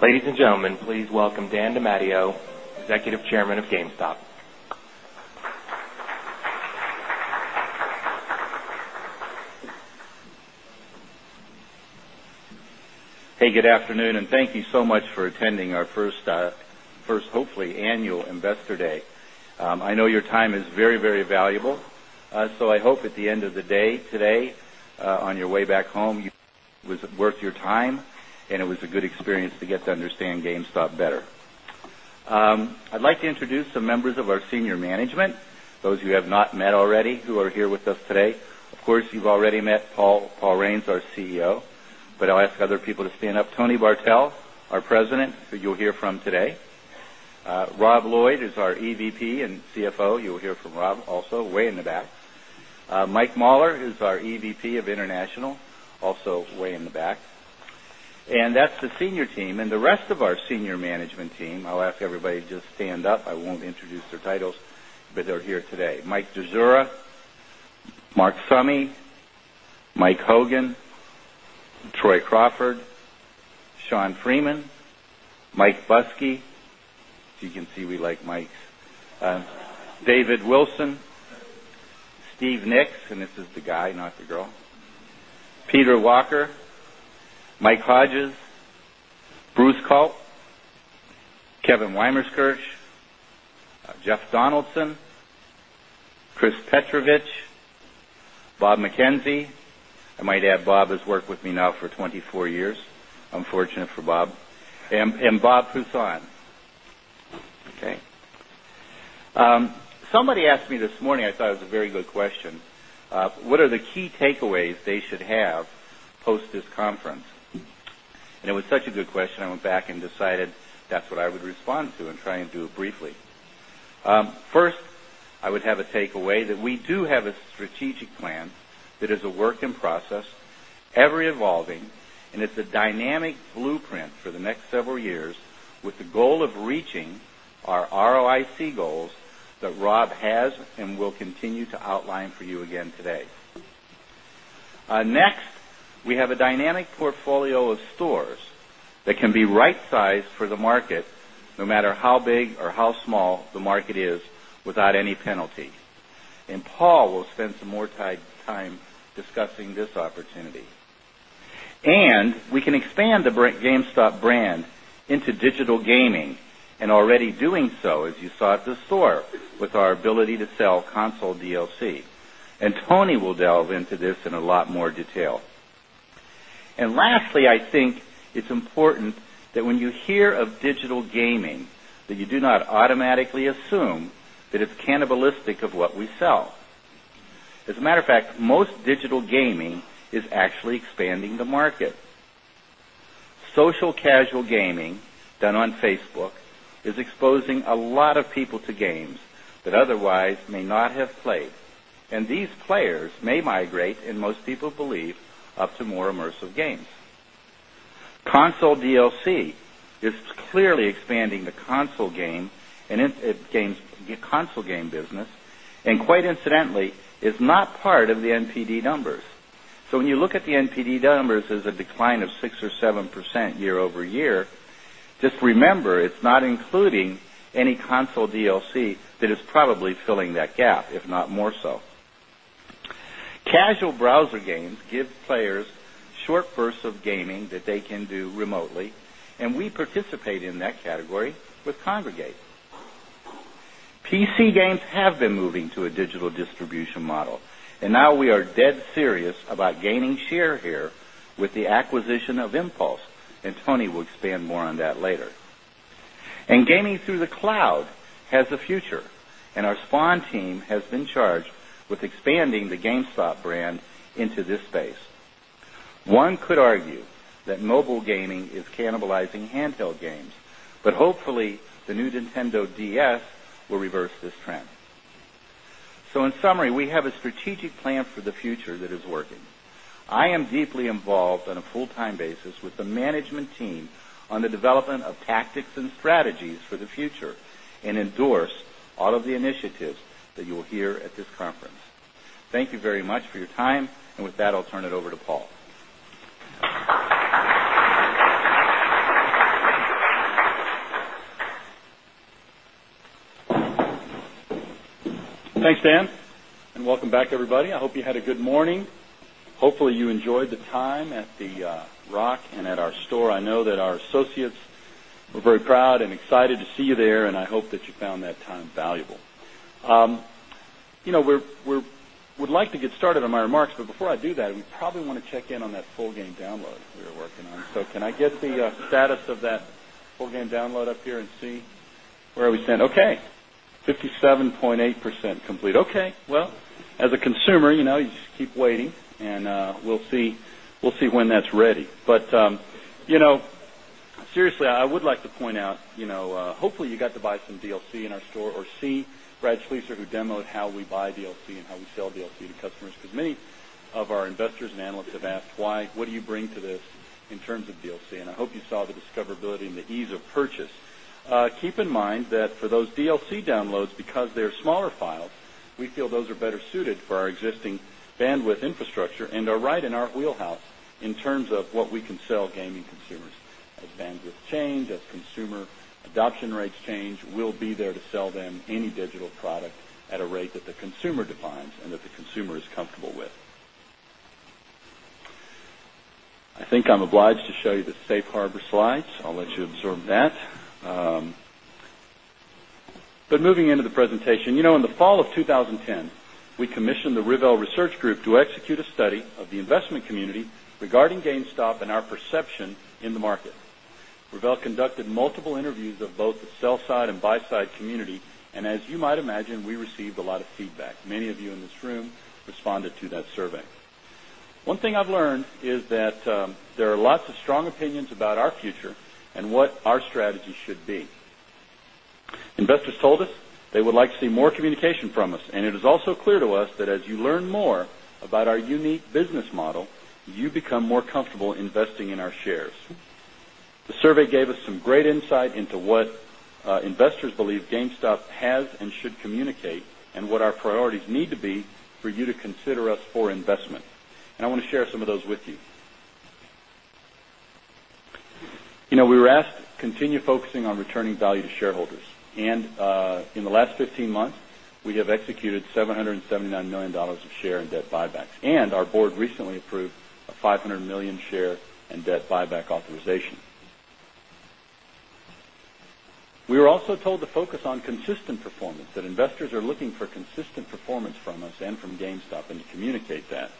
Ladies and gentlemen, please welcome Dan DiMatteo, Executive Chairman of GameStop. Hey, good afternoon and thank you so much for attending our first hopefully annual Investor Day. I know your time is very, very valuable. So I hope at the end of the day today on your way back home, it was worth your time and it was a good experience to get to understand GameStop better. I'd like to introduce some members of our senior management, those who have not met already who are here with us today. Of course, you've already met Paul Raines, our CEO, but I'll ask other people to stand up. Tony Bartel, our President, who you'll hear from today Rob Lloyd is our EVP and CFO. You'll hear from Rob also way in the back. Mike Mahler is our EVP of International also way in the back. And that's the senior team and the rest of our senior management team, I'll ask everybody to just stand up, I won't introduce their titles, but they're here today. Mike De Zura, Mark Summey, Mike Hogan, Troy Crawford, Sean Freeman, Mike Buskey, as you can see we like Mike's, David Wilson, Steve Nicks, and this is the guy not the girl, Peter Walker, Mike Hodges, Bruce Culp, Kevin Weymerskirch, Jeff Donaldson, Chris Petrovich, Bob McKenzie. I might add Bob has worked with me now for 24 years. I'm fortunate for Bob. And Bob Poussaint, okay. Somebody asked me this morning, I thought it was a very good question. What are the key takeaways they should have post this conference? And it was such a good question, I went back and decided what I would respond to and try and do it briefly. First, I would have a takeaway that we do have a strategic plan that is a work in process, ever evolving and it's a dynamic blueprint for the next several years with the goal of reaching our ROIC goals that Rob has and will continue to outline for you again today. Next, we have a dynamic portfolio of stores that can be right sized for the market no matter how big or how small the market is without any penalty. And Paul will spend some more time discussing this opportunity. And we can expand the GameStop brand into digital gaming and already doing so as you saw at the store with our ability to sell console DLC. And Tony will delve into this in a lot more detail. And lastly, I think it's important that when you hear of digital gaming, you do not automatically assume that it's cannibalistic of what we sell. As a matter of fact, most digital gaming is actually expanding the market. Social casual gaming done on Facebook is exposing a lot of people to games that otherwise may not have played and these players may migrate and most people believe up to more immersive games. Console DLC is clearly expanding the console game and games console game business and quite incidentally is not part of the NPD numbers. So when you look at the NPD numbers, there's a decline of 6% or 7% year over year. Just remember it's not including any console DLC that is probably filling that gap, if not more so. Casual browser games give players short bursts of gaming that they can do remotely we participate in that category with Kongregate. PC games have been moving to a digital distribution model and now we are dead serious about gaining share here with the acquisition of Impulse and Tony will expand more on that later. And gaming through the cloud has a future and our SPAN team has been charged with expanding the GameStop brand into this space. One could argue that mobile gaming is cannibalizing handheld games, but hopefully the new Nintendo DS will reverse this trend. So in summary, we have a strategic plan for the future that is working. I am deeply involved on a full time basis with the management team the development of tactics and strategies for the future and endorse all of the initiatives that you will hear at this conference. Thank you very much for your time. And with that, I'll turn it over to Paul. Thanks, Dan, and welcome back, everybody. I hope you had a good morning. Hopefully, you enjoyed the time at The Rock and at our store. I know that our associates were very proud and excited to see you there, and I hope that you found that time valuable. We would like to get started on my remarks, but before I do that, we probably want to check-in on that full game download we were working on. So can I get the status of that full game download up here and see where we stand? Okay, 57.8% complete. Okay. Well, as a consumer, you just keep waiting, and we'll see when that's ready. But seriously, I would like to point out, hopefully, you got to buy some DLC in our store or see Brad Schleiser, who demoed how we buy DLC and how we sell DLC to customers because many of our investors and analysts have asked why, what do you bring to this in terms of DLC? And I hope you saw the discoverability and the ease of purchase. Keep in mind that for those DLC downloads because they are smaller files, we feel those are better suited for our existing bandwidth infrastructure and are right in our wheelhouse in terms of what we can sell gaming consumers. As bandwidth change, as consumer adoption rates change, we'll be there to sell them any digital product at a rate that the consumer defines and that the consumer is comfortable with. I think I'm obliged to show you the Safe Harbor slides. I'll let you absorb that. But moving into the presentation, in the fall of 2010, we commissioned the Rivel Research Group to execute a study of the investment community regarding GameStop and our perception in the market. Revel conducted multiple interviews of both the sell side and buy side community and as you might imagine, we received a lot of feedback. Many of you in this room responded to that survey. One thing I've learned is that there are lots of strong opinions about our future and what our strategy should be. Investors told us they would like to see more communication from us and it is also clear to us that as you learn more about our unique business model, you become more comfortable investing in our shares. The survey gave us some great insight into what investors believe GameStop has and should communicate and what our priorities need to be for you to consider us for investment. And I want to share some of those with you. We were asked to continue focusing on returning value to shareholders. And in the last 15 months, we have executed $779,000,000 of share in debt buybacks and our Board recently approved a $500,000,000 share and debt buyback authorization. We were also told to focus on consistent performance that investors are looking for consistent performance from us and from GameStop and to communicate that.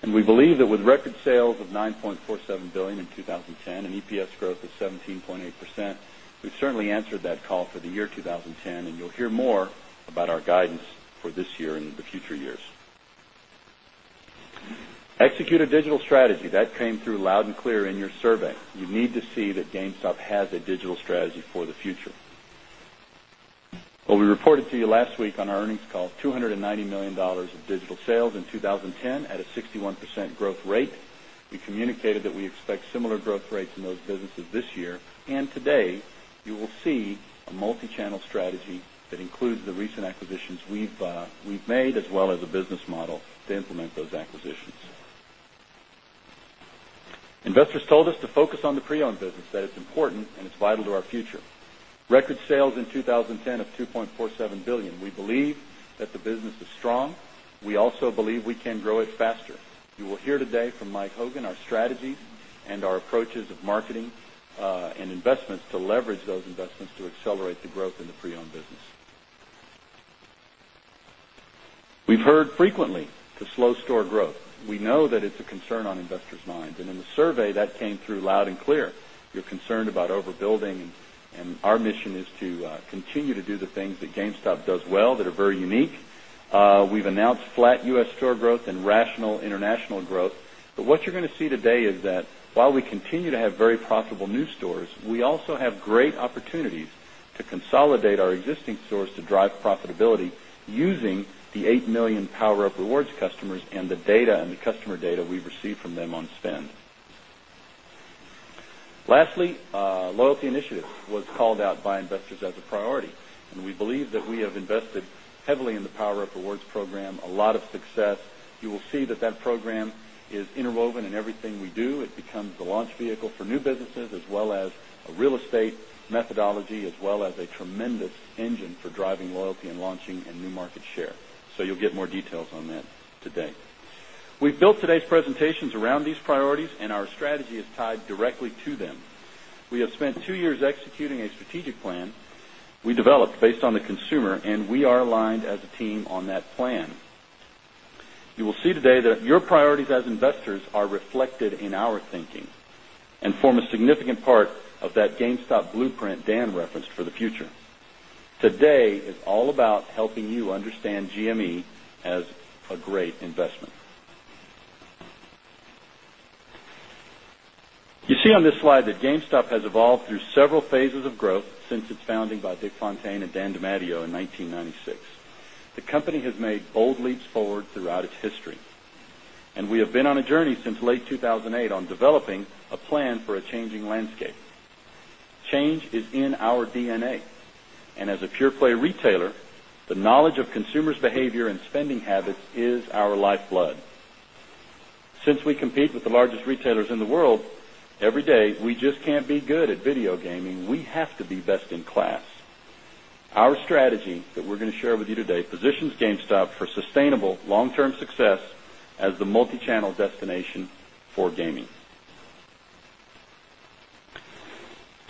And we believe that with record sales of $9,470,000,000 in 20.10 and EPS growth of 17.8%, we certainly answered that call for the year 2010 and you'll hear more about our guidance for this year and the future years. Execute a digital strategy, that came through loud and clear in your survey. You need to see that GameStop has a digital strategy for the future. While we reported to you last week on our earnings call $290,000,000 of digital sales in 2010 at a 61% growth rate, we We communicated that we expect similar growth rates in those businesses this year. And today, you will see a multichannel strategy that includes the recent acquisitions we've made as well as a business model to implement those acquisitions. Investors told us to focus on the pre owned business that is important and it's vital to our future. Record sales in 2010 of $2,470,000,000 We believe that the business is strong. We also believe we can grow it faster. You will hear today from Mike Hogan our strategy and our approaches of marketing and investments to leverage those investments to accelerate the growth in the pre owned business. We've heard frequently to slow store growth. We know that it's a concern on investors' minds. And in the survey that came through loud and clear. You're concerned about overbuilding and our mission is to continue to do the things that GameStop does well that are very unique. We've announced flat U. S. Store growth and rational international growth. But what you're going to see today is that while we continue to have very profitable new stores, we also have great opportunities to consolidate our existing stores to drive profitability using the 8,000,000 PowerUp Rewards customers and the data and the customer data we've received from them on spend. Lastly, loyalty initiative was called out by investors as a priority and we believe that we have invested heavily in the PowerUp Rewards program, a lot of success. You will see that that program is interwoven in everything we do. It becomes the launch vehicle for new businesses as well as a real estate methodology as well as a tremendous engine for driving loyalty and launching a new market share. So you'll get more details on that today. We've built today's presentations around these priorities and our strategy is tied directly to them. We have spent 2 years executing a strategic plan we developed based on the consumer and we are aligned as a team on that plan. You will see today that your priorities as investors are reflected in our thinking and form a significant part of that GameStop blueprint Dan referenced for the future. Today is all about helping you understand GME as a great investment. You see on this slide that GameStop has evolved through several phases of growth since its founding by Dick Fontaine and Dan DiMatteo in 1996. The company has made bold leaps forward throughout its history. And we have been on a journey since late 2008 on developing a plan for a changing landscape. Change is in our DNA. And as a pure play retailer, the knowledge of consumers' behavior and spending habits is our lifeblood. Since we compete with the largest retailers in the world every day, we just can't be good at video gaming, we have to be best in class. Our strategy that we're going to share with you today positions GameStop for sustainable long term success as the multichannel destination for gaming.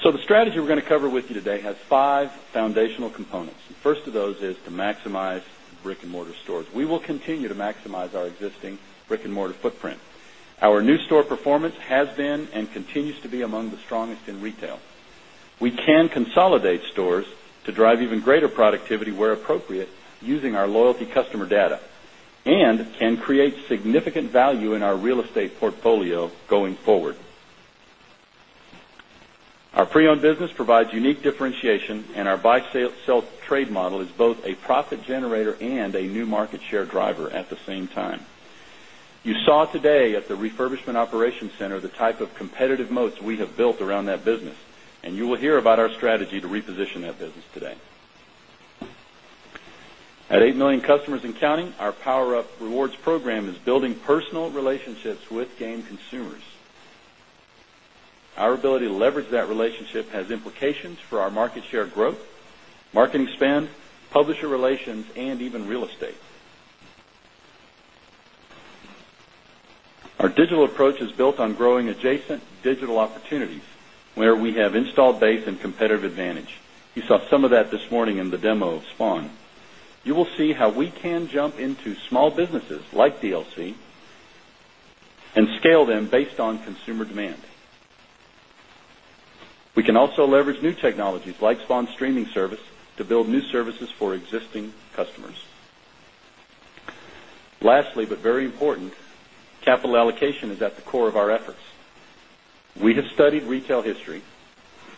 So the strategy we're going to cover with you today has 5 foundational components. The first of those is to maximize brick and mortar stores. We will continue to maximize our existing brick and mortar footprint. Our new store performance has been and continues to be among the strongest in retail. We can consolidate stores to drive even greater productivity where appropriate using our loyalty customer data and can create significant value in our real estate portfolio going forward. Our pre owned business provides unique differentiation and our buy trade model is both a profit generator and a new market share driver at the same time. You saw today at the refurbishment operations center the type of competitive moats we have built around that business and you will hear about our strategy to reposition that business today. At 8,000,000 customers and counting, our PowerUp Rewards program is building personal relationships with game consumers. Our ability to leverage that relationship has implications for our market share growth, marketing spend, publisher relations and even real estate. Our digital approach is built on growing adjacent digital opportunities where we have installed base and competitive advantage. Saw some of that this morning in the demo of SPON, you will see how we can jump into small businesses like DLC and scale them based on consumer demand. We can also leverage new technologies like SPON streaming service to build new services for existing customers. Lastly, but very important, capital allocation is at the core of our efforts. We have studied retail history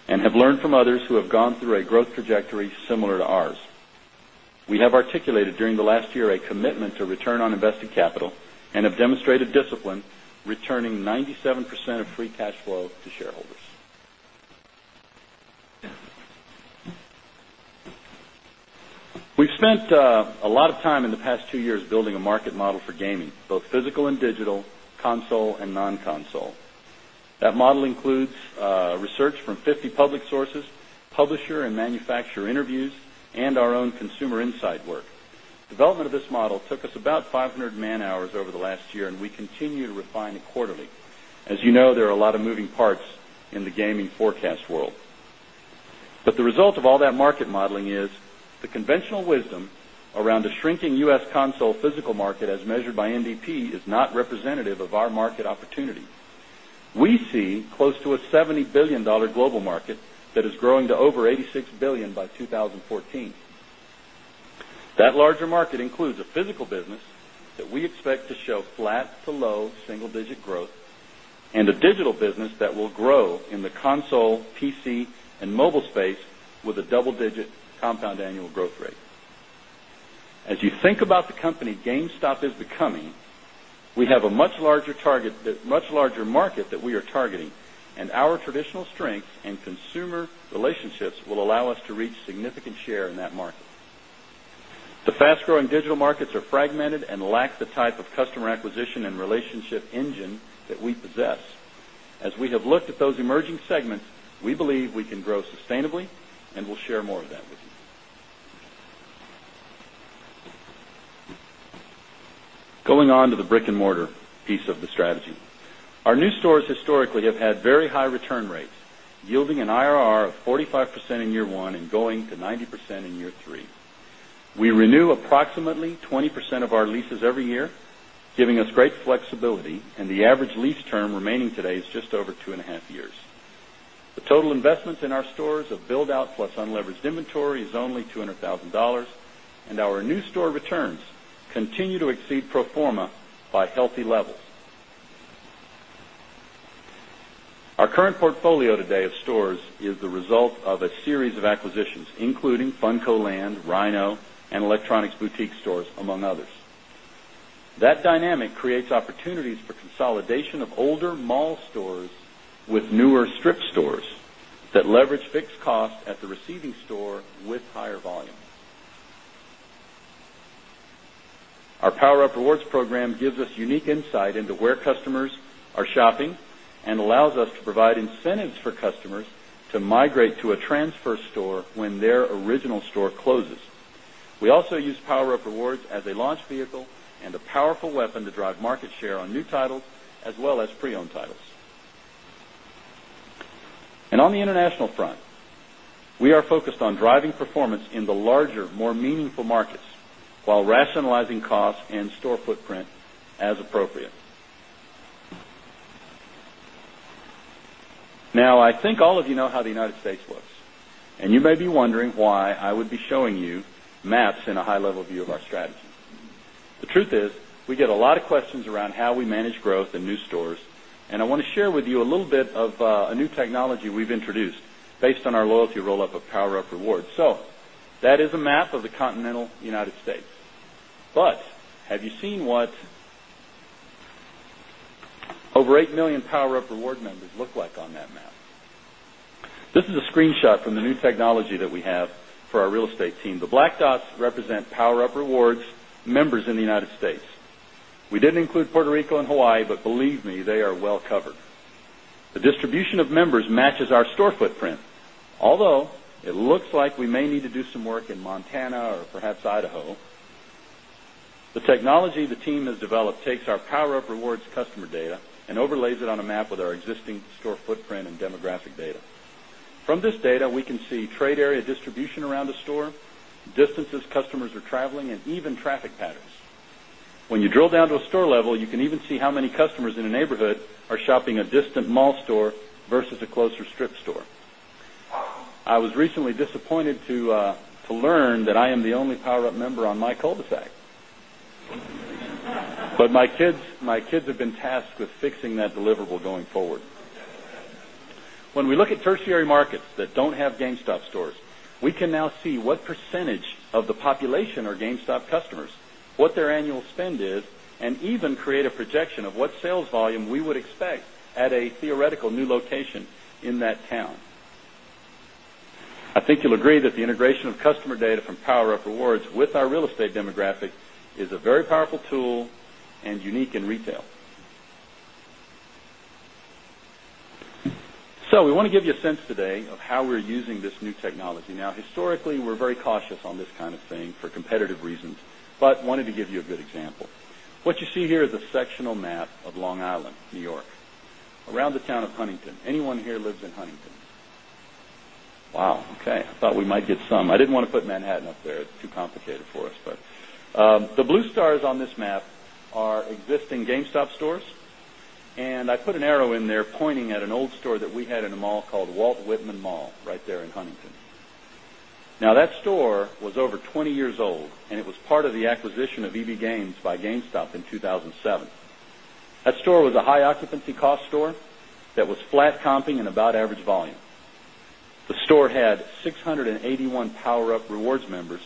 and have learned from others who have gone through a growth trajectory similar to ours. We have articulated during the last year a commitment to return on invested capital and have demonstrated discipline returning 97% of free cash flow to shareholders. We've spent a lot of time in the past 2 years building a market model for gaming, both physical and digital, console and non console. That model includes research from 50 public sources, publisher and manufacturer interviews and our own consumer insight work. Development of this model took us about 500 man hours over the last year and we continue to refine it quarterly. As you know, there are a lot of moving parts in the gaming forecast world. But the result of all that market modeling is the conventional wisdom around the shrinking U. S. Console physical market as measured by NDP is not representative of our market opportunity. We see close to a $70,000,000,000 global market that is growing to over $86,000,000,000 by 2014. That larger market includes a physical business that we expect to show flat to low single digit growth and a digital business that will grow in the console, PC and mobile space with a double digit compound annual growth rate. As you think about the company GameStop is becoming, we have a much larger target much larger market that we are targeting and our traditional strength and consumer relationships will allow us to reach significant share in that market. The fast growing digital markets are fragmented and lack the type of customer acquisition and relationship engine that we possess. As we have looked at those emerging segments, we believe we can grow sustainably and we'll share more of that with you. Going on to the brick and mortar piece of the strategy. Our new stores historically have had very high return rates, yielding an IRR of 45% in year 1 and going to 90% in year 3. We renew approximately 20% of our leases every year, giving us great flexibility and the average lease term remaining today is just over 2.5 years. The total investments in our stores of build out plus unleveraged inventory is only $200,000 and our new store returns continue to exceed pro form a by healthy levels. Our current portfolio today of stores is the result of a series of acquisitions, including Funko Land, Rhino and Electronics Boutique Stores, among others. That dynamic creates opportunities for consolidation of older mall stores with newer strip stores that leverage fixed cost at the receiving store with higher volume. Our PowerUp Rewards program gives us unique insight into where customers are shopping and allows us to provide incentives for customers to migrate to a transfer store when their original store closes. We also use PowerUp Rewards as a launch vehicle and a powerful weapon to drive market share on new titles as well as pre owned titles. And on the international front, we are focused on driving performance in the larger, more meaningful markets, while rationalizing costs and store footprint as appropriate. Now I think all of you know how the United States looks, and you may be wondering why I would be showing you maps and a high level view of our strategy. The truth is we get a lot of questions around how we manage growth in new stores, and I want to share with you a little bit of a new technology we've introduced based on our loyalty roll up of PowerUp Rewards. So that is a map of the continental United States. But have you seen what over 8,000,000 PowerUp reward members look like on that map? This is a screenshot from the new technology that we have for our real estate team. The black dots represent PowerUp Rewards members in the United States. We didn't include Puerto Rico and Hawaii, but believe me, they are well covered. The distribution of members matches our store footprint, although it looks like we may need to do some work in Montana or perhaps Idaho. The technology the team has developed takes our Power Up Rewards customer data and overlays it on a map with our existing store footprint and demographic data. From this data, we can see trade area distribution around the store, distances customers are traveling and even traffic patterns. When you drill down to a store level, you can even see how many customers in a neighborhood are shopping a distant mall store versus a closer strip store. I was recently disappointed to learn that I am the only PowerUp member on my cul de sac. But my kids have been tasked with fixing that deliverable going forward. When we look at tertiary markets that don't have GameStop stores, we can now see what percentage of the population are GameStop customers, what their annual spend is and even create a projection of what sales volume we would expect at a theoretical new location in that town. I think you'll agree that the integration of customer data from PowerUp Rewards with our real estate demographic is a very powerful tool and unique in retail. So, we want to give you a sense today of how we're using this new technology. Now historically, we're very cautious on this kind of thing for competitive reasons, but wanted to give you a good example. What you see here is a sectional map of Long Island, New York, around the town of Huntington. Anyone here lives in Huntington? Wow, okay. I thought we might get some. I didn't want to put Manhattan up there. It's too complicated for us. But the blue stars on this map are existing GameStop stores. And I put an arrow in there pointing at an old store that we had in a mall called Walt Whitman Mall right there in Huntington. Now that store was over 20 years old and it was part of the acquisition of EB Games by GameStop in 2007. That store was a high occupancy cost store that was flat comping and about average volume. The store had 681 PowerUp Rewards members,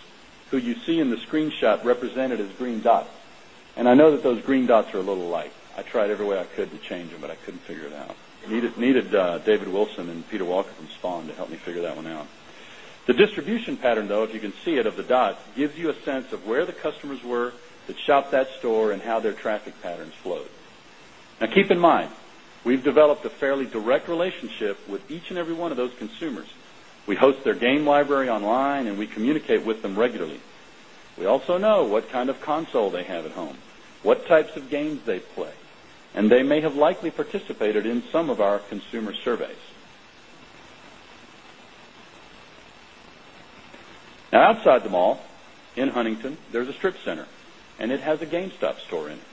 who you see in the screenshot represented as green dots. And I know that those green dots are a little light. I tried every way I could to change them, but I couldn't figure it out. I needed David Wilson and Peter Walker from Spon to help me figure that one out. The distribution pattern though, if you can see it, of the dots, gives you a sense of where the customers were that shopped that store and how their traffic patterns flowed. Now keep in mind, we've developed a fairly direct relationship with each and every one of those consumers. We host their game library online and we communicate with them regularly. We also know what kind of console they have at home, what types of games they play, and they may have likely participated in some of our consumer surveys. Now outside the mall in Huntington, there's a strip center and it has a GameStop store in it.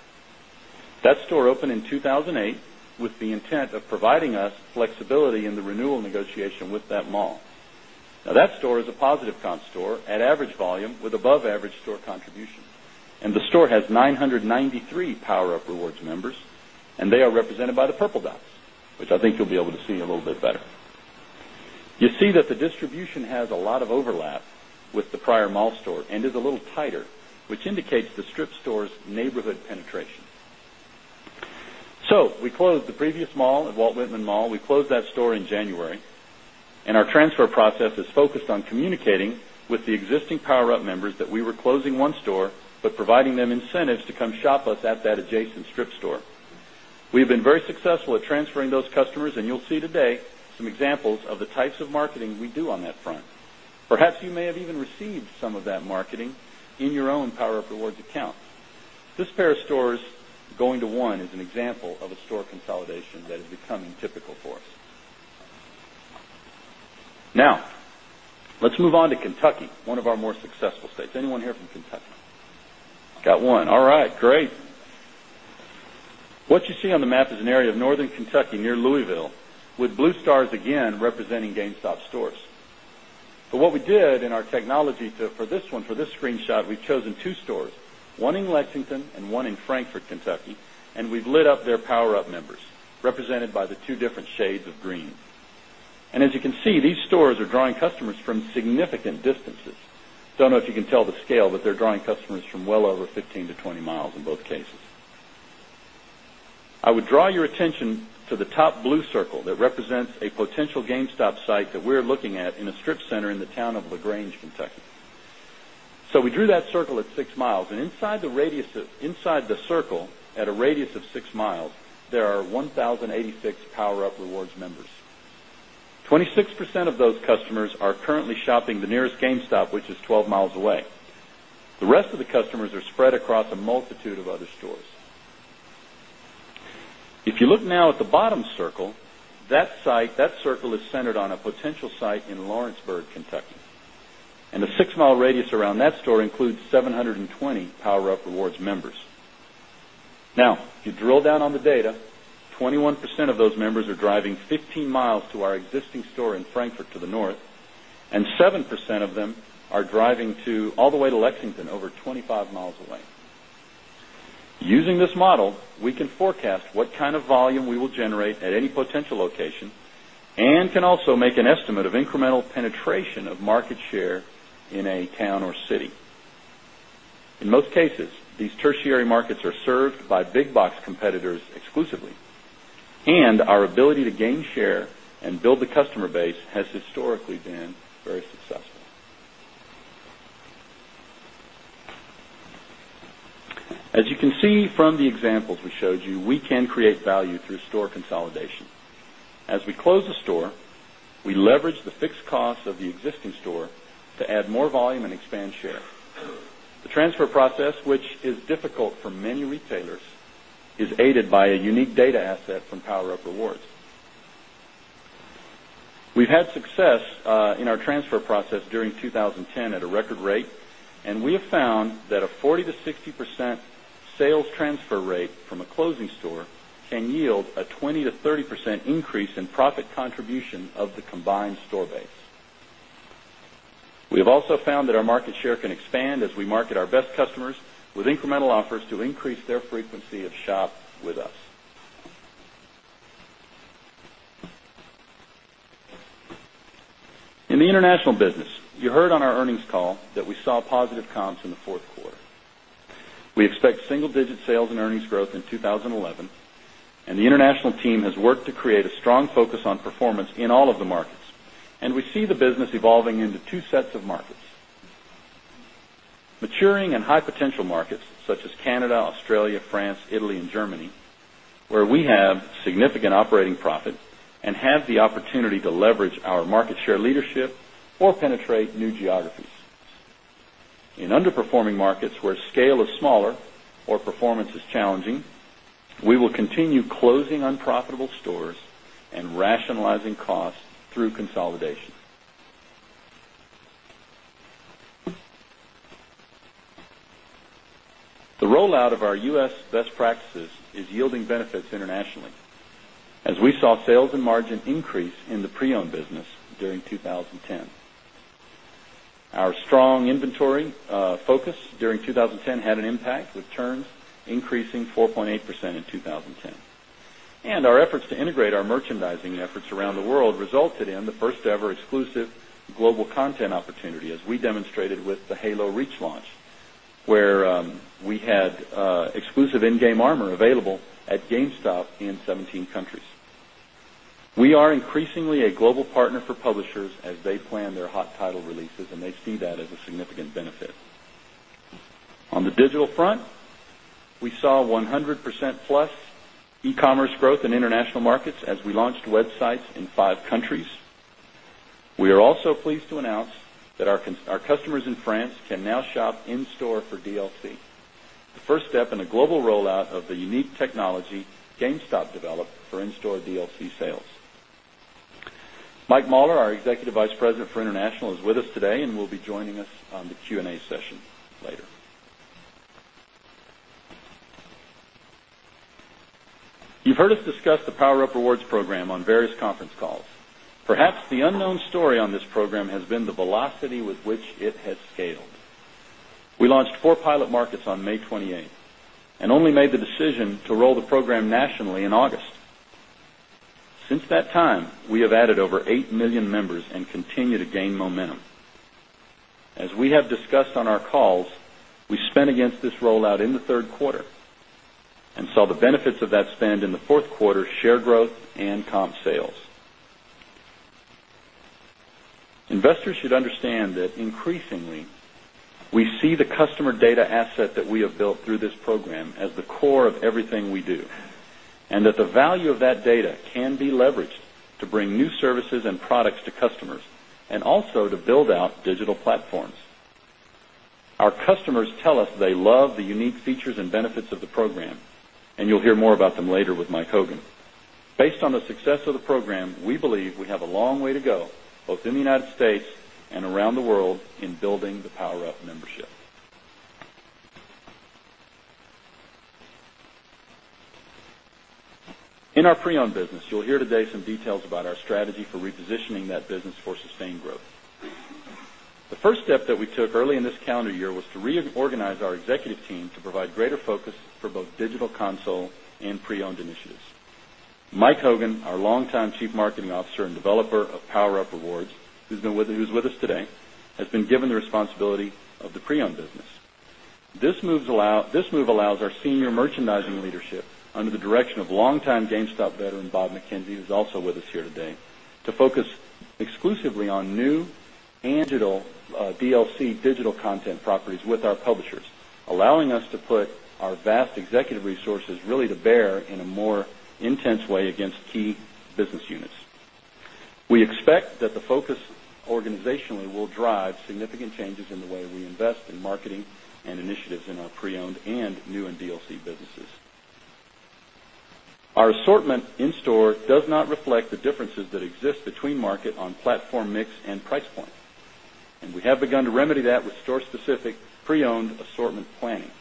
That store opened in 2,008 with the intent of providing us flexibility in the renewal negotiation with that mall. Now that store is a positive comp store at average volume with above average store contribution. And the store has 993 PowerUp Rewards members, and they are represented by the purple dots, which I think you'll be able to see a little bit better. You see that the distribution has a lot of overlap with the prior mall store and is a little tighter, which indicates the Strip stores neighborhood penetration. So we closed the previous mall at Walt Whitman Mall. We closed that store in January and our transfer process is focused on communicating with the existing PowerUp members that we were closing one store, but providing them incentives to come shop us at that adjacent Strip store. We've been very successful at transferring those customers and you'll see today some examples of the types of marketing we do on that front. Perhaps you may have even received some of that marketing in your own PowerUp Rewards account. This pair of stores going to 1 is an example of a store consolidation that is becoming typical for us. Now let's move on to Kentucky, one of our more successful states. Anyone here from Kentucky? Got one. All right, great. What you see on the map is an area of Northern Kentucky near Louisville with blue stars again representing GameStop stores. But what we did in our technology for this one for this screenshot, we've chosen 2 stores, 1 in Lexington and 1 in Frankfort, Kentucky, and we've lit up their PowerUp members represented by the 2 different shades of green. And as you can see, these stores are drawing customers from significant distances. Don't know if you can tell the scale, but they're drawing customers from well over 15 to 20 miles in both cases. I would draw your attention to the top blue circle that represents a potential GameStop site that we're looking at in a strip center in the town of La Grange, Kentucky. So we drew that circle at 6 miles and inside the radius of inside the circle at a radius of 6 miles, there are 10 86 PowerUp Rewards members. 26% of those customers are currently shopping the nearest GameStop, which is 12 miles away. The rest of the customers are spread across a multitude of other stores. If you look now at the bottom circle, that site that circle is centered on a potential site in Lawrenceburg, Kentucky, And the 6 mile radius around that store includes 720 PowerUp Rewards members. Now if you drill down on the data, 21% of those members are driving 15 miles to our existing store in Frankfurt to the north and 7% of them are driving to all the way to Lexington over 25 miles away. Using this model, we can forecast what kind of volume we will generate at any potential location and can also make an estimate of incremental town or city. In most cases, these tertiary markets are served by big box competitors exclusively and our ability to gain share and build the customer base has historically been very successful. As you can see from the examples we showed you, we can create value through store consolidation. As we close the store, we leverage the fixed costs of the existing store to add more volume and expand share. The transfer process, which is difficult for many retailers, is aided by a unique data asset from PowerUp Rewards. We've had success in our transfer process during 20 10 at a record rate and we have found that a 40% to 60% sales transfer rate from a closing store can yield a 20% to 30% increase in profit contribution of the combined store base. We have also found that our market share can expand as we market our best customers with incremental offers to increase their frequency of shop with us. In the International business, you heard on our earnings call that we saw positive comps in the 4th quarter. We expect single digit sales and earnings growth in 2011 and the international team has worked to create a strong focus on performance in all of the markets we see the business evolving into 2 sets of markets. Maturing and high potential markets such as Canada, Australia, France, Italy and Germany, where we have significant operating profit and have the opportunity to leverage our market share leadership or penetrate new geographies. In underperforming markets where scale is smaller or performance is challenging, we will continue closing unprofitable stores and rationalizing costs through consolidation. The rollout of our U. S. Best practices is yielding benefits internationally. As we saw sales and margin increase in the pre owned business during 2010. Our strong inventory focus during 2010 had an impact with turns increasing 4.8% in 2010. And our efforts to integrate our merchandising efforts around the world resulted in the first ever exclusive global content opportunity as we demonstrated with the Halo Reach launch, where we had exclusive in game armor available at GameStop in 17 countries. We are increasingly a global partner for publishers as they plan their hot title releases and they see that as a significant benefit. On the digital front, we saw 100% plus e commerce growth in international markets as we launched websites in 5 countries. We are also pleased to announce that our customers in France can now shop in store for DLC, the first step in a global rollout of the unique technology GameStop developed for in store DLC sales. Mike Mahler, our Executive Vice President for International is with us today and will be joining us on the Q and A session later. You've heard us discuss the PowerUp Rewards program on various conference calls. Perhaps the unknown story on this program has been the velocity with which it has scaled. We launched 4 pilot markets on May 28 and only made the decision to roll the program nationally in August. Since that time, we have added over 8,000,000 members and continue to gain momentum. As we have discussed on our calls, we spent against this rollout in the Q3 and saw the benefits of that spend in the 4th quarter share growth and comp sales. Investors should understand that increasingly, we see the customer data asset that we have built through this program as the core of everything we do and that the value of that data can be leveraged to bring new services and products to customers and also to build out digital platforms. Our customers tell us they love the unique features and benefits of the program and you'll hear more about them later with Mike Hogan. Based on the success of the program, we believe we have a long way to go both in the United States and around the world in building the PowerUp membership. In our pre owned business, you'll hear today some details about our strategy for repositioning that business for sustained growth. The first step that we took early in this calendar year was to reorganize our executive team to provide greater focus for both digital console and pre owned initiatives. Mike Hogan, our longtime Chief Marketing Officer and developer of PowerUp Rewards, who's with us today, has been given the responsibility of the pre owned business. This move allows our senior merchandising leadership under the direction of longtime GameStop veteran, Bob McKenzie, who is also with us here today, to focus exclusively on new and digital DLC digital content properties with our publishers, allowing us to put our vast executive resources really to bear in a more intense way against key business units. We expect that the focus organizationally will drive significant changes in the way we invest in marketing and initiatives in our pre owned and new and DLC businesses. Our assortment in store does not reflect the differences that exist between market on platform mix and price point, and we have begun to remedy that with store specific pre owned assortment planning.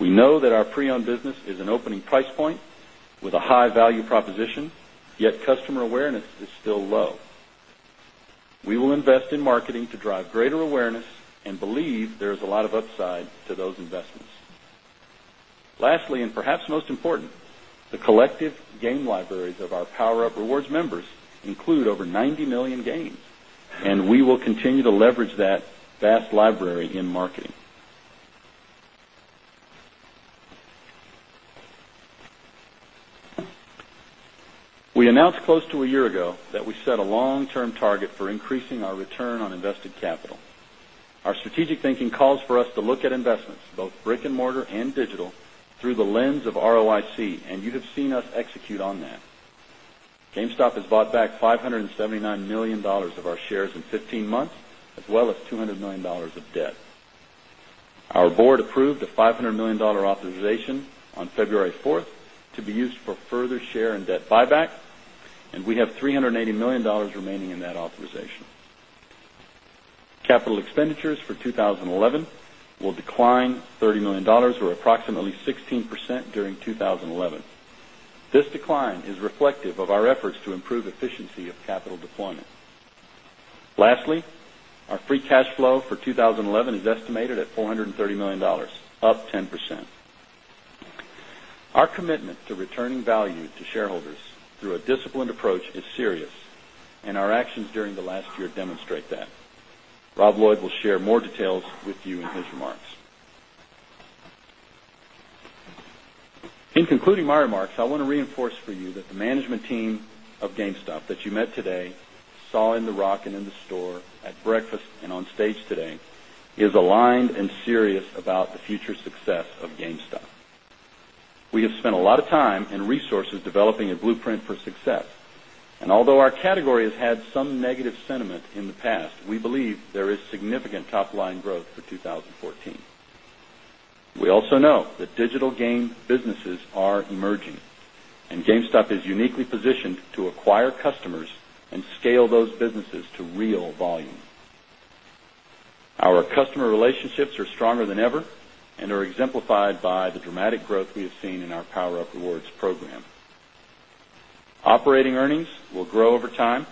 We know that our pre owned business is an opening price point with a high value proposition, yet customer awareness is still low. We will invest in marketing to drive greater awareness and believe there is a lot of upside to those investments. Lastly and perhaps most important, the collective game libraries of our PowerUp Rewards members include over 90,000,000 games and we will continue to leverage that vast library in marketing. We announced close to a year ago that we set a long term target for increasing our return on invested capital. Our strategic thinking calls for us to look at investments, both brick and mortar and digital through the lens of ROIC and you'd have seen us execute on that. GameStop has bought back $579,000,000 of our shares in 15 months as well as $200,000,000 of debt. Our Board approved a $500,000,000 authorization on February 4 to be used for further share and debt buyback and we have $380,000,000 remaining in that authorization. Capital expenditures for 2011 will decline $30,000,000 or approximately 16% during 2011. This decline is reflective of our efforts to improve efficiency of capital deployment. Lastly, our free cash flow for 2011 is estimated at $430,000,000 up 10%. Our commitment to returning value to shareholders through a disciplined approach is serious and our actions during the last year demonstrate that. Rob Lloyd will share more details with you in his remarks. In concluding my remarks, I want to reinforce for you that the management team of GameStop that you met today saw in The Rockin' in the store, at breakfast and on stage today is aligned and serious about the future success of GameStop. We have spent a lot of time and resources developing a blueprint for success and although our category has had some negative sentiment in past, we believe there is significant top line growth for 2014. We also know that digital game businesses are emerging and GameStop is uniquely positioned to acquire customers and scale those businesses to real volume. Our customer relationships are stronger than ever and are exemplified by the dramatic growth we have seen in our PowerUp Rewards program. Operating earnings will grow over time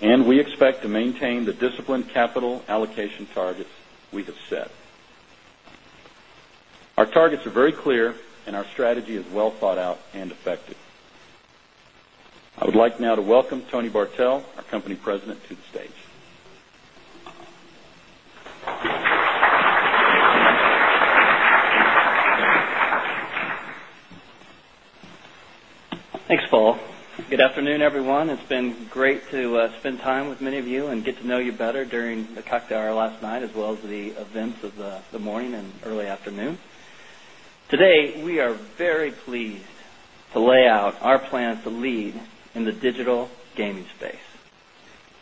and we expect to maintain the disciplined capital allocation targets we have set. Our targets are very clear and our strategy is well thought out and effective. I would like now to welcome Tony Bartel, our company President to the stage. Thanks, Paul. Good afternoon, everyone. It's been great to spend with many of you and get to know you better during the cocktail hour last night as well as the events of the morning and early afternoon. Today, we are very pleased to lay out our plan to lead in the digital gaming space.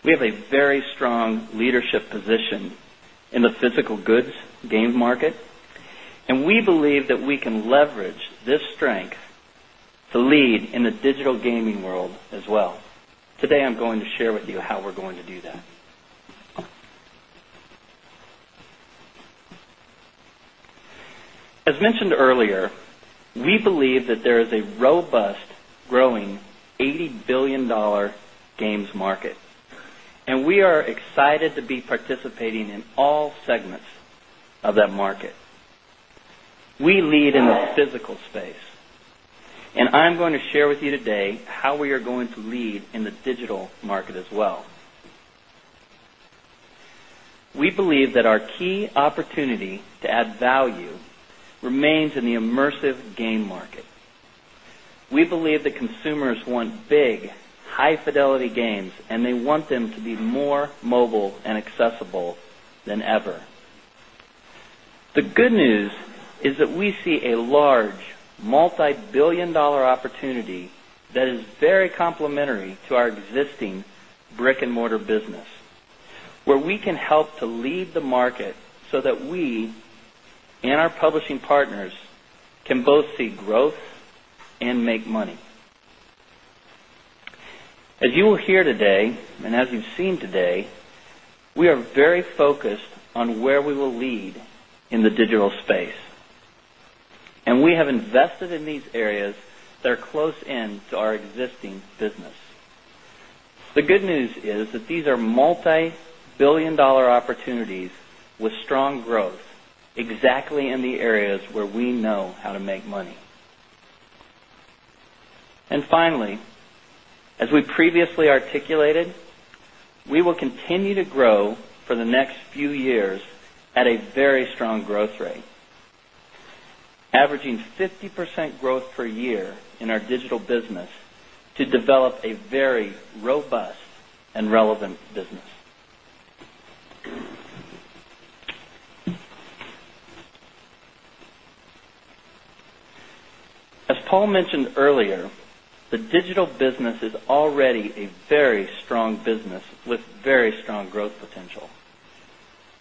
We have a very strong leadership position in the physical goods game market and we believe that we can leverage this strength to lead in the digital gaming world as well. Today, I'm going to share with you how we're going to do that. As mentioned earlier, we believe that there is a robust growing $80,000,000,000 games market, and we are excited to be participating in all segments of that market. We lead in the physical space, and I'm going to share with you today how we are going to lead in the digital market as well. We believe that our key opportunity to add value remains in the immersive game market. We believe that consumers want big, high fidelity games and they want them to be more mobile and accessible than ever. The good news is that we see a large multibillion dollar opportunity that is very complementary to our existing brick and mortar business, where we can help to lead the market so that we and our publishing partners can both see growth and make money. As you will hear today and as you've seen today, we are very focused on where we will lead in the digital space. And we have invested in these areas that are close in to our existing business. The good news is that these are multi $1,000,000,000 opportunities with strong growth exactly in the areas where we know how to make money. And finally, as we previously articulated, we will continue to grow for the next few years at a very strong growth rate, averaging 50% growth per year in our digital business to develop a very robust and relevant business. As Paul mentioned earlier, the digital business is already a very strong business with very strong growth potential.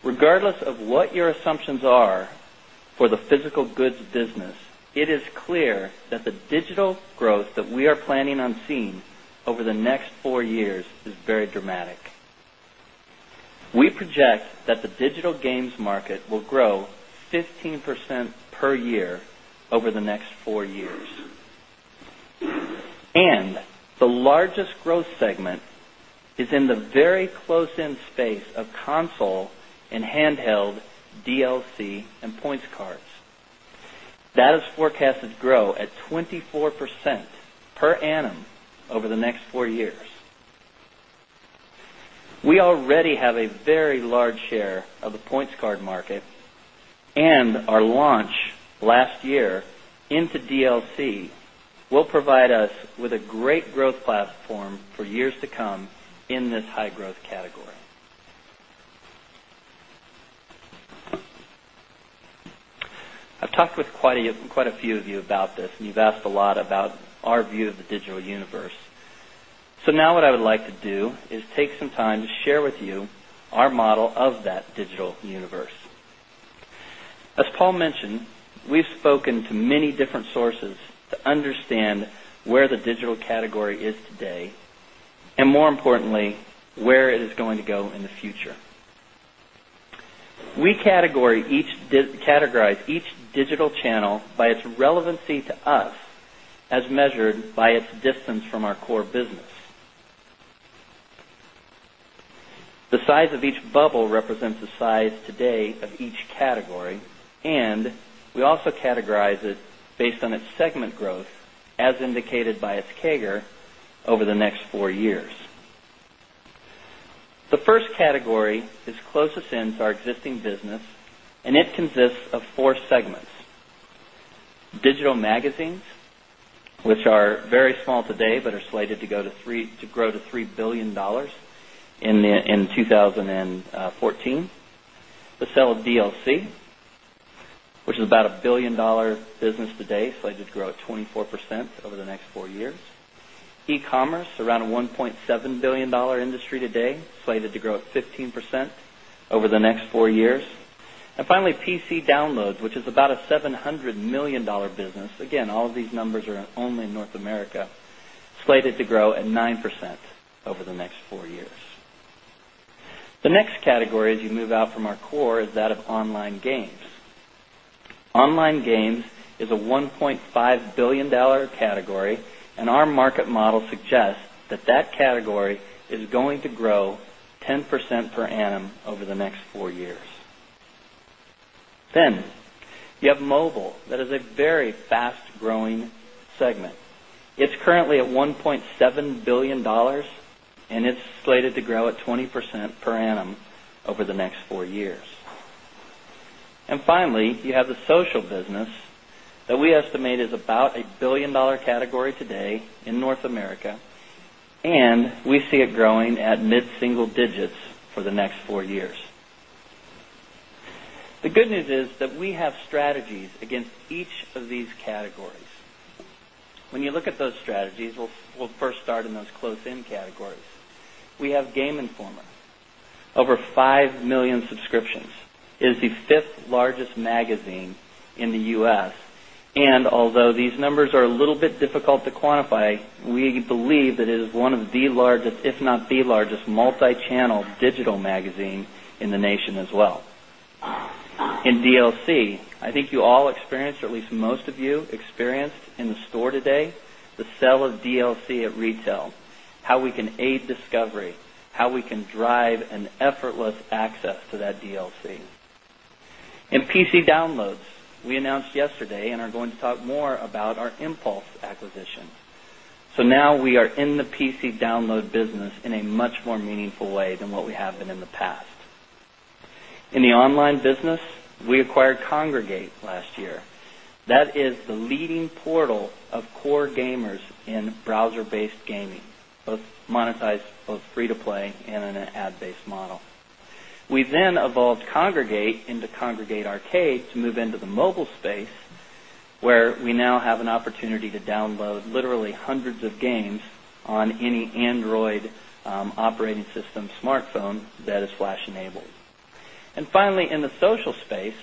Regardless of what your assumptions are for the physical goods business, it is clear that the digital growth that we are planning on seeing over the next 4 years is very dramatic. We project that the digital games market will grow 15% per year over the next 4 years. And the largest growth segment is in the very close in space of console and handheld DLC and points cards. That is forecasted to grow at 24% per annum over the next 4 years. We already have a very large share of the PointsCard market and our launch last year into DLC will provide us with a great growth platform for years to come in this high growth category. I've talked with quite a few of you about this and you've asked a lot about our view of the digital universe. So now what I would like to do is take some time to share with you our model of that digital universe. As Paul mentioned, we've spoken to many different sources to understand where the digital category is today and more importantly, where it is going to go in the future. We categorize each digital channel by its relevancy to us as measured by its distance from our core business. Bubble represents the size today of each category and we also categorize it based on its segment growth as indicated by its CAGR over the next 4 years. The first category is closest in to our existing business and it consists of 4 segments: Digital Magazines, which are very small today, but are slated to go 3 to grow to $3,000,000,000 in 2014 the sale of DLC, which is about $1,000,000,000 business today slated to grow at 24% over the next 4 years e commerce around a $1,700,000,000 industry today slated to grow at 15% over the next 4 years. And finally, PC downloads, which is about a $700,000,000 business, again, all of these numbers are only in North America, slated to grow at 9% over the next 4 years. The next category as you move out from our core is that of online games. Online games is a $1,500,000,000 category and our market model suggests that that category is going to grow 10% per annum over the next 4 years. Then you have mobile that is a very fast growing segment. It's currently at $1,700,000,000 and it's slated to grow at 20% per annum over the next 4 years. And finally, you have the social business that we estimate is about $1,000,000,000 category today in North America and we see it growing at mid single digits for the next 4 years. The good news is that we have strategies against each of these categories. When you look at those strategies, we'll first start in those close in categories. We have Game Informer, over 5,000,000 subscriptions, is the 5th largest magazine in the U. S. And although these numbers are a little bit difficult to quantify, we believe that it is one of the largest, if not the largest, multichannel digital magazine in the nation as well. In DLC, I think you all experienced or at least most of you experienced in the store today the sell of DLC at retail, how we can aid discovery, how we can drive an effortless access to that DLC. In PC downloads, we announced yesterday and are going to talk more about our Impulse acquisition. So now we are in the PC download business in a much more meaningful way than what we have been in the past. In the online business, we acquired Kongregate last year. That is the leading portal of core gamers in browser based gaming, both monetized, both free to play and in an ad based model. We then evolved Kongregate into Kongregate Arcade to move into the mobile space, where we now have flash enabled. And finally, in the social space,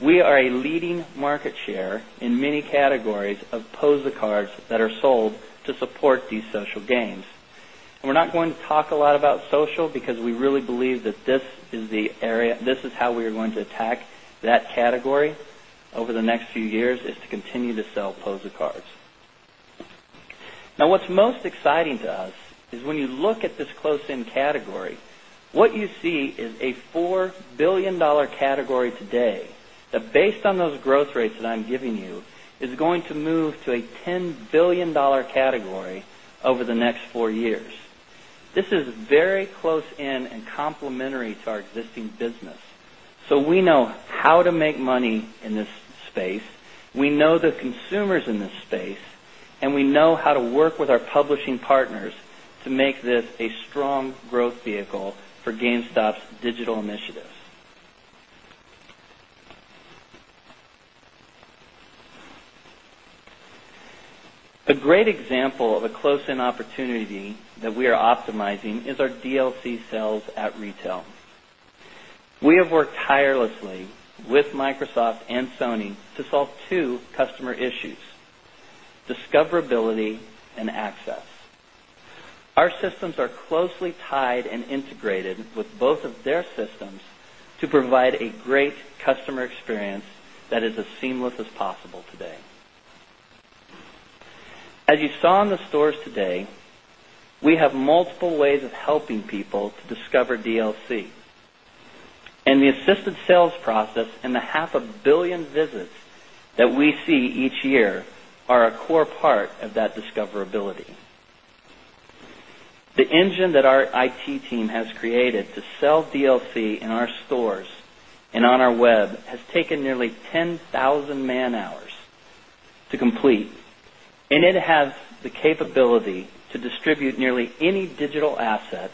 we are a leading market share in many categories of Posa cards that are sold to support these social gains. And we're not going to talk a lot about social because we really believe that this is the area this is how we are going to attack that category over the next few years is to continue to sell Posa cards. Now what's most exciting to us is when you look at this close in category, what you see is a $4,000,000,000 category today that based on those growth rates that I'm giving you is going to move to a $10,000,000,000 category over the next 4 years. This is very close in and complementary to our existing business. So we know how to make money in this space, we know the consumers in this space and we know how to work with our publishing partners to make this a strong growth vehicle for GameStop's digital initiatives. A great example of a close in opportunity that we are optimizing is our DLC sales at retail. We have worked tirelessly with Microsoft and Sony to solve 2 customer issues, discoverability and access. Our systems are closely tied and integrated with both of their systems to provide a great customer experience that is as seamless as possible today. As you saw in the stores today, we have multiple ways of helping people to discover DLC. And the assisted sales process and the 500,000,000 visits that we see each year are a core part of that discoverability. The engine that our IT team has created to sell DLC in our stores and on our web has taken nearly 10 1,000 man hours to complete and it has the capability to distribute nearly any digital asset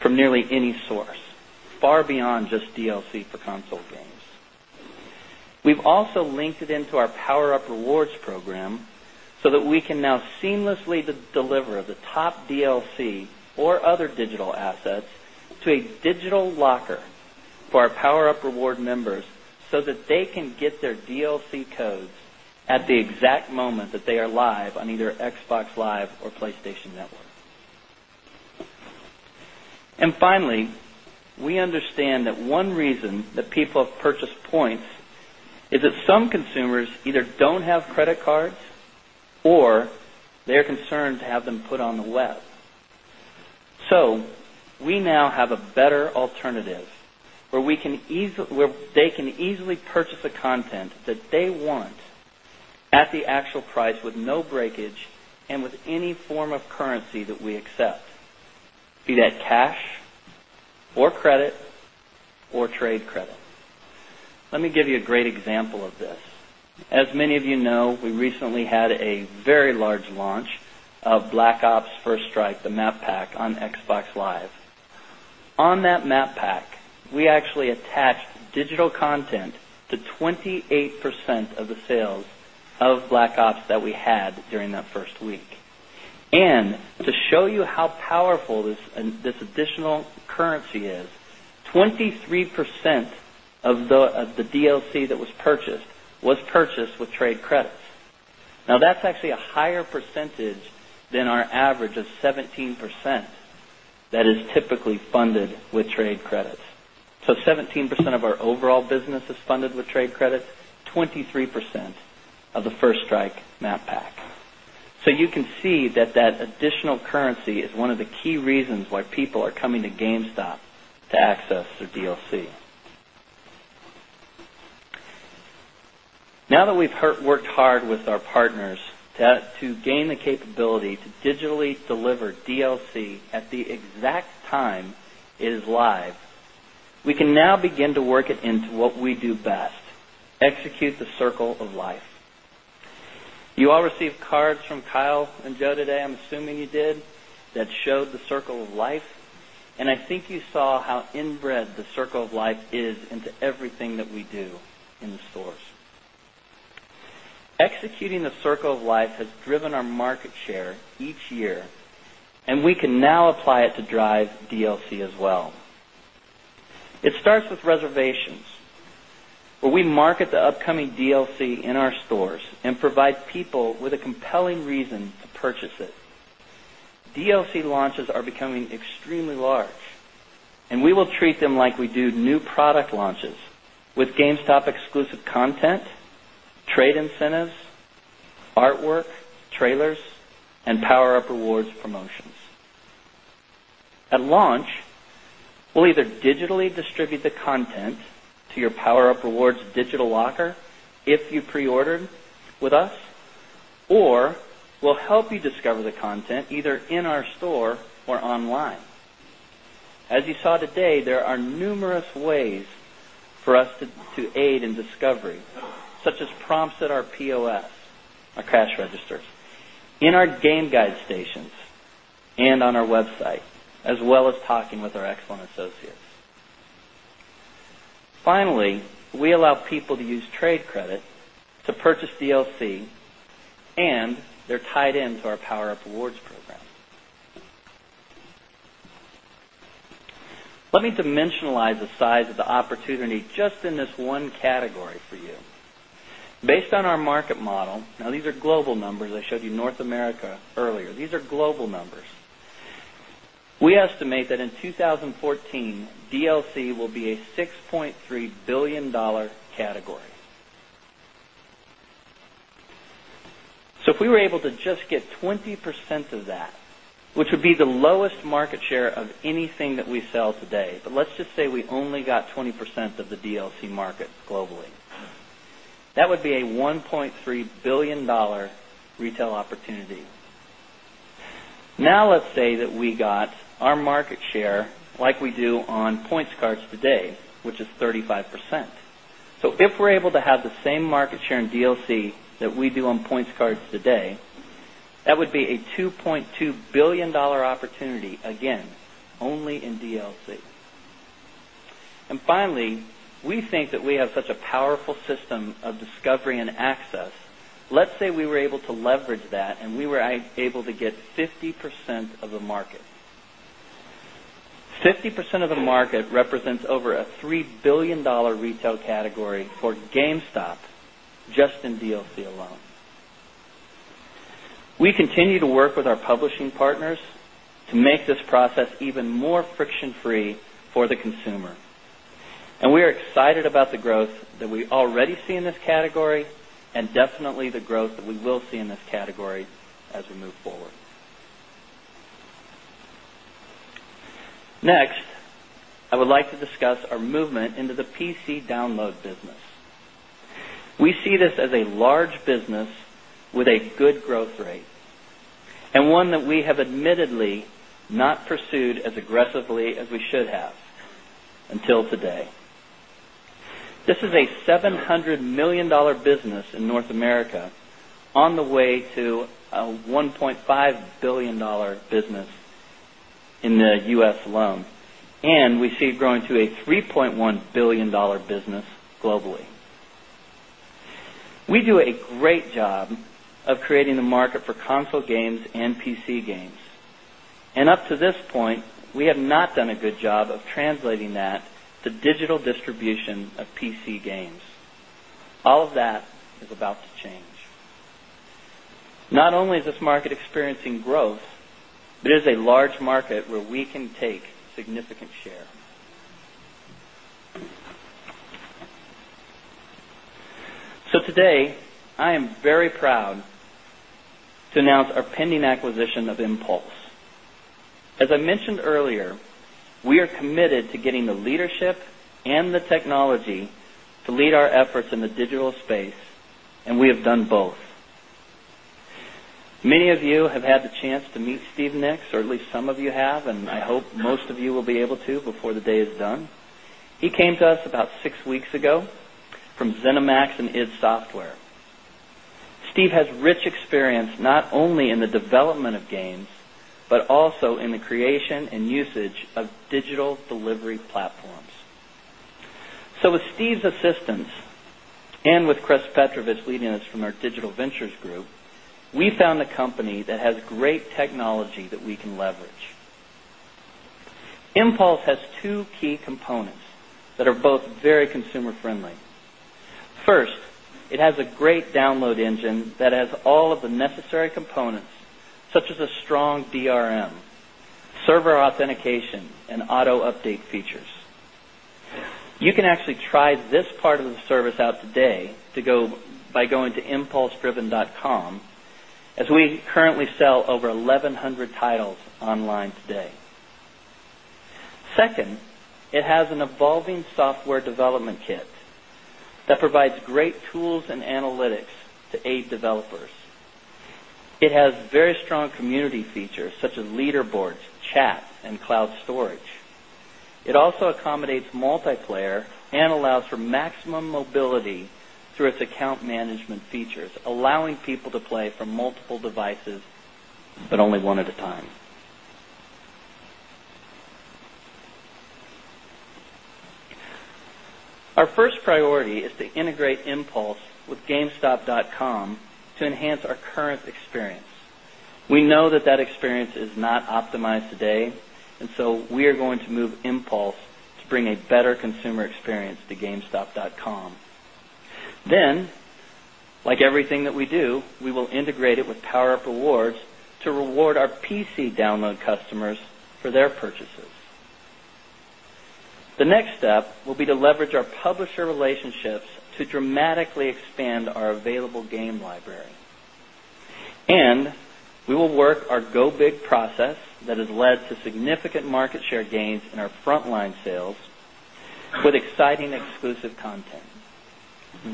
from nearly any source, far beyond just DLC for console games. We've also linked it into our PowerUp Rewards program, that we can now seamlessly deliver the top DLC or other digital assets to a digital locker for our PowerUp Rewards members so that they can get their DLC codes at the exact moment that they are live on either Xbox Live or PlayStation Network. And finally, we understand that one reason that people have purchased points is that some consumers either don't have credit cards or they're concerned to have them put on the web. So we now have a better alternative where we can where they can easily purchase the content that they want at the actual price with no breakage and with any form of currency that we accept, be that cash or credit or trade credit. Let me give you a great example of this. As many of you know, we recently had a very large launch of Black Ops First Strike, the map pack on Xbox Live. On that map pack, we actually attached digital content to 28% of the sales of Black Ops that we had during that 1st week. And to show you how powerful this additional currency is, 23% of the DLC that was purchased was purchased with trade credits. Now that's actually a higher percentage than our average of 17% that is typically funded with trade credits. So 17% of our overall business is funded with trade credits, 23% of the First Strike map pack. So you can see that that additional currency is one of the key reasons why people are coming to GameStop to access their DLC. Now that we've worked hard with our partners to gain the capability to digitally deliver DLC at the exact time it is live, we can now begin to work it into what we do best, execute the circle of life. You all received cards from Kyle and Joe today, I'm assuming you did, that showed the circle of life. And I think you saw how inbred the circle of life is into everything that we do in the stores. Executing the circle of life has driven our market share each year and we can now apply it to drive DLC as well. It starts with reservations, where we market the upcoming DLC in our stores and provide people with a compelling reason to purchase it. DLC launches are becoming extremely large and we will treat them like we do new product launches with GameStop exclusive content, trade incentives, artwork, trailers and PowerUp Rewards promotions. At launch, we'll either digitally distribute the content to your PowerUp Rewards digital locker if you pre ordered with us or we'll help you discover the content either in our store or online. As you saw today, there are numerous ways for us to aid in discovery, such as prompts at our POS, our cash registers, in our game guide stations and on our website as well as talking with our excellent associates. Finally, we allow people to use trade credit to purchase DLC and they're tied into our PowerUp Rewards program. Let me dimensionalize the size of the opportunity just in this one category for you. Based on our market model, now these are global numbers, I showed you North America earlier, these are global numbers. We estimate that in 2014, DLC will be a $6,300,000,000 category. So if we were able to just get 20% of that, which would be the lowest market share of anything that we sell today, but let's just say we only got 20% of the DLC market globally. That would be a $1,300,000,000 retail opportunity. Now let's say that we got our market share like we do on points cards today, which is 35%. So if we're able to have the same market share in DLC that we do on points cards today, that would be a $2,200,000,000 opportunity, again, only in DLC. And finally, we think that we have such a powerful system of discovery and access. Let's say we were able to leverage that and we were able to get 50 percent of the market. 50% of the market represents over a $3,000,000,000 retail category for GameStop just in DLC alone. We continue to work with our publishing partners to make this process even more friction free for the consumer. And we are excited about the growth that we already see in this category and definitely the growth that we will see in this category as we move forward. Next, I would like to discuss our movement into the PC download business. We see this as a large business with a good growth rate and one that we have admittedly not pursued as aggressively as we should have until today. This is a $700,000,000 business in North America on the way to $1,500,000,000 business in the U. S. Alone and we see it growing to a $3,100,000,000 business globally. We do a great job of creating the market for console games and PC games. And up to this point, we have not done a good job of translating that to digital distribution of PC games. All of that is about to change. Not only is this market experiencing growth, but it is a large market where we can take significant share. So today, I am very proud to announce our pending acquisition of Impulse. As I mentioned earlier, we are committed to getting the leadership and the technology to lead our efforts in the digital space and we have done both. Many of you have had the chance to meet Steve Nicks or at least some of you have and I hope most of you will be able to before the day is done. He came to us about 6 weeks ago from ZeniMax and id Software. Steve has rich experience not only in the development of games, but also in the creation and usage of digital delivery platforms. So with Steve's assistance and with Kres Petrovich leading us from our Digital Ventures Group, we found a company that has great technology that we can leverage. Impulse has 2 key components that are both very consumer friendly. 1st, it has a great download engine that has all of the necessary components such as a strong DRM, server authentication and auto update features. You can actually try this part of the service out today to go by going to impulsedriven.com as we currently sell over 1100 titles online today. 2nd, it has an evolving software development kit that provides great tools and analytics to aid developers. It has very strong community features such as leaderboards, chat and cloud storage. It also accommodates multiplayer and allows for maximum mobility through its account management features, allowing people to play from multiple devices, but only one at a time. Our first priority is to integrate Impulse with gamestop.com to enhance our current experience. We know that that experience is not optimized today and so we are going to move Impulse to bring a better consumer experience to gamestop.com. Then, like everything that we do, we will integrate it with PowerUp Rewards to reward our PC download customers for their purchases. The next step will be to leverage our publisher relationships to dramatically expand our available game library. And we will work our go big process that has led to significant market share gains in our frontline sales with exciting exclusive content,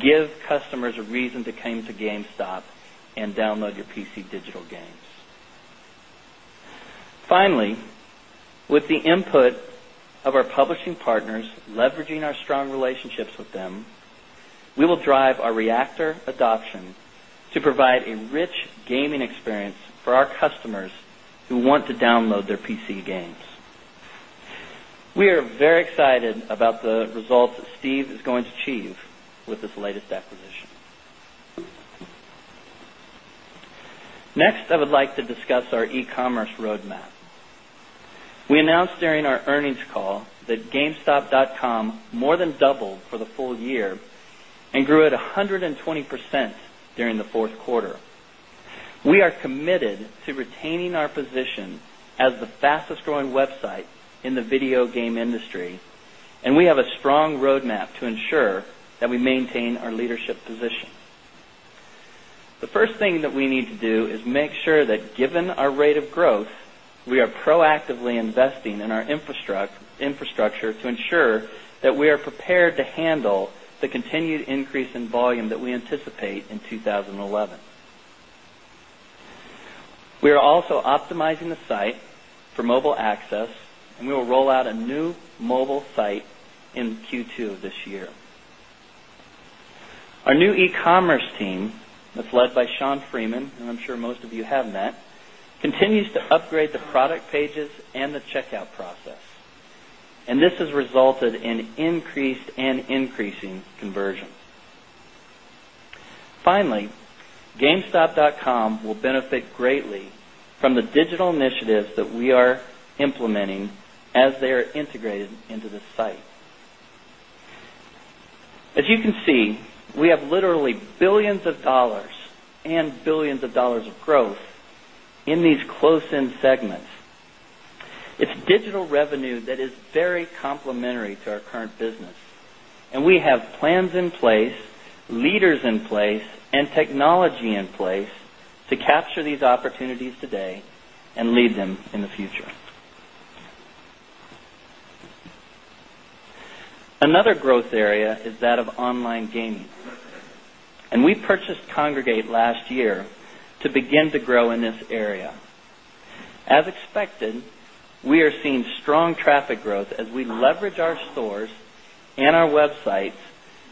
give customers a reason to come to GameStop and download your PC digital games. Finally, with the input of our publishing partners leveraging our strong relationships with them, we will drive our Reactor adoption to provide a rich gaming experience for our customers who want to download their PC games. We are very excited about the results that Steve is going to achieve with this latest acquisition. Next, I would like to discuss our e commerce roadmap. We announced during our earnings call that gamestop.com more than doubled for the full year and grew at 120% during the Q4. We are committed to retaining our position as the fastest growing website in the video game industry and we have a strong roadmap to ensure that we maintain our leadership position. The first thing that we need to do is make sure that given our rate of growth, we are proactively investing in our infrastructure to ensure that we are prepared to handle the continued increase in volume that we anticipate in 2011. We are also optimizing the site for mobile access and we will roll out a new mobile site in Q2 of this year. Our new e commerce team is led by Sean Freeman, and I'm sure most of you have to upgrade the product pages and the checkout process. And this has resulted in increased and increasing conversions. Finally, gamestop.com will benefit greatly from the digital initiatives that we are implementing as they are integrated into the site. As you can see, we have literally 1,000,000,000 of dollars and 1,000,000,000 of dollars of growth in these close in segments. It's digital revenue that is very complementary to our current business And we have plans in place, leaders in place and technology in place to capture these opportunities today and lead them in the future. Another growth area is that of online gaming. And we purchased Kongregate last year to begin to grow in this area. As expected, we are seeing strong traffic growth as we leverage our stores and our websites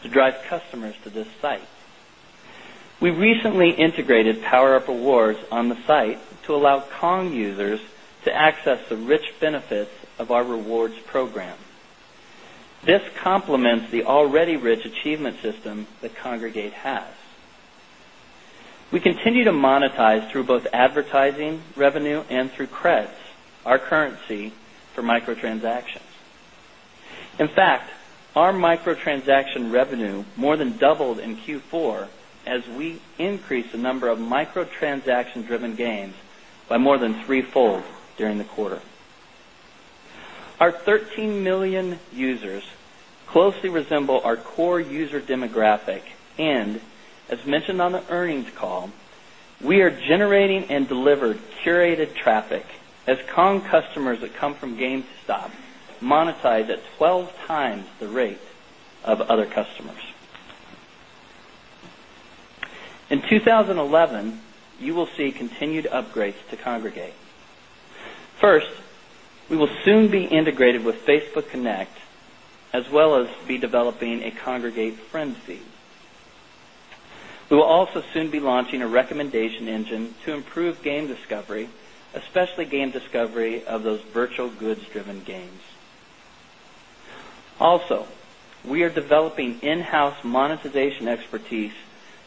to drive customers to this site. We recently integrated PowerUp Rewards on the site to allow Kong users to access the rich benefits of our rewards program. This complements the already rich achievement system that Congregate has. We continue to monetize through both advertising revenue and through creds, our currency for microtransactions. In fact, our microtransaction revenue more than doubled in Q4 as we increased the number of microtransaction driven gains by more than threefold during the quarter. Our 13,000,000 users closely resemble our core user demographic And as mentioned on the earnings call, we are generating and delivered curated traffic as Kong customers that come from GameStop monetize at 12 times the rate of other customers. In 2011, you will see continued upgrades to Congregate. 1st, we will soon be integrated with Facebook Connect as well as be developing a congregate friend feed. We will also soon be launching a recommendation engine to improve game discovery, especially game discovery of those virtual goods driven games. Also, we are developing in house monetization expertise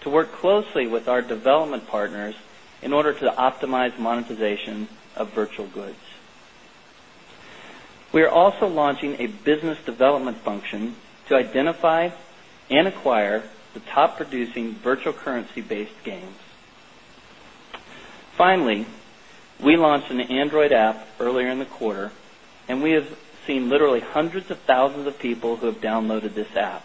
to work closely with our development partners in order to optimize monetization of virtual goods. We are also launching a business development function to identify and acquire the top producing virtual currency based games. Finally, we launched an Android app earlier in the quarter and we have seen literally hundreds of thousands of people who have downloaded this app.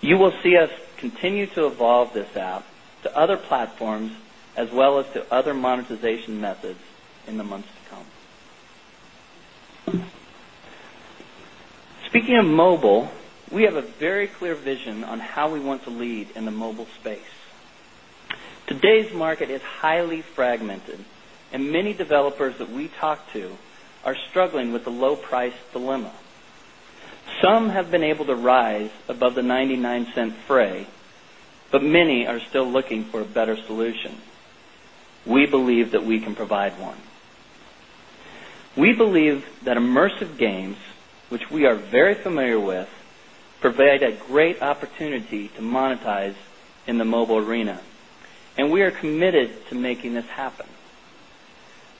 You will see us continue to evolve this app to other platforms as well as to other monetization methods in the months to come. Speaking of mobile, we have a very clear vision on how we want to lead in the mobile space. Today's market is highly fragmented and many developers that we talk to are struggling with the low price dilemma. Some have been able to rise above the $0.99 fray, but many are still looking for a better solution. We believe that we can provide 1. We believe that immersive games, which we are very familiar with, provide a great opportunity to monetize in the mobile arena and we are committed to making this happen.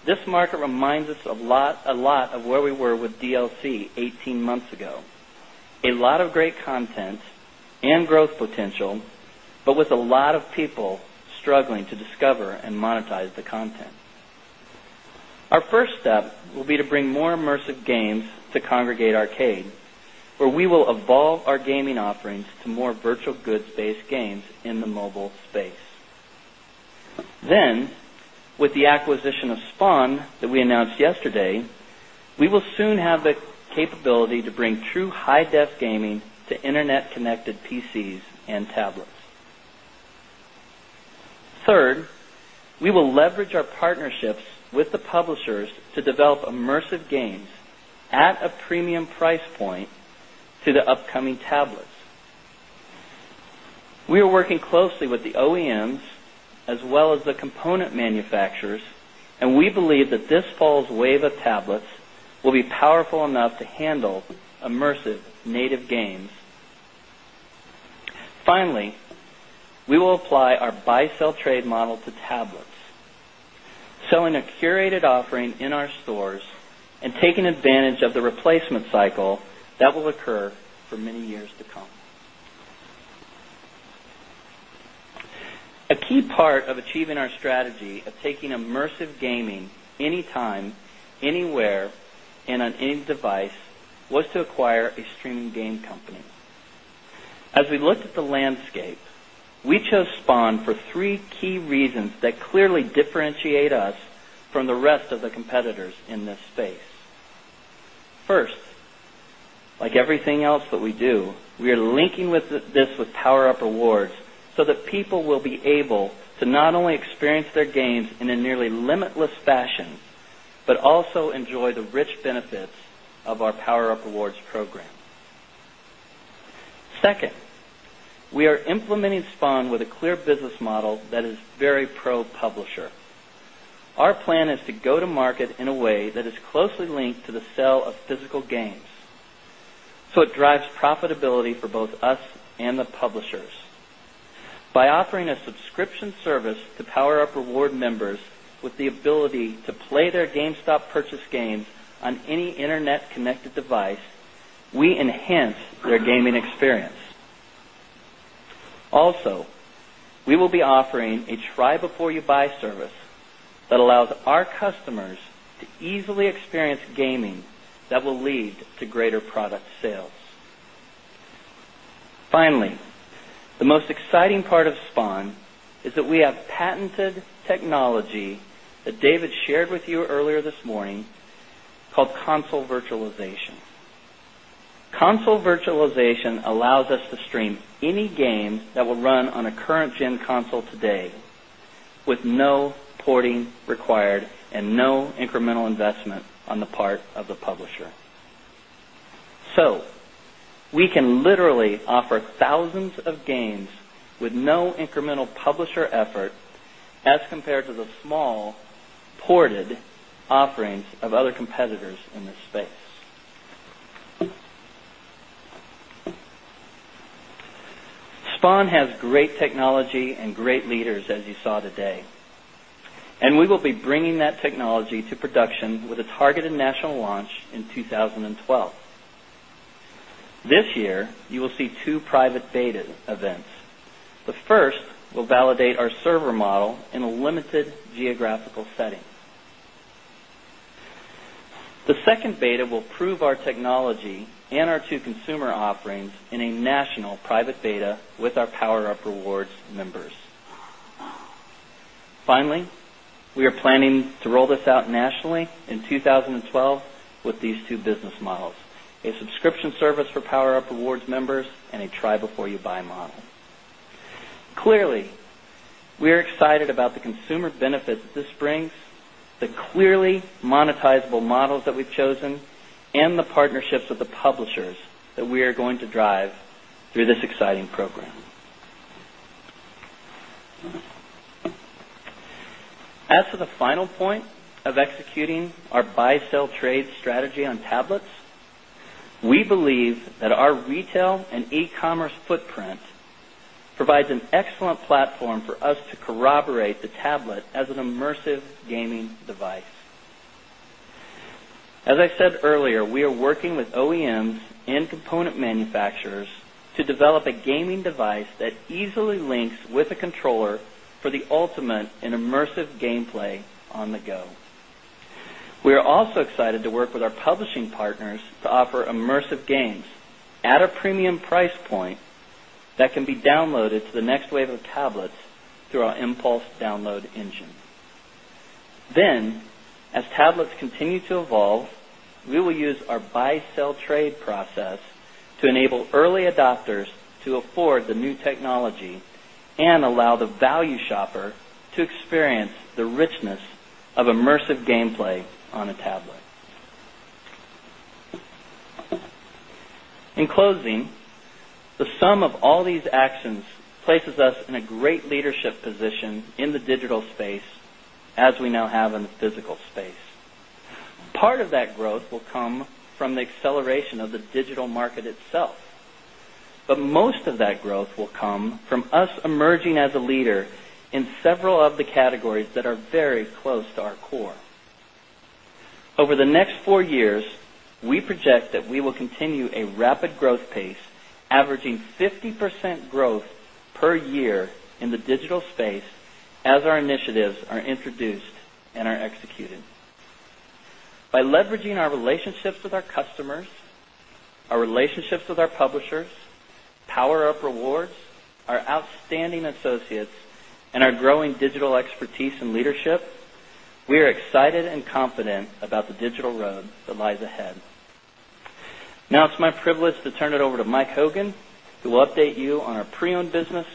This market reminds us a lot of where we were with DLC 18 months ago. A lot of great content and growth potential, but with a lot of people struggling to discover and monetize the content. Our first step will be to bring more immersive games to Kongregate Arcade, where we will evolve our gaming offerings to more virtual goods based games in the mobile space. Then with the acquisition of SPAN that we announced yesterday, we will soon have the capability to bring true high def gaming to Internet connected PCs and tablets. 3rd, we will leverage our partnerships with the publishers to develop immersive games at a premium price point to the upcoming tablets. We are working closely with the OEMs as well as the component manufacturers and we believe that this fall's wave of tablets will be powerful enough to handle immersive native games. Finally, we will apply our buy sell trade model to tablets, selling a curated offering in our stores and taking advantage of the replacement cycle that will occur for many years to come. A key part of achieving our strategy of taking immersive gaming anytime, anywhere and on any device was to acquire a streaming game company. As we looked at the landscape, we chose SPON for 3 key reasons that clearly differentiate us from the rest of the competitors in this space. 1st, like everything else that we do, we are linking with this with PowerUp Rewards, so that people will be able to not only experience their gains in a nearly limitless fashion, but also enjoy the rich benefits of our PowerUp Rewards program. 2nd, we are implementing SPON with a clear business model that is very pro publisher. Our plan is to go to market in a way that is closely linked to the sale of physical games. So it drives profitability for both us and the publishers. By offering a subscription service to PowerUp Rewards members with the ability to play their GameStop purchase games on any Internet connected device, we enhance their gaming experience. Also, we will be offering a try before you buy service that allows our customers to easily experience gaming that will lead to greater product sales. Finally, the most exciting part of SPAN is that we have patented technology that David shared with you earlier this morning called console virtualization. Console virtualization allows us to stream any games that will run on a current gen console today with no porting required and no incremental investment on the part of the publisher. So we can literally offer thousands of games with no incremental publisher effort as compared to the small ported offerings of other competitors in this space. SPAN has great technology and great leaders as you saw today. And we will be bringing that technology to production with a targeted national launch in 2012. This year, you will see 2 private beta events. The first will validate our server model in a limited geographical setting. The second beta will prove our technology and our 2 consumer offerings in private beta with our PowerUp Rewards members. Finally, we are planning to roll this out nationally in 2012 with these two business models, a subscription service for PowerUp Rewards members and a try before you buy model. Clearly, we are excited about the consumer benefits this brings, the clearly monetizable models that we've chosen and the partnerships with the publishers that we are going to drive through this exciting program. As for the final point of executing our buy sell trade strategy on tablets, we believe that our retail and e commerce footprint provides an excellent platform for us corroborate the tablet as an immersive gaming device. As I said earlier, we are working with OEMs and component manufacturers to develop a gaming device that easily links with a controller for the ultimate and immersive gameplay on the go. We are also excited to work with our publishing partners to offer immersive games at a premium price point that can be downloaded to the next wave of tablets through our impulse download engine. Then as tablets continue to evolve, we will use our buy sell trade process to enable early adopters to afford the new technology and allow the value shopper to experience the richness of immersive gameplay on a tablet. In closing, the sum of all these actions places us in a great leadership position in the digital space as we now have in the physical space. Part of that growth will come from the acceleration of the digital market itself, But most of that growth will come from us emerging as a leader in several of the categories that are very close to our core. Over the next 4 years, we project that we will continue a rapid growth pace, averaging 50% growth per year in the digital space as our initiatives are introduced and are executed. By leveraging our relationships with our customers, our relationships with our publishers, power of rewards, our outstanding associates and our growing digital expertise and leadership, we are excited and confident about the digital road that lies ahead. Now it's my privilege to turn it over to Mike Hogan, who will update you on our pre owned business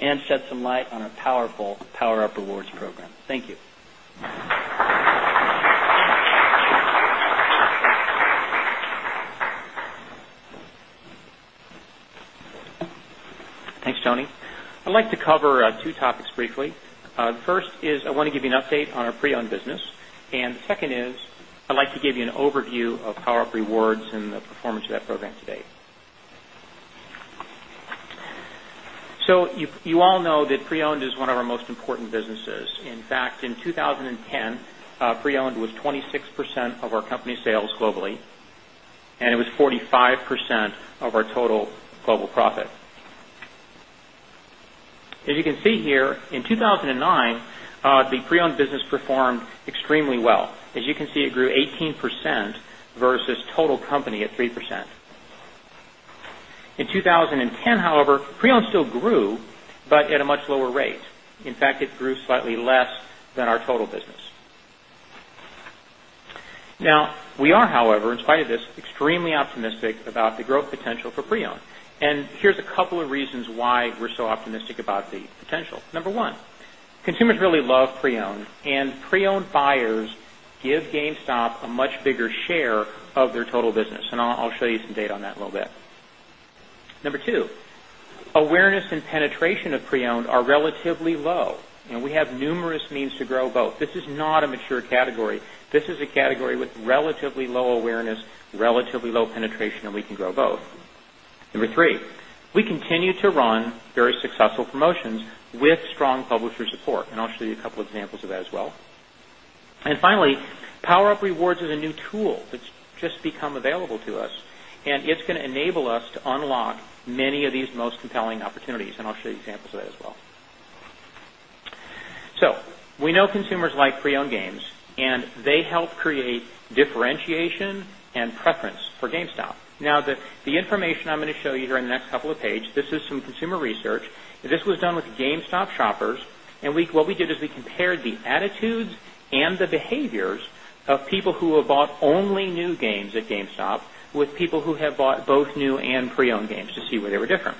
and shed some light on our powerful PowerUp Rewards program. Thank you. Thanks, Tony. I'd like to cover 2 topics briefly. First is, I want to give you an update on our pre owned business. And the second is, I'd like to give you an overview of PowerUp Rewards and the performance of that program to date. So you all know that pre owned is one of our most important businesses. In fact, in 2010, pre owned was 26% of our company sales globally and it was 45% of our total global profit. As you can see here, in 2,009, the pre owned business performed extremely well. As you can see, it grew 18% versus total company at 3%. In 2010, however, pre owned still grew, but at a much lower rate. In fact, it grew slightly less than our total business. Now, we are however, in spite of this, extremely optimistic about the growth potential for pre owned and here's a couple of reasons why we're so optimistic about the potential. Number 1, consumers really love pre owned and pre owned buyers give GameStop a much bigger share of their total business and I'll show you some data on that a little bit. Number 2, awareness and penetration of pre owned are relatively low. We have numerous means to grow both. This is not a mature category. This is a category with relatively low awareness, relatively low penetration and we can grow both. Number 3, we continue to run very successful promotions with strong publisher support and I'll show you a couple of examples of that as well. And finally, PowerUp Rewards is a new tool that's just become available to us and it's going to enable us to unlock many of these most compelling opportunities and I'll show you examples of that as well. So, we know consumers like pre owned games and they help create differentiation and preference for GameStop. Now the information I'm going to show you here in the next couple of page, this is some consumer research. This was done with GameStop shoppers and what we did is we compared the attitudes and the behaviors of people who have bought only new games at GameStop with people who have bought both new and pre owned games to see where they were different.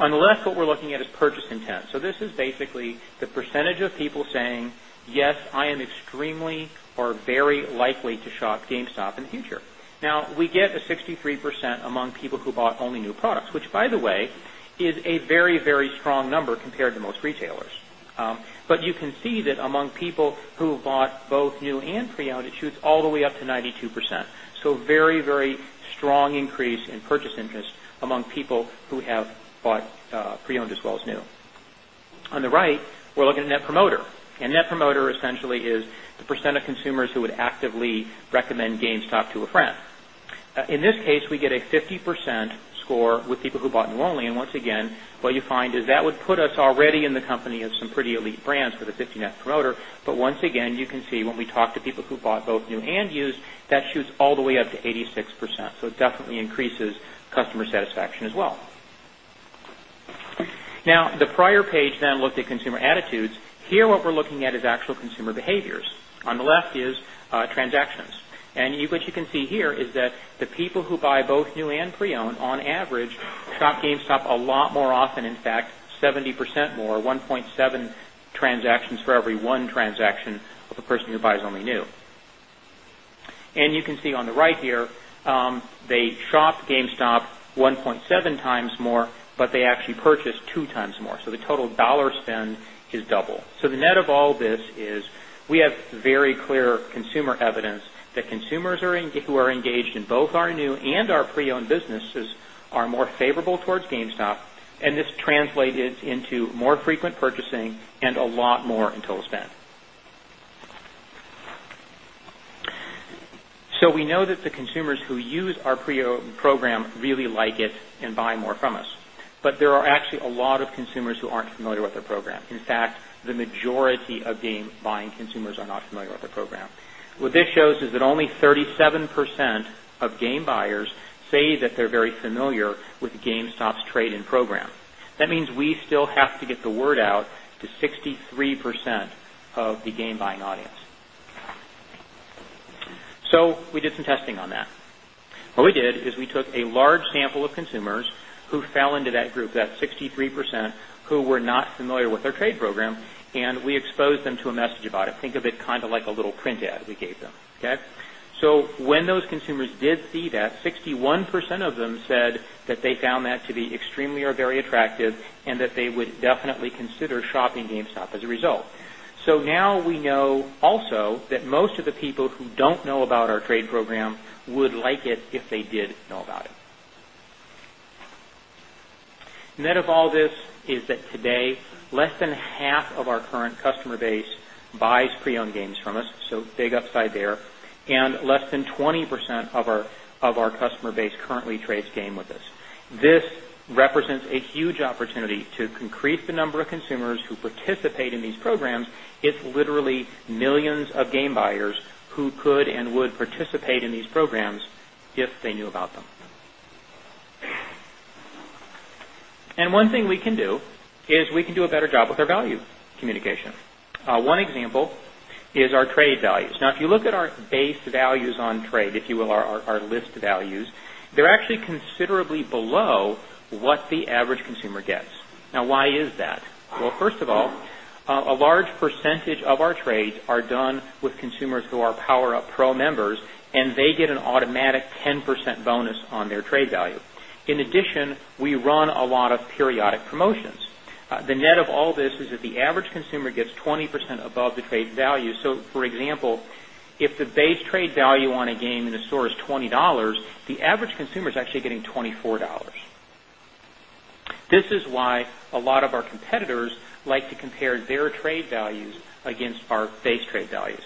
On the left, what we're looking at is purchase intent. So this is basically the percentage of people saying, yes, I am extremely or very likely to shop GameStop in the future. Now, we get a 63% among people who bought only new products, which by the way is a very, very strong number compared to most retailers. But you can see that among people who bought both new and pre owned, it shoots all the way up to 92%. So very, very strong increase in purchase interest among people who have bought pre owned as well as new. On the right, we're looking at net promoter and net promoter essentially is the percent of consumers who would actively recommend GameStop to a friend. In this case, we get a 50% score with people who bought new only. And once again, what you find is that would put us already in the company of some pretty elite brands for the 50 net promoter. But once again, you can see when we talk to people who bought both new and used, that shoots all the way up to 86%. So it definitely increases customer satisfaction as well. Now the prior page then looked at consumer attitudes. Here what we're looking at is actual consumer behaviors. On the left is transactions. And what you can see here is that the people who buy both new and pre owned on average shop GameStop a lot more often, in fact, 70% more, 1.7 transactions for every one transaction of a person who buys only new. And you can see on the right here, they shopped GameStop 1.7x more, but they actually purchased 2x more. So, the total dollar spend is double. So the net of all this is we have very clear consumer evidence that consumers are who are engaged in both our new and our pre owned businesses are more favorable towards GameStop and this translated into more frequent purchasing and a lot more in total spend. So we know that the consumers who use our pre program really like it and buy more from us, But there are actually a lot of consumers who aren't familiar with their program. In fact, the majority of game buying consumers are not familiar with the program. What this shows is that only 37% of game buyers say that they're very familiar with GameStop's trade in program. That means we still have to get the word out to 63% of the game buying audience. So we did some testing on that. What we did is we took a large sample of consumers who fell into that group, that 63% who were not familiar with our trade program and we exposed them to a message about it. Think of it kind of like a little print ad we gave them, okay? So when those consumers did see that, 61% of them said that they found that to be extremely or very attractive and that they would definitely consider shopping GameStop as a result. So now we know also that most of the people who don't know about our trade program would like it if they did know about it. Net of all this is that today, less than half of our current customer base buys pre owned games from us, so big upside there and less than 20% of our customer base currently trades game with us. This represents a huge opportunity to increase the number of consumers who participate in these programs. It's literally millions of game buyers who could and would participate in these programs if they knew about them. And one thing we can do is we can do a better job with our value communication. One example is our trade values. Now, if you look at our base values on trade, if you will, our list values, they're actually considerably below what the average consumer gets. Now why is that? Well, first of all, a large percentage of our trades are done with consumers who are PowerUp Pro members and they get an automatic 10% bonus on their trade value. In addition, we run a lot of periodic promotions. The net of all this is that the average consumer gets 20% above the trade value. So for example, if the base trade value on a game in a store is $20 the average consumer is actually getting $24 This is why a lot of our competitors like to compare their trade values against our base trade values.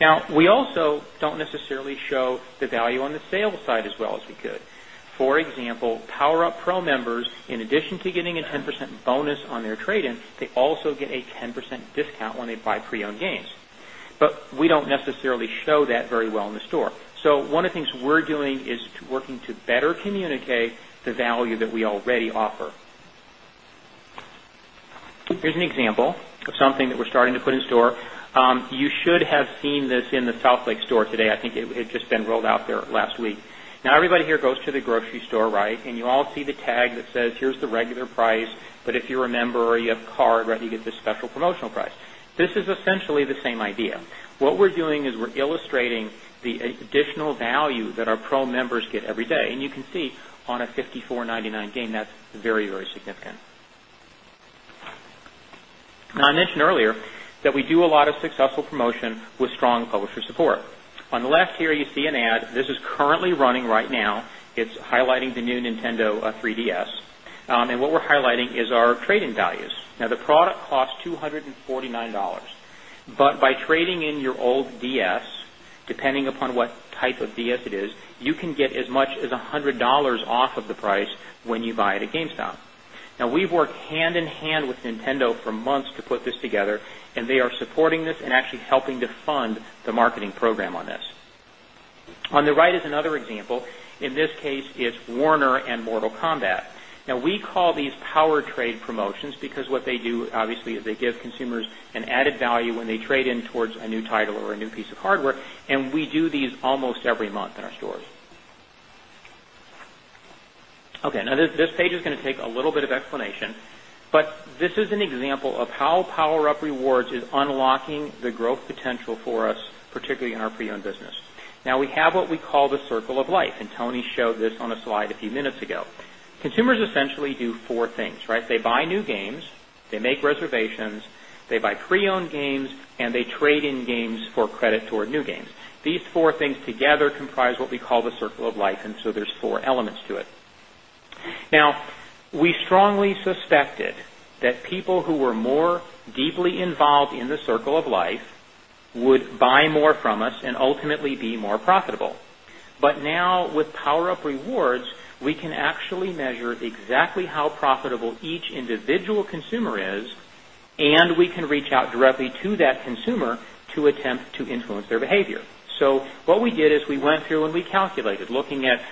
Now, we also don't necessarily show the value on the sales side as well as we could. For example, PowerUp Pro members in addition to getting a 10% bonus on their trade in, they also get a 10% discount when they buy pre owned games. But we don't necessarily show that very well in the store. So one of the things we're doing is working to better communicate the value that we already offer. Here's an example of something that we're starting to put in store. You should have seen this in the Southlake store today. I think it had just been rolled out there last week. Now everybody here goes to the grocery store, right? And you all see the tag that says, here's the regular price, but if you remember or you have card, right, you get the special promotional price. This is essentially the same idea. What we're doing is we're illustrating the additional value that our Pro members get every day and you can see on a $54.99 gain that's very, very significant. I mentioned earlier that we do a lot of successful promotion with strong publisher support. On the left here, you see an ad. This is currently running right now. It's highlighting the new Nintendo 3DS. And what we're highlighting is our trading values. Now the product costs $2.49 but by trading in your old DS, depending upon what type of DS it is, you can get as much as $100 off of the price when you buy it at GameStop. Now we've worked hand in hand with Nintendo for months to put this together and they are supporting this and actually helping to fund the marketing program on this. On the right is another example. In this case, it's Warner and Mortal Kombat. Now we call these power trade promotions because what they do obviously is they give consumers an added value when they trade in towards a new title or a new piece of hardware and we do these almost every month in our stores. Okay. Now this page is going to take a little bit of explanation, but this is an example of how PowerUp Rewards is unlocking the growth potential for us, particularly in our pre owned business. Now we have what we call the circle of life and Tony showed this on a slide a few minutes ago. Consumers essentially do 4 things, right? They buy new games, they make reservations, they buy pre owned games and they trade in games for credit toward new games. These four things together comprise what we call the circle of life and so there's 4 elements to it. Now, we strongly suspected that people who were more deeply involved in the circle of life would buy more from us and ultimately be more profitable. But now with PowerUp Rewards, we can actually measure exactly how profitable each individual consumer is and we can reach out directly to that consumer to attempt to influence their behavior. So what we did is we went through and we calculated looking at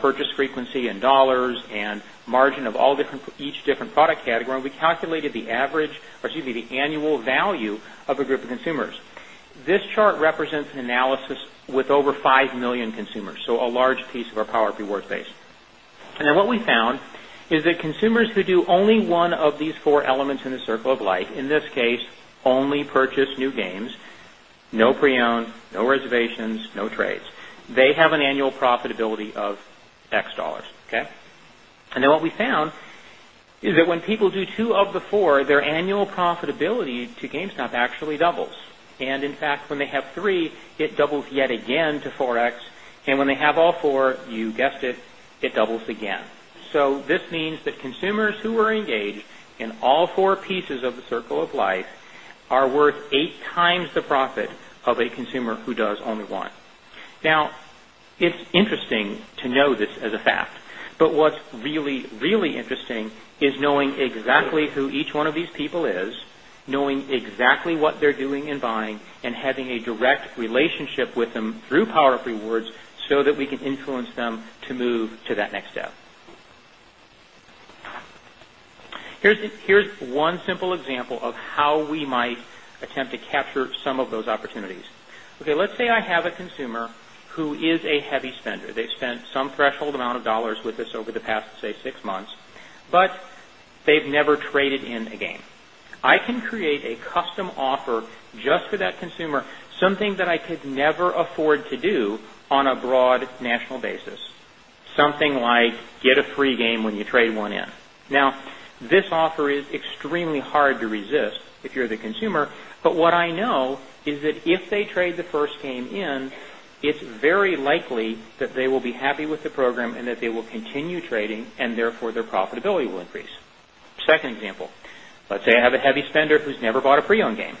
purchase frequency and and dollars and margin of all different each different product category, and we calculated the average or excuse me, the annual value of a group of consumers. This chart represents an analysis with over 5,000,000 consumers, so a large piece of our PowerUp Rewards base. And then what we found is that consumers who do only one of these four elements in the circle of life, in this case only purchase new games, no pre owned, no reservations, no trades. They have an annual profitability of X dollars, okay? And then what we found is that when people do 2 of the 4, their annual profitability to GameStop actually doubles. And in fact, when they have 3, it doubles yet again to 4x. And when they have all 4, you guessed it, it doubles again. So this means that consumers who are engaged in all four pieces of the circle of life are worth 8x the profit of a consumer who does only 1. Now, it's interesting to know this as a fact, but what's really, really interesting is knowing exactly who each one of these people is, knowing of Rewards, so that we can influence them to move to that next step. Here's one simple example of how we might attempt to capture some of those opportunities. Okay, let's say I have a consumer who is a heavy spender, they've spent some threshold amount of dollars with us over the past, say, 6 months, but they've never traded in again. I can create a custom offer just for that consumer, something that I could never afford to do on a broad national basis, something like get a free game when you trade 1 in. Now, this offer is extremely hard to resist if you're the consumer, but what I know is that if they trade the first game in, it's very likely that they will be happy with the program and that they will continue trading therefore their profitability will increase. 2nd example, let's say I have a heavy spender who's never bought a pre owned game.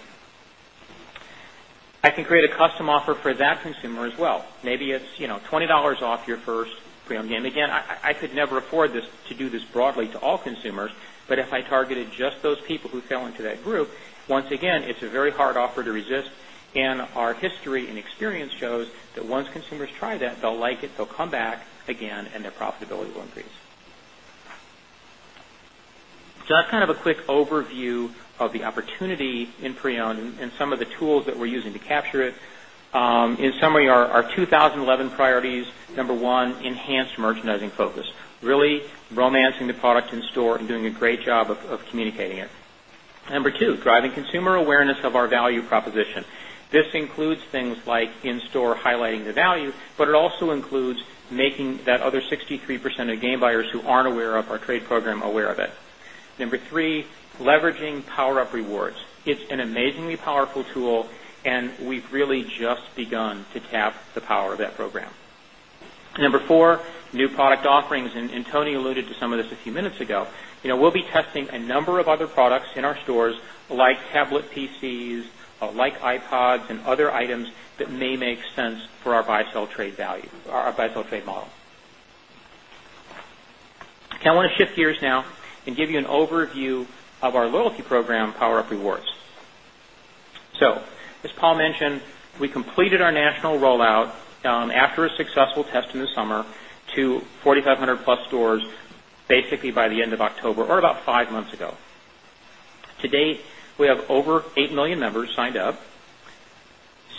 I can create a custom offer for that consumer as well. Maybe it's $20 off your first pre owned game. Again, I could never afford this to do this broadly to all consumers, but if I targeted just those people who fell into that group, once again, it's a very hard offer to resist. And our history and experience shows that once consumers try that, they'll like it, they'll come back again and their profitability will increase. So kind of a quick overview of the opportunity in pre owned and some of the tools that we're using to capture it. In summary, our 2011 priorities, number 1, enhanced merchandising focus, really romancing the product in store and doing a great job of communicating it. Number 2, driving consumer awareness of our value proposition. This includes things like in store highlighting the value, but it also includes making that other 63% of game buyers who aren't aware of our trade program aware of it. Number 3, leveraging PowerUp Rewards. It's an amazingly powerful tool and we've really just begun to tap the power of that program. Number 4, new product offerings and Tony alluded to some of this a few minutes ago. We'll be testing a number of other products in our stores like tablet PCs, like Ipods and other items that may make sense for our buy sell trade value our buy sell trade model. I want to shift gears now and give you an overview of our loyalty program PowerUp Rewards. So as Paul mentioned, we completed national rollout after a successful test in the summer to 4,500 plus stores basically by the end of October or about 5 months ago. To date, we have over 8,000,000 members signed up,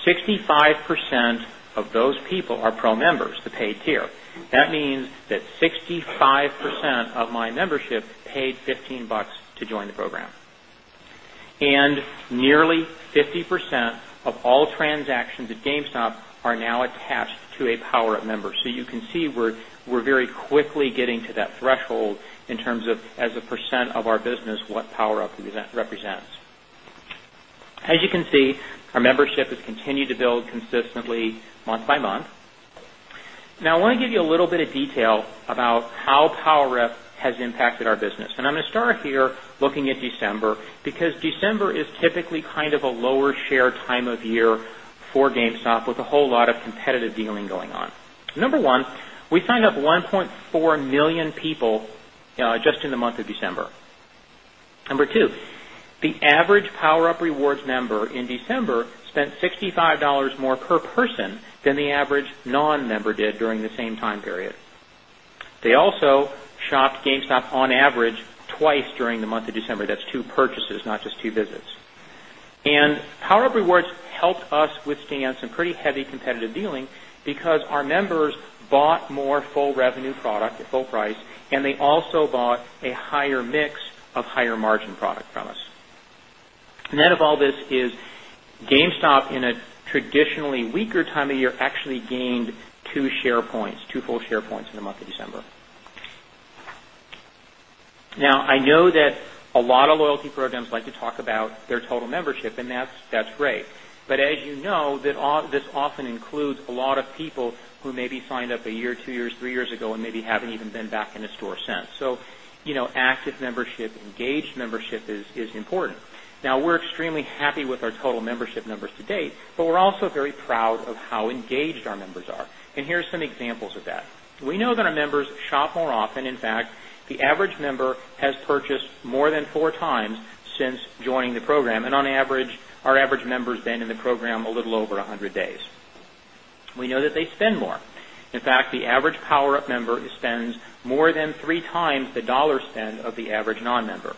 65% of those people are Pro members to pay tier. That means that 65% of my membership paid $15 to join the program. And nearly 50% of all transactions at GameStop are now attached to a PowerUp member. So you can see we're very quickly getting to that threshold in terms of as a percent of our business what PowerUp represents. As you can see, our membership has continued to build consistently month by month. Now, I want to give you a little bit of detail about how PowerUp has impacted our business. And I'm going to start here looking at December, because December is typically kind of a lower share time of year for GameStop with a whole lot of competitive dealing going on. Number 1, we signed up 1,400,000 people just in the month of December. Number 2, the average PowerUp Rewards member in December spent $65 more per person than the average non member did during the same time period. They also shopped GameStop on average twice during the month of December. That's 2 purchases, not just 2 visits. And PowerUp Rewards helped us withstand some pretty heavy competitive dealing because our members bought more full revenue product at full price and they also bought a higher mix of higher margin product from us. Net of all this is GameStop in a traditionally weaker time of year actually gained 2 share points, 2 full share points in the month of December. Now, I know that a lot of loyalty programs like to talk about their total membership and that's great. But as you know, this often includes a lot of people who may be signed up a year, 2 years, 3 years ago and maybe haven't even been back in a store since. So active membership, engaged membership is important. Now we're extremely happy with our total membership numbers to date, but we're also very proud of how engaged our members are. And here are some examples of that. We know that our members shop more often. In fact, the average member has purchased more than 4 times since joining the program and on average, average member has been in the program a little over 100 days. We know that they spend more. In fact, the average PowerUp member spends more than 3x the dollar spend of the average non member.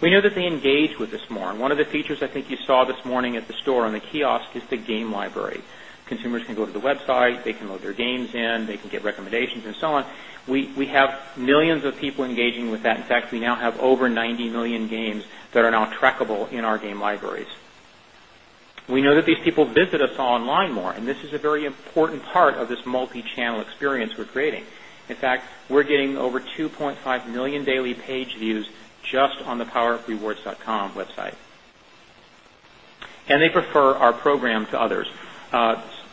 We know that they engage with this more. And one of the features I think you saw this morning at the store on the kiosk is the game library. Consumers can go to the website, they can load their games in, they can get recommendations and so on. We have millions of people engaging with that. In fact, we now have over 90,000,000 games that are now trackable in our game libraries. We know that these people visit us online more and this is a very important part of this multi channel experience we're creating. In fact, we're getting over 2,500,000 daily page views just on the power of rewards.com website. And they prefer our program to others.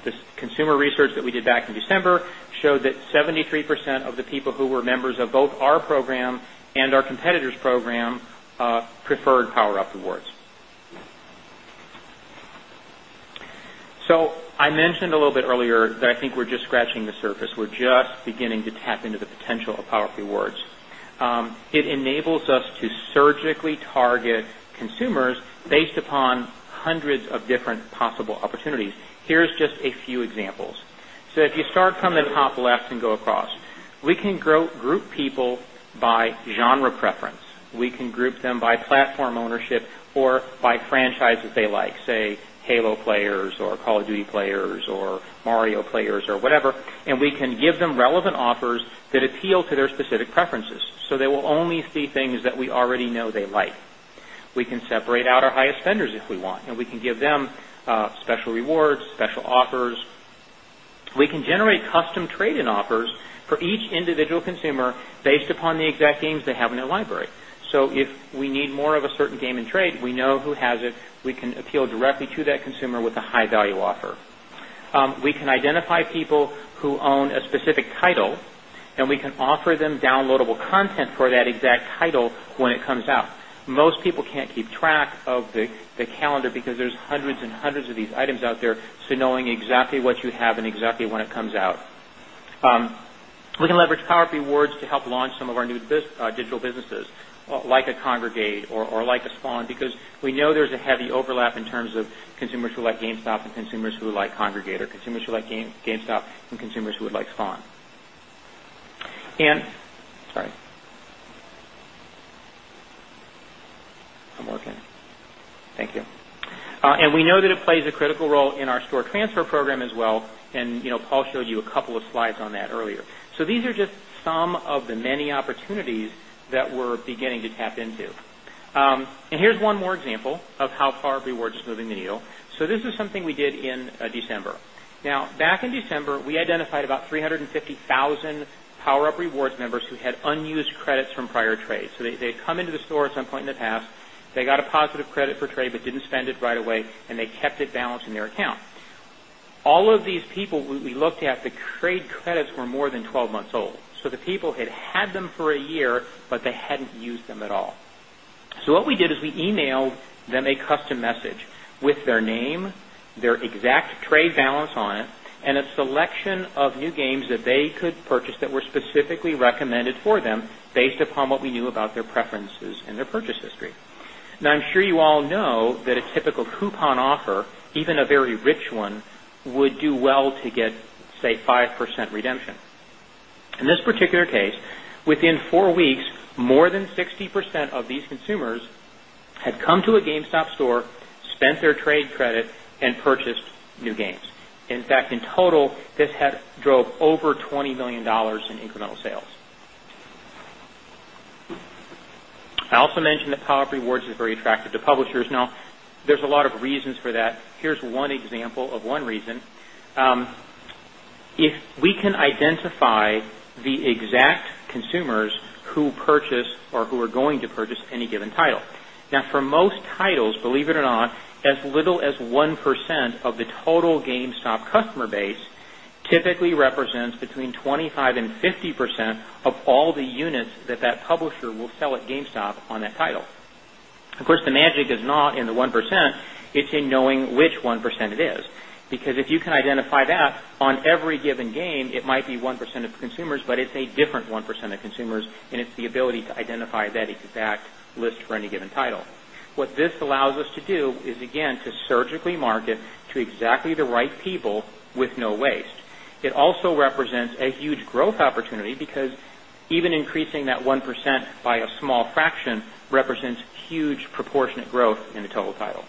This consumer research that we did back in December showed that 70 3% of the people who were members of both our program and our competitors' program preferred PowerUp Awards. So, I mentioned a little bit earlier that I think we're just scratching the surface. We're just beginning to tap into the potential of PowerUp Rewards. It enables us to surgically target consumers based upon hundreds of different possible opportunities. Here is just a few examples. So if you start from the top left and go across, we can group people by genre preference. We can group them by platform ownership or by franchises they like, say, Halo players or Call of Duty players or Mario players or whatever, and we can give them relevant offers that appeal to their specific preferences. So they will only see things that we already know they like. We can separate our highest spenders if we want and we can give them special rewards, special offers. We can generate custom trade in offers for each individual consumer based upon the exact games they have in their library. So if we need more of a certain game and trade, we know who has it, we can appeal directly to that consumer with a high value offer. We can identify people who own a specific title we can identify people who own a specific title and we can offer them downloadable content for that exact title when it comes out. Most people can't keep track of calendar because there's hundreds and hundreds of these items out there, so knowing exactly what you have and exactly when it comes out. We can leverage Power Up Rewards to help launch some of our new digital businesses like a Kongregate or like a Spawn because we know there's a heavy overlap in terms of consumers who like GameStop and consumers who like Kongregate or consumers who like GameStop and consumers who would like SPAWN. And sorry, I'm working. Thank you. And we know that it plays a critical role in our store transfer program as well and Paul showed you a couple of slides on that earlier. So these are just some of the many opportunities that we're beginning to tap into. And here's one more example of how far rewards moving the needle. So this is something we did in December. Now back in December, we identified about 350 1,000 PowerUp Rewards members who had unused credits from prior trade. So they come into the store at some point in the past, they got a positive credit for trade, but didn't spend it right away and they kept it balanced in their account. All of these people we looked at the trade credits were more than 12 months old. So the people had them for a year, but they hadn't used them at all. So what we did is we e mailed them a custom message with their name, their exact trade balance on it and a selection of new games that they could purchase that were specifically recommended for them based upon what we knew about their preference and their purchase history. Now I'm sure you all know that a typical coupon offer, even a very rich one, would do well to get, say, 5 percent redemption. In this particular case, within 4 weeks, more than 60% of these consumers had come to a GameStop store, spent their trade credit and purchased new games. In fact, in total, this had drove over $20,000,000 in incremental sales. I also mentioned that PowerUp Rewards is very attractive to publishers. Now, there's a lot of reasons for that. Here's one example of one reason. If we can identify the exact consumers who purchase or who are going to purchase any given title. Now for most titles, believe it or not, as little as 1% of the total GameStop customer base typically represents between 25% 50% of all the units that that publisher will sell at GameStop on that title. Of course, the magic is not in the 1%, it's in knowing which 1% it is, Because if you can identify that on every given game, it might be 1% of consumers, but it's a different 1% of consumers and it's the ability to identify that exact list for any given title. What this allows us to do is again to surgically market to exactly the right people with no waste. It also represents a huge growth opportunity because even increasing that 1% by a small fraction represents huge proportionate growth in the total title.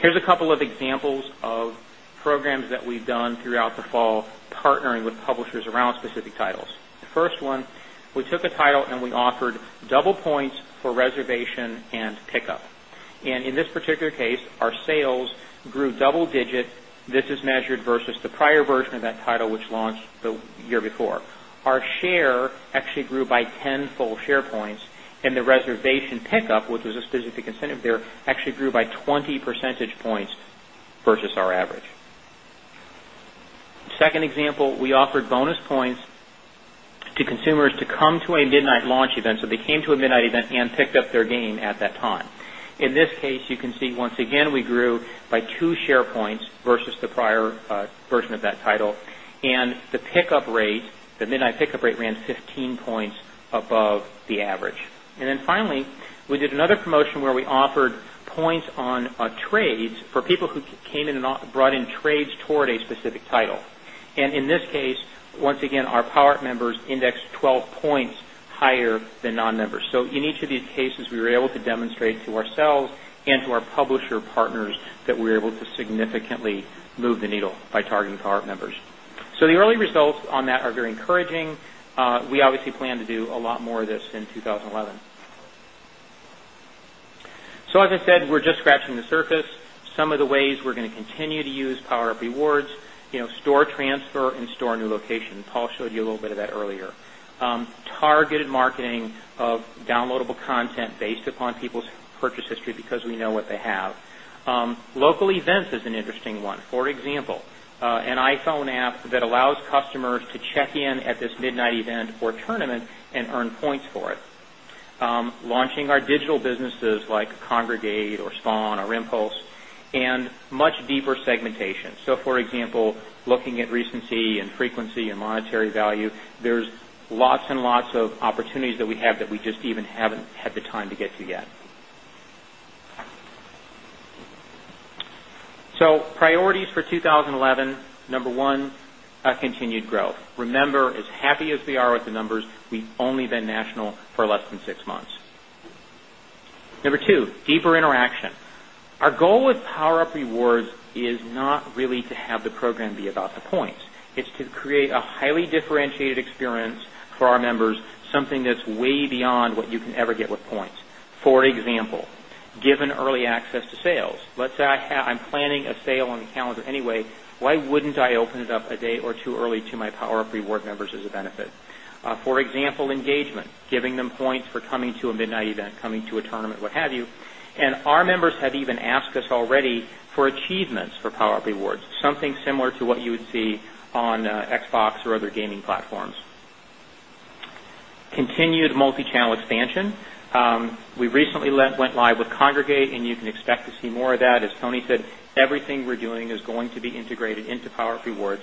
Here's a couple of examples of programs that we've done throughout the fall partnering with publishers around titles. The first one, we took a title and we offered double points for reservation and pickup. And in this particular case, our sales grew double digit. This is measured versus the prior version of that title, which launched the year before. Our share actually grew by 10 full share points and the reservation pickup, which was a specific incentive there, actually grew by 20 percentage points versus our average. 2nd example, we offered bonus points to consumers to come to a midnight launch event. So they came to a midnight event and picked up their game at that time. In this case, you can see once again we grew by 2 share points versus the prior version of that title and the pickup rate, the midnight pickup rate ran 15 points above the average. And then finally, we did another promotion where we offered points on trades for people who came in and brought in trades toward a specific title. And in this case, once again, our PowerUp members index 12 points higher than non members. So in each of these cases, we were able to demonstrate to ourselves and to our publisher partners that we're able to significantly move the needle by targeting PowerUp members. So the early results on that are very encouraging. We obviously plan to do a lot more of this in 2011. So as I said, we're just scratching the surface. Some of the ways we're going to continue to use PowerUp Rewards, store transfer and store new location. Paul showed you a little bit of that earlier. Targeted marketing of downloadable content based upon people's purchase history because we know what they have. Local events is an interesting one. For example, an iPhone app that allows customers to check-in at this midnight event or tournament and earn points for it. Launching our digital businesses like Kongregate or SPAWN or Impulse and much deeper segmentation. So for example, looking at recency and frequency and monetary value, there's lots and lots of opportunities that we have that we just even haven't had the time to get to yet. So priorities for 20 11, number 1, continued growth. Remember, as happy as we are with the numbers, we've only been national for less than 6 months. Number 2, deeper interaction. Our goal with PowerUp Rewards is not really to have the program be about the points. It's to create a highly differentiated experience for our members, something that's way beyond what you can ever get with points. For example, given early access to sales, let's say I'm planning a sale on the calendar anyway, why wouldn't I open it up a day or 2 early to my PowerUp Rewards members as a benefit? For example, engagement, giving them points for coming to a midnight event, coming to a tournament, what have you. And our members have even asked us already for achievements for PowerUp Rewards, something similar to what you would see on Xbox or other gaming platforms. Continued multi channel expansion, we recently went live with Kongregate and you can expect to see more of that. As Tony said, everything we're doing is going to be integrated into PowerUp Rewards.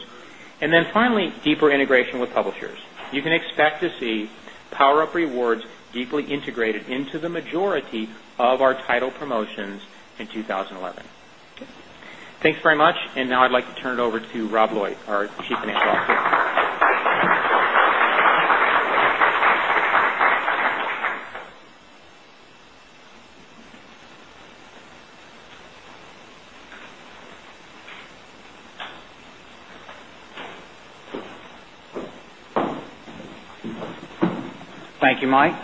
And then finally, deeper integration with publishers. You can expect to see PowerUp Rewards deeply integrated into the majority of our Up Rewards deeply integrated into the majority of our title promotions in 2011. Thanks very much. And now I'd like to turn it over to Rob Lloyd, our Chief Financial Officer. Thank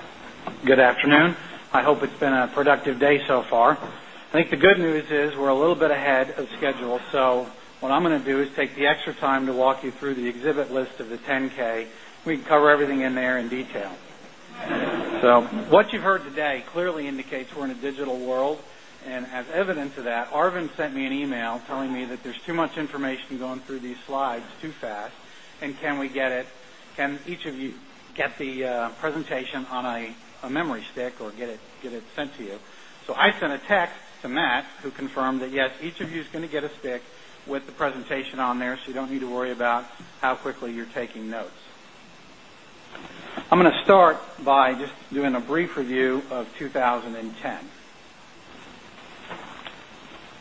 you, afternoon. I hope it's been a productive day so far. I think the good news is we're a little bit ahead of schedule. So what I'm going to do is take the extra time to walk you through the exhibit list of the 10 ks. We can cover everything in there in detail. So what you've heard today clearly indicates we're in a digital world. And as evidence of that, Arvind sent me an e mail telling me that there's too much information going through these slides too fast. And can we get it can each of you get the presentation on a memory stick or get it sent to you? I sent a text to Matt who confirmed that, yes, each of you is going to get a stick with the presentation on there, so you don't need to worry about how quickly you're taking notes. I'm going to start by just doing a brief review of 2010.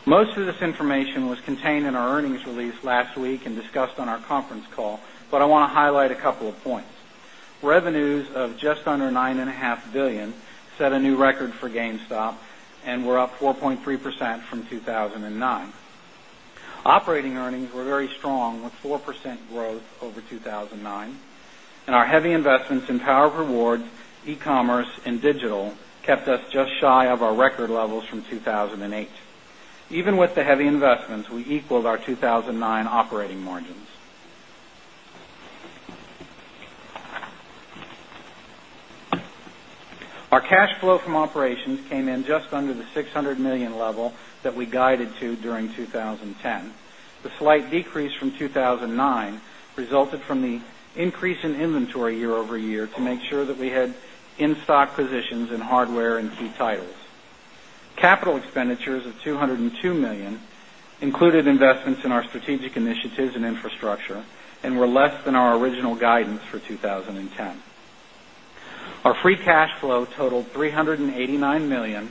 Most of this information was contained in our earnings release last week and discussed on our conference call, but I want to highlight a couple of points. Revenues of just under $9,500,000,000 set a new record for GameStop and were up 4.3% from 2,009. Operating earnings were very strong with 4% growth over 2,009 and our heavy investments in Power of Rewards, e commerce and digital kept us just shy of our record levels from 2,008. Even with the heavy investments, we equaled our 2,009 operating margins. Our cash flow from operations came in just under the $600,000,000 level that we guided to during 2010. The slight decrease from 2,009 resulted from the increase in inventory year over year to make sure that we had in stock positions in hardware and key titles. Capital expenditures of $202,000,000 included investments in our strategic initiatives and infrastructure and were less than our original guidance for 2010. Our free cash flow totaled $389,000,000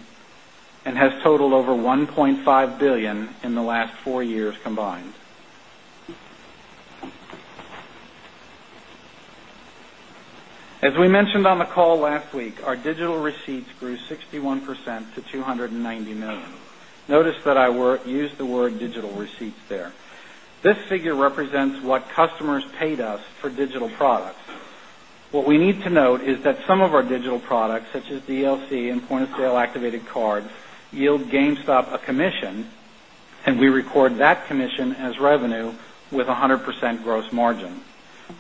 and has totaled over $1,500,000,000 in the last 4 years combined. As we mentioned on the call last week, our digital receipts grew 61% to 290,000,000 dollars Notice that I used the word digital receipts there. This figure represents what customers paid us for digital products. What we need to note is that some of our digital products such as DLC and point of sale activated cards yield GameStop a commission and we record that commission as revenue with 100% gross margin.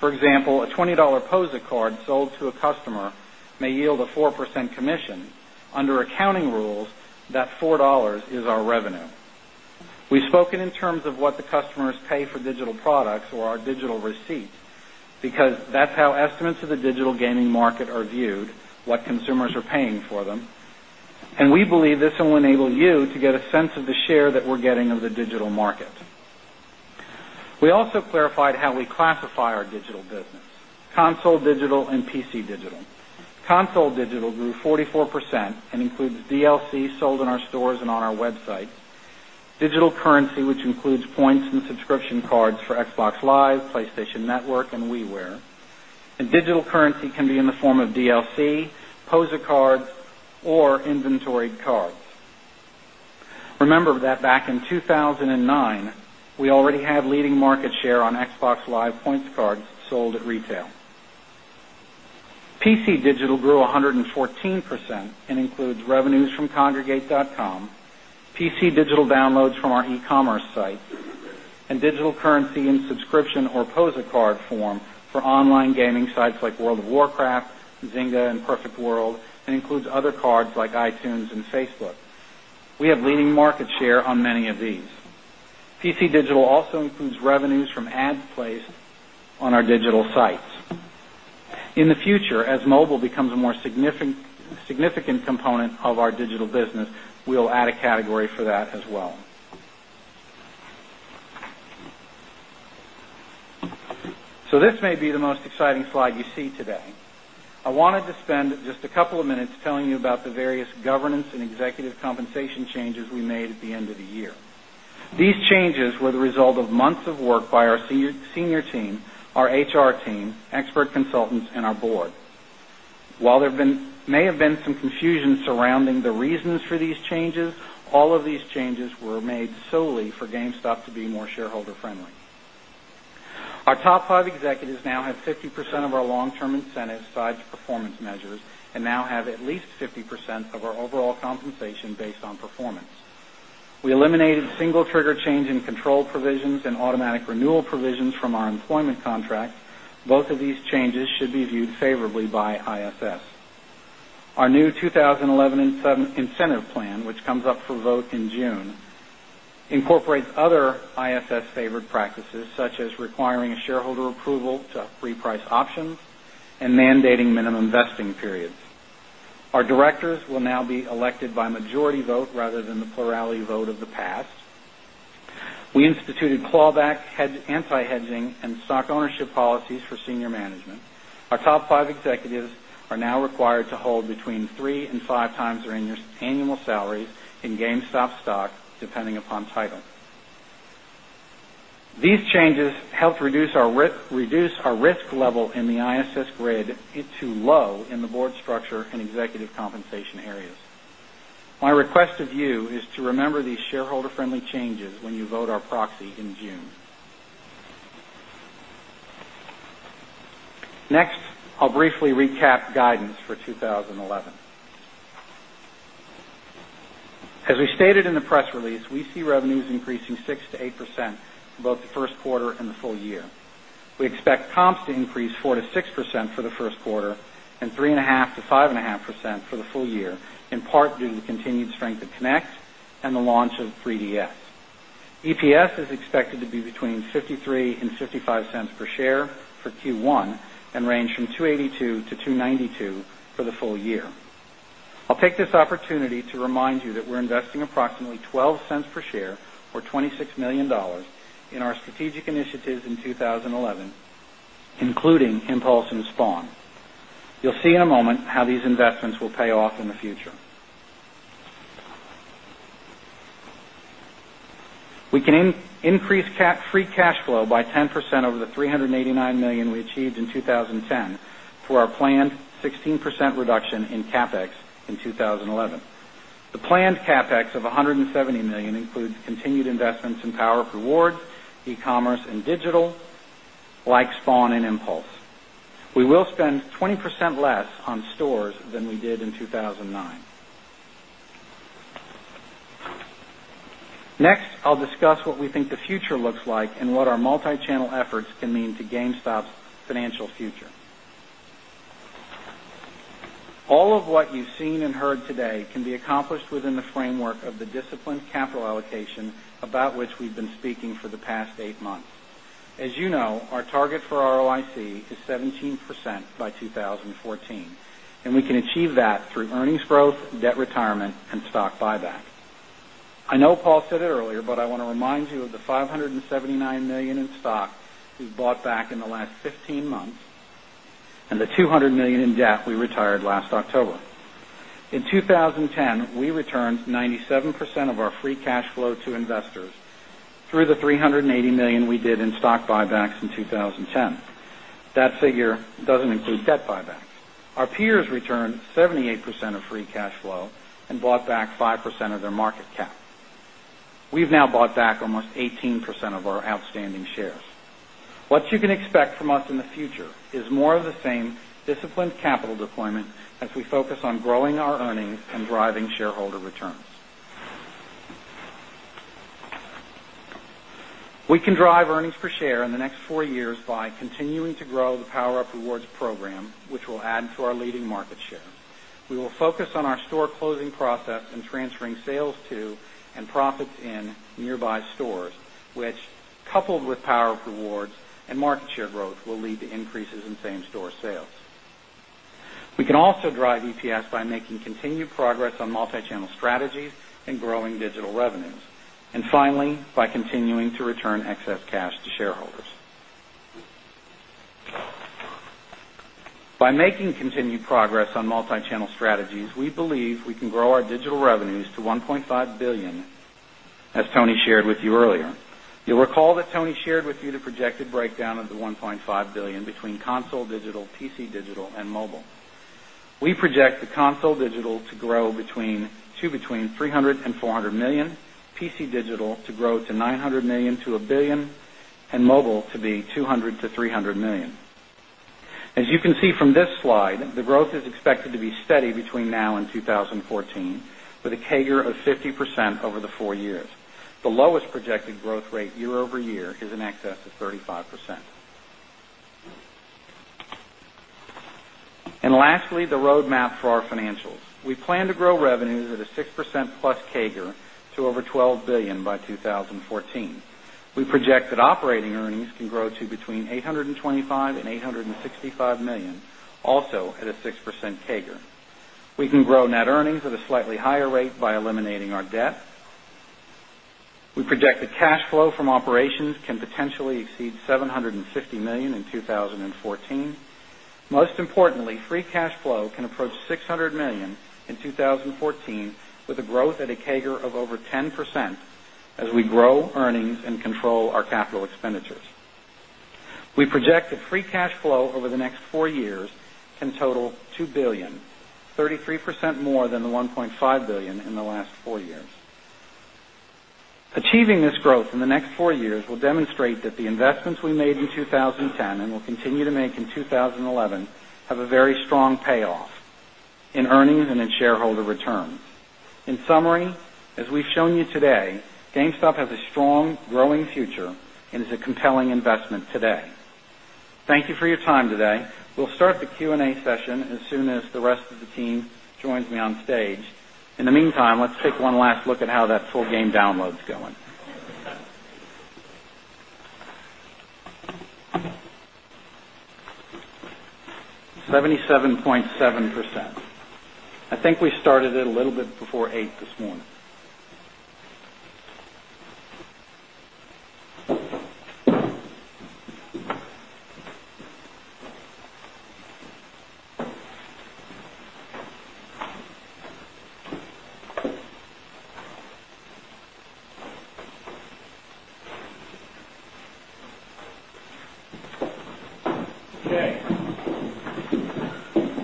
For example, a $20 Poza card sold to a customer may yield a 4% commission under accounting rules that $4 is our revenue. We've spoken in terms of what digital gaming market are viewed, what consumers are paying for them, and we believe this will enable you to get a sense of the share that we're getting of the digital market. We also clarified how we classify our digital business, console digital and PC digital. Console digital grew 44% and includes DLC sold in our stores and on our website, digital currency which includes points and subscription cards for Xbox Live, PlayStation Network and WiiWare and digital currency can be in the form of DLC, Posa cards or inventory cards. Remember that back in 2,009, we already have leading market share on Xbox Live Points cards sold at retail. PC Digital digital grew 114% and includes revenues from congregate.com, PC digital downloads from our e commerce site digital currency in subscription or POSA card form for online gaming sites like World of Warcraft, Zynga and Perfect World and includes other cards like iTunes and Facebook. We have leading market share on many of these. PC Digital also includes revenues from ads placed on our digital sites. In the future, as mobile becomes a more significant component of our digital business, we'll add a category for that as well. So this may be the most exciting slide you see today. I wanted to spend just a couple of minutes telling you about the various governance and executive compensation changes we made at the end of the year. These changes were the result of months of work by our senior team, our HR team, expert consultants and our Board. While there may have been some confusion surrounding the reasons for these changes, all of these changes were made solely for GameStop to be more shareholder friendly. Our top 5 executives now have 50% of our long term incentive aside to performance measures and now have at least 50% of our overall compensation based on performance. We eliminated single trigger change in control provisions and automatic renewal provisions from our employment contract. Both of these changes should be viewed favorably by ISS. Our new 2011 incentive plan, which comes up for vote in June, incorporates other ISS favored practices such as requiring a shareholder approval to free price options and mandating minimum vesting periods. Our directors will now be elected by majority vote rather than the plurality vote of the past. We instituted clawback hedge anti hedging and stock ownership policies for senior management. Our top 5 executives are now required to hold between 3x and 5x their annual salaries in GameStop stock depending upon title. These changes helped reduce our risk level in the ISS grid to low in the Board structure and executive compensation areas. My request of you is to remember these shareholder friendly changes when you vote our proxy in June. Next, I'll briefly recap guidance for 2011. As we stated in the press release, we see revenues increasing 6% to 8% for both the Q1 and the full year. We expect comps to increase 4% to 6% for the Q1 and 3.5% to 5.5% for the full year, in part due to the continued strength of Connect and the launch of 3DS. EPS is expected to be between $0.53 $0.55 per share for Q1 and range from $2.82 to $2.92 for the full year. I'll take this opportunity to remind you that we're investing approximately $0.12 per share $26,000,000 in our strategic initiatives in 2011, including Impulse and SPON. You'll see in a moment how these investments will pay off in the future. We can increase free cash flow by 10% over the $389,000,000 we achieved in 2010 through our planned 16% reduction in CapEx in 2011. The planned CapEx of $170,000,000 includes continued investments in PowerUp Rewards, e commerce and digital, like Spawn and Impulse. We will spend 20% less on stores than we did in 2,009. Next, I'll discuss what we think the future looks like and what our multi channel efforts can mean to GameStop's financial future. All of what you've seen and heard today can be accomplished within the framework of the disciplined capital allocation about which we've been speaking for the past 8 months. As you know, our target for ROIC is 17% by 20 14, and we can achieve that through earnings growth, debt retirement and stock buyback. I know Paul said it earlier, but I want to remind you of the $579,000,000 in stock we bought back in the last 15 months and the $200,000,000 in debt we retired last October. In 2010, we returned 97% of our free cash flow to investors through the $380,000,000 we did in stock buybacks in 2010. That figure doesn't include debt buybacks. Our peers returned 78% of free cash flow and bought back 5% of their market cap. We've now bought back almost 18% of our outstanding shares. What you can expect from us in the future is more of the same disciplined capital deployment as we focus on growing our earnings and driving shareholder returns. We can drive earnings per share in the next 4 years by continuing to grow the PowerUp Rewards program, which will add to our leading market share. We will focus on our store closing process and transferring sales to and profits in nearby stores, which coupled with PowerUp Rewards and market share growth will lead to increases in same store sales. We can also drive EPS by making continued progress on multi channel strategies and growing digital revenues and finally, by continuing to return excess cash to shareholders. By making continued progress on multi channel strategies, we believe we can grow our digital revenues to 1,500,000,000 dollars as Tony shared with you earlier. You'll recall that Tony shared with you the projected breakdown of the $1,500,000,000 between console digital, PC digital and mobile. Project the console digital to grow between $300,000,000 $400,000,000 PC digital to grow to $900,000,000 to $1,000,000,000 and mobile to be $200,000,000 to $300,000,000 As you can see from this slide, the growth is expected to be steady between now and a CAGR of 50% over the 4 years. The lowest projected growth rate year over year is in excess of 35%. And lastly, the roadmap for our financials. We plan to grow revenues at a 6% plus CAGR to over $12,000,000,000 by 2014. We project that operating earnings can grow to between $825,000,000 $865,000,000 also at a 6% CAGR. We can grow net earnings at a slightly higher rate by eliminating our debt. We project that cash flow from operations can potentially exceed $750,000,000 in 2014. Most importantly, free cash flow can approach $600,000,000 in 2014 with a growth at a CAGR of over 10% as we grow earnings and control our capital expenditures. We project that free cash flow over the next 4 years can total $2,000,000,000 33 percent more than the $1,500,000,000 in the last 4 years. Achieving this growth in the next 4 years will demonstrate that the investments we made in 2010 and will continue to make in 2011 have a very strong payoff in earnings and in shareholder returns. In summary, as we've shown you today, GameStop has a strong growing future and is a compelling investment today. Thank you for your time today. We'll start the Q and A session as soon as the rest of the team joins me on stage. In the meantime, let's take one last look at how that full game download is going. 77.7%. I think we started it a little bit before 8 this morning.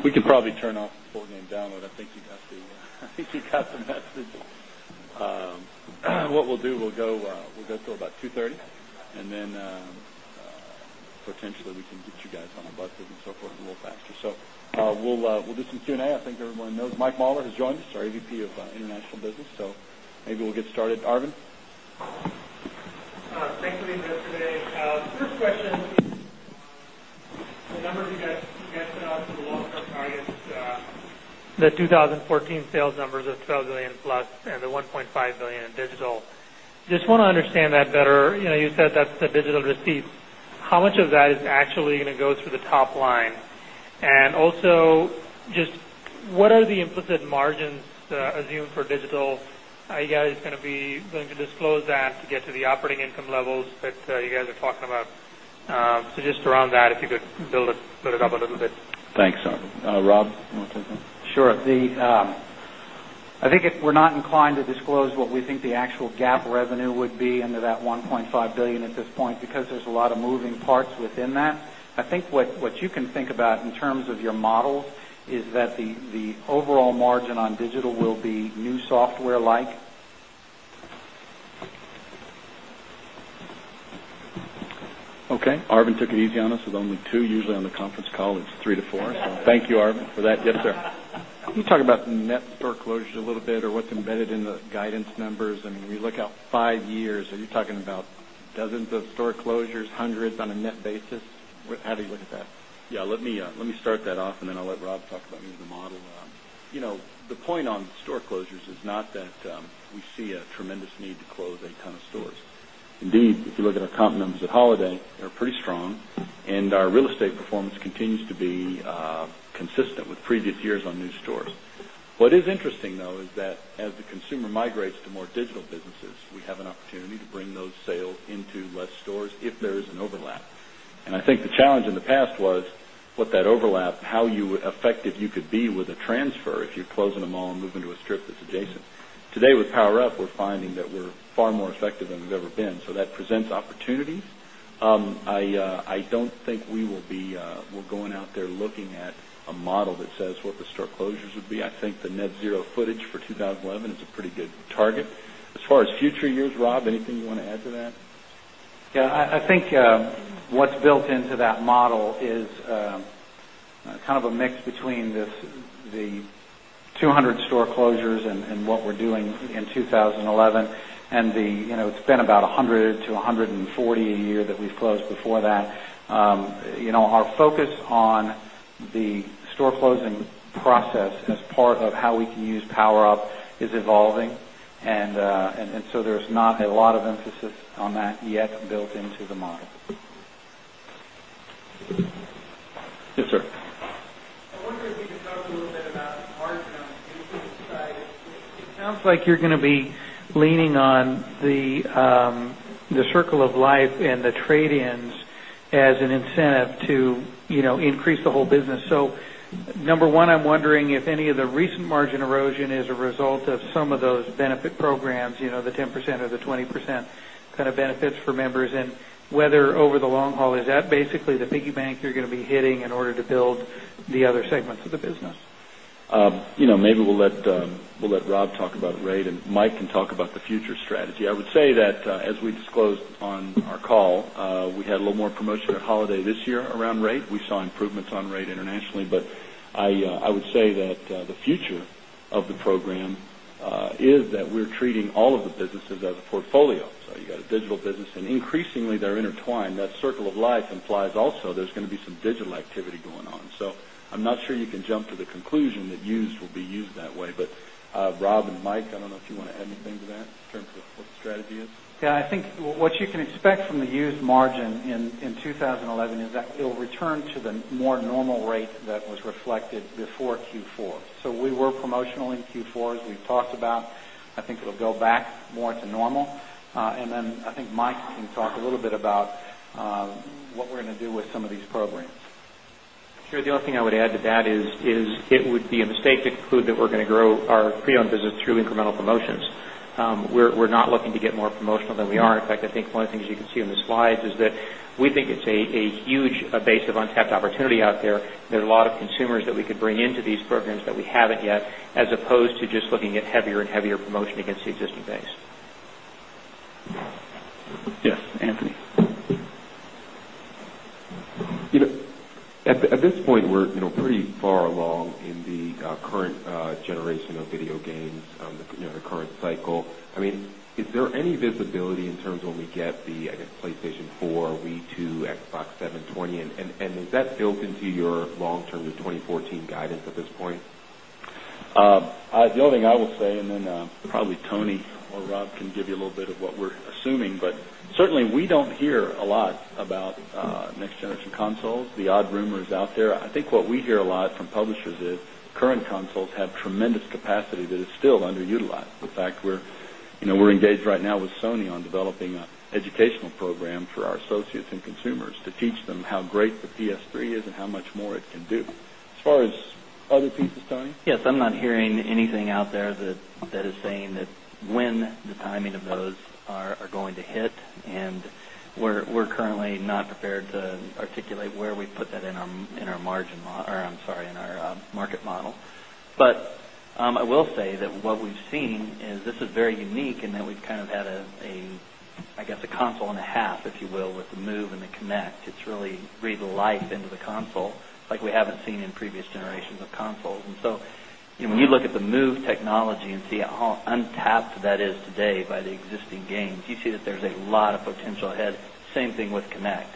We could probably turn off full name download. I think you got the message. What we'll do, we'll go to about 230 and then potentially, we can get you guys on the buses and so forth a little faster. So we'll do some Q and A. I think everyone knows Mike Mahler has joined us, our EVP of International Business. So maybe we'll get started. Arvind? Thanks for the investor today. First question, The 2014 sales numbers of $12,000,000,000 plus and the $1,500,000,000 in digital. Just want to understand that better. You said that's the digital receipt. How much of that is actually going to go through the top line? And also just what are the implicit margins assumed for digital? Are you guys going to be going to disclose that to get to the operating income levels that you guys are talking about? So just around that, if you could build it up a little bit? Thanks. Rob, you want to take that? Sure. I think we're not inclined to disclose what we think the actual GAAP revenue would be into that $1,500,000,000 at this point because there's a lot of moving parts within that. I think what you can think about in terms of your model is that the overall margin on digital will be new software like. Okay. Arvind took it easy on us with only 2 usually on the conference call. It's 3 to 4. Thank you, Arvind, for that. Yes, sir. Can you talk about net store closures a little bit or what's embedded in the guidance numbers? I mean, when you look out 5 years, are you talking about dozens of store closures, 100 on a net basis? How do you dozens of store closures, 100 on a net basis? How do you look at that? Yes. Let me start that off and then I'll let Rob talk about maybe the model. The point on store closures is not that we see a tremendous need to close a ton of stores. Indeed, if you look at our comp numbers at Holiday, they're pretty strong and our real estate performance continues to be consistent with previous years on new stores. What is interesting though is that as the consumer migrates to more digital businesses, we have an opportunity to bring those sales into less stores if there is an overlap. And I think the challenge in the past was what that overlap, how you effective you could be with a transfer if you're closing them all and move into a strip that's adjacent. Today with PowerUp, we're finding that we're far more effective than we've ever been. So that presents opportunities. I don't think we will be we're going out there looking at a model that says what the store closures would be. I think the net zero footage for 2011 is a pretty good target. As far as future years, Rob, anything you want to add to that? Yes. I think what's built into that model is kind of a mix between this the 200 store closures and what we're doing in 2011 and the it's been about 100 to 140 a year that we've closed before that. Our focus on the store closing process as part of how we can use PowerUp is evolving. And so there's not a lot of emphasis on that yet built into the model. Yes, sir. I wonder if you could talk a little bit about margin on the business side. It sounds like you're going to be leaning on the Circle of Life and the trade ins as an incentive to increase the whole business. So number 1, I'm wondering if any of the recent margin erosion is a result of some of those benefit programs, the 10% or the 20% benefits for members and whether over the long haul is that basically the piggy bank you're going to be hitting in order to build the other segments of the business? Maybe we'll let Rob talk about rate and Mike can talk about the future strategy. I would say that as we disclosed on our call, we had a little more promotional holiday this year around rate. We saw improvements on rate internationally. But I would say that the future of the program is that we're treating all of the businesses as a portfolio. So you got a digital business and increasingly they're intertwined. That circle of life implies also there's going to be some digital activity going on. So I'm not sure you can jump to the conclusion that used will be used that way. But Rob and Mike, I don't know if you want to add anything to that in terms of what the strategy is? Yes. I think what you can expect from the used margin in 2011 is that it will return to the more normal rate that was reflected before Q4. So we were promotional in Q4 as we've talked about. I think it will go back more to normal. And then I think Mike can talk a little bit about what we're going to do with some of these programs. Sure. The only thing I would add to that is it would be a mistake to conclude that we're going to grow our pre owned business through incremental promotions. We're not looking to get more promotional than we are. In fact, I think one of the things you can see in the slides is that we think it's a huge base of untapped opportunity out there. There are a lot of consumers that we could bring into these programs that we haven't yet as opposed to just looking at heavier and heavier promotion against the existing base. Yes, Anthony. At this point, we're pretty far along in the current generation of video games, the current cycle. I mean, is there any visibility in terms of when we get the, I guess, PlayStation 4, Wii 2, Xbox 720? And is that built into your long term to 2014 guidance at this point? The only thing I will say and then probably Tony or Rob can give you a little bit of what we're assuming. But certainly, we don't hear a lot about next generation consoles. The odd rumor is out there. I think what we hear a lot from publishers is current consoles have tremendous capacity that is still underutilized. In fact, we're engaged right now with Sony on developing an educational program for our associates and consumers to teach them how great the PS3 is and how much more it can do. As far as other pieces, Tony? Yes. I'm not hearing anything out there that is saying that when the timing of those are going to hit and we're currently not prepared to articulate where we put that in our margin or I'm sorry, in our market model. But I will say that what we've seen is this is very unique and that we've kind of had a, I guess, a console and a half, if you will, with the move and the connect. It's really breathe life into the console like we haven't seen in previous generations of consoles. And so when you look at the Move technology and see how untapped that is today by the existing games, you see that there's a lot of potential ahead, same thing with Connect.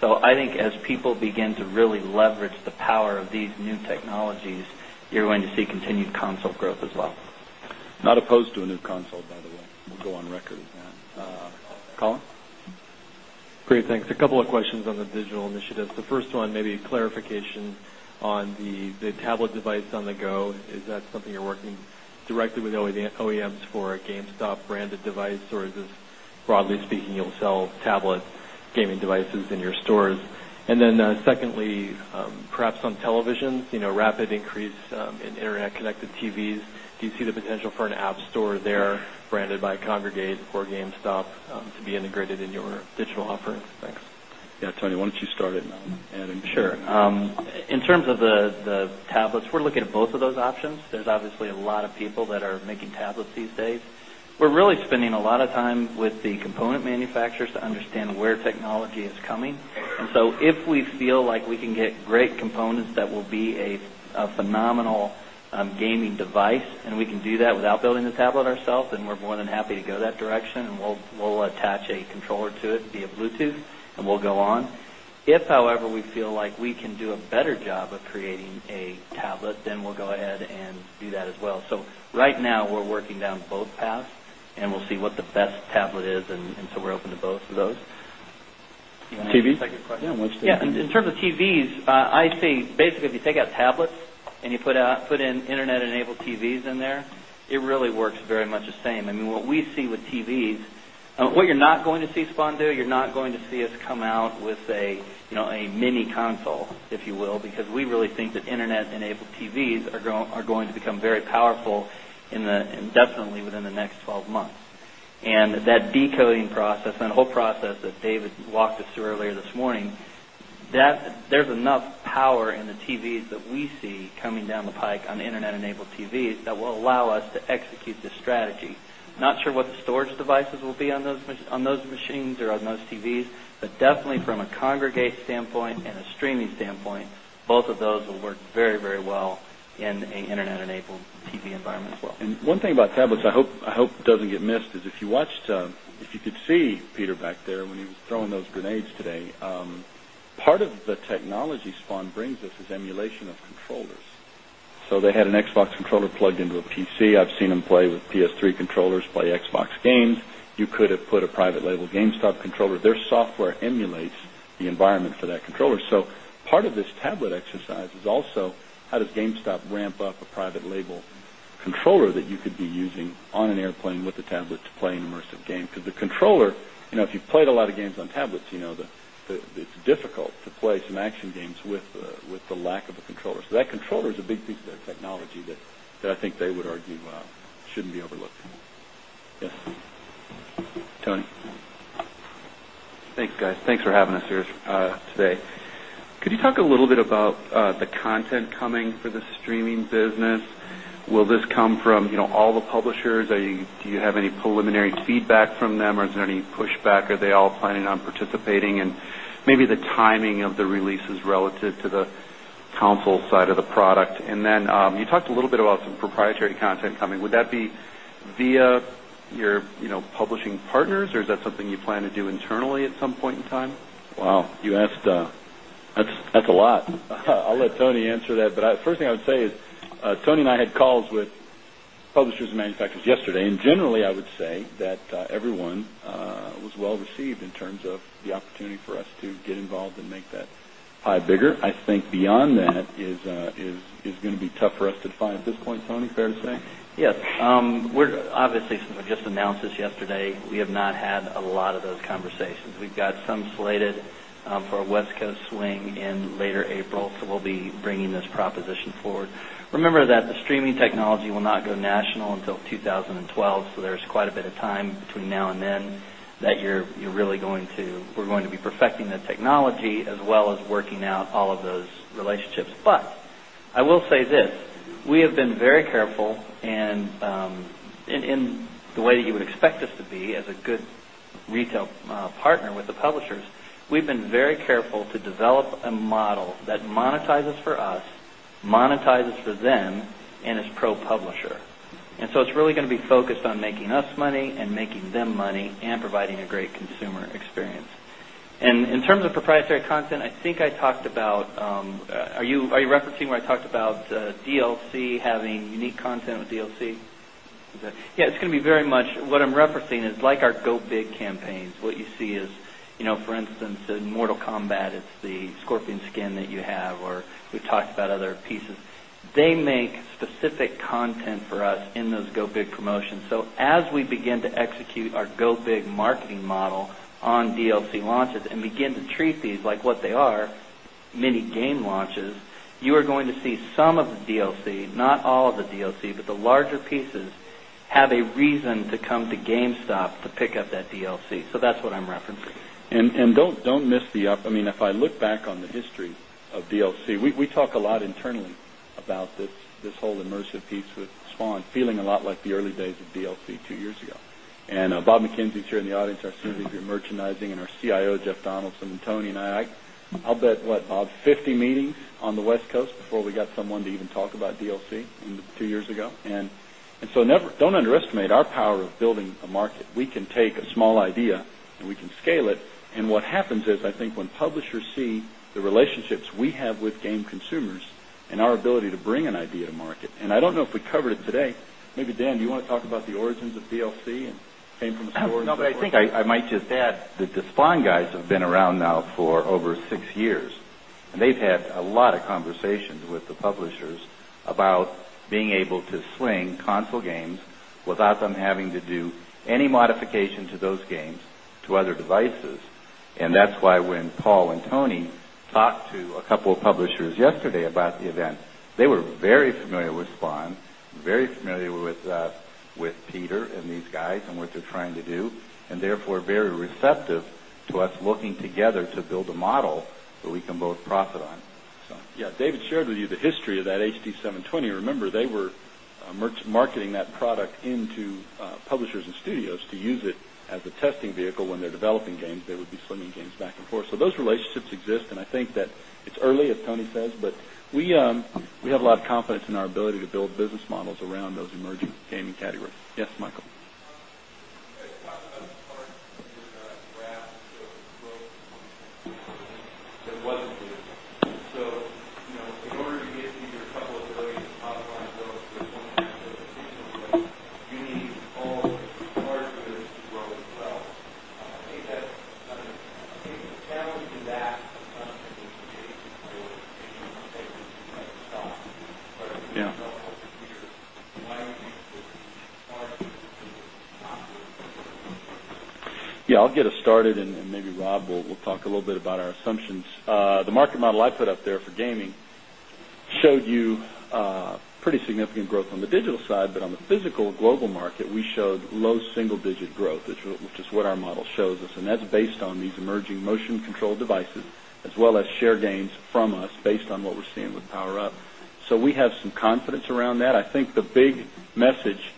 So I think as people begin to really leverage power of these new technologies, you're going to see continued console growth as well. Not opposed to a new console, by the way. We'll go on record with that. Colin? Great. A couple of questions on the digital initiatives. The first one, maybe a clarification on the tablet device on the go. Is that something you're working directly with OEMs for a GameStop branded device? Or is this broadly speaking, you'll sell tablet gaming devices in your stores? And then secondly, perhaps on televisions, rapid increase in Internet connected TVs, do you see the potential for an app store there branded by Kongregate or GameStop to be integrated in your digital offerings? Thanks. Yes. Tony, why don't you start and I'll add anything. Sure. In terms of the tablets, we're looking at both of those options. There's obviously a lot of people that are making tablets these days. We're really spending a lot of time with the component manufacturers to understand where technology is coming. And so if we feel like we can get great components that will be a phenomenal gaming device and we can do that without building the tablet ourselves and we're more than happy to go that direction and we'll attach a controller to it via Bluetooth and we'll go on. If however, we feel like we can do a better job of creating a tablet, then we'll go ahead and do that as well. So right now, we're working down both paths and we'll see what the best tablet is and so we're open to both of those. TVs? Yes. In terms of TVs, I see basically if you take out tablets and you put in Internet enabled TVs in there, it really works very much the same. I mean, what we see with TVs, what you're not going to see, Spon do, you're not going to see us come out with a mini console, if you will, because we really think that Internet enabled TVs are going to become very powerful indefinitely within the next 12 months. And that decoding process and whole process that David walked us through earlier this morning, that there's enough power in the TVs that we see coming down the pike on the Internet enabled TVs that will allow us to execute this strategy. Not sure what the storage devices will be on those machines or on those TVs, But definitely from a congregate standpoint and a streaming standpoint, both of those will work very, very well in an Internet enabled TV environment as well. And one thing about tablets, I hope it doesn't get missed is if you watched if you could see Peter back there when he was throwing those grenades today, part of the technology SPAN brings us is emulation of controllers. So they had an Xbox controller plugged into a PC. I've seen them play with PS3 controllers, play Xbox games. You could have put a private label GameStop controller. Their software emulates the environment for that controller. So part of this tablet exercise is also how does GameStop ramp up a private label controller that you could be using on an airplane with a tablet to play an immersive game? Because the controller, if you've played a lot of games on tablets, it's difficult to play some action games with the lack of a controller. So that controller is a big piece of their technology that I think they would argue shouldn't be overlooked. Yes. Tony? Thanks, guys. Thanks for having us here today. Could you talk a little bit about the content coming for the streaming business? Will this come from all the publishers? Do you have any preliminary feedback from them? Or is there any pushback? Are they all planning on participating? And maybe the timing of the releases relative to the console side of the product? And then, you talked a little bit about some proprietary content coming. Would that be via your publishing partners? Or is that something you plan to do internally at some point in time? Wow, you asked that's a lot. I'll let Tony answer that. But first thing I would say is, Tony and I had calls with publishers and manufacturers yesterday. And generally, I would say that everyone was well received in terms of the opportunity for us to get involved and make that pie bigger. I think beyond that is going to be tough for us to find at this point, Tony, fair to say? Yes. We're obviously, we just announced this yesterday. We have not had a lot of those conversations. We've got some slated for a West Coast swing in later April. So we'll be bringing this proposition forward. Remember that the streaming technology will not go national until 2012. So there's quite a bit of time between now and then that you're really going to we're going to be perfecting the technology as well as working out all of those relationships. But I will say this, we have been very careful and in the way that you would expect us to be as a good retail partner with the publishers, we've been very careful to develop a model that monetizes for us, monetizes for them and is pro publisher. And so it's really going to be focused on making us money and making them money and providing a great consumer experience. And in terms of proprietary content, I think I talked about are you referencing where I talked about DLC having unique content with DLC? Yes, it's going to be very much what I'm referencing is like our go big campaigns. What you see is, for instance, in Mortal Kombat, it's the scorpion skin that you have or we've talked about other pieces. They make specific content for us in those go big promotions. So as we begin to execute our go big marketing model on DLC launches and begin to treat these like what they are, many game launches, you are going to see some of the DLC, not all of the DLC, but the larger pieces have a reason to come to GameStop to pick up that DLC. So that's what I'm referencing. And don't miss the I mean, if I look back on the history of DLC, we talk a lot internally about this whole immersive piece with Swan, feeling a lot like the early days of DLC 2 years ago. And Bob McKenzie is here in the audience, our CFO of Merchandising and our CIO, Jeff Donaldson, and Tony and I, I'll bet, what, Bob, 50 meetings on the West Coast before we got someone to even talk about DLC 2 years ago. And so never don't underestimate our power of building a market. We can take a small idea and we can scale it. And what happens is I think when publishers see the relationships we have with game consumers and our ability to bring an idea to market, and I don't know if we covered it today. Maybe Dan, do you want to talk about the origins of DLC and came from storage? No, but I think I might just add that the Spon guys have been around now for over 6 years and they've had a lot of conversations with the publishers about being able to swing console games without them having to do any modification to those games to other devices. And that's why when Paul and Tony talked to a couple of publishers yesterday about the event, they were very familiar with SPON, very familiar with Peter and these guys and what they're trying to do and therefore very receptive to us looking together to build a model that we can both profit on. Yes, David shared with you the history of that HD 720. Remember, they were merch marketing that product into publishers and studios to use it as a testing vehicle when they're developing games, they would be swinging games back and forth. So those relationships exist. And I think that it's early as Tony says, but we have a lot of confidence in our ability to build business models around those emerging gaming categories. Yes, Michael? Yes. I'll get us started and maybe Rob will talk a little bit about our assumptions. The market model I put up there for gaming showed you pretty significant growth on the digital side, but on the physical global market, we showed low single digit growth, which is what our model shows us. And that's based on these emerging motion controlled devices as well as share gains from us based on what we're seeing with PowerUp. So we have some confidence around that. I think the big message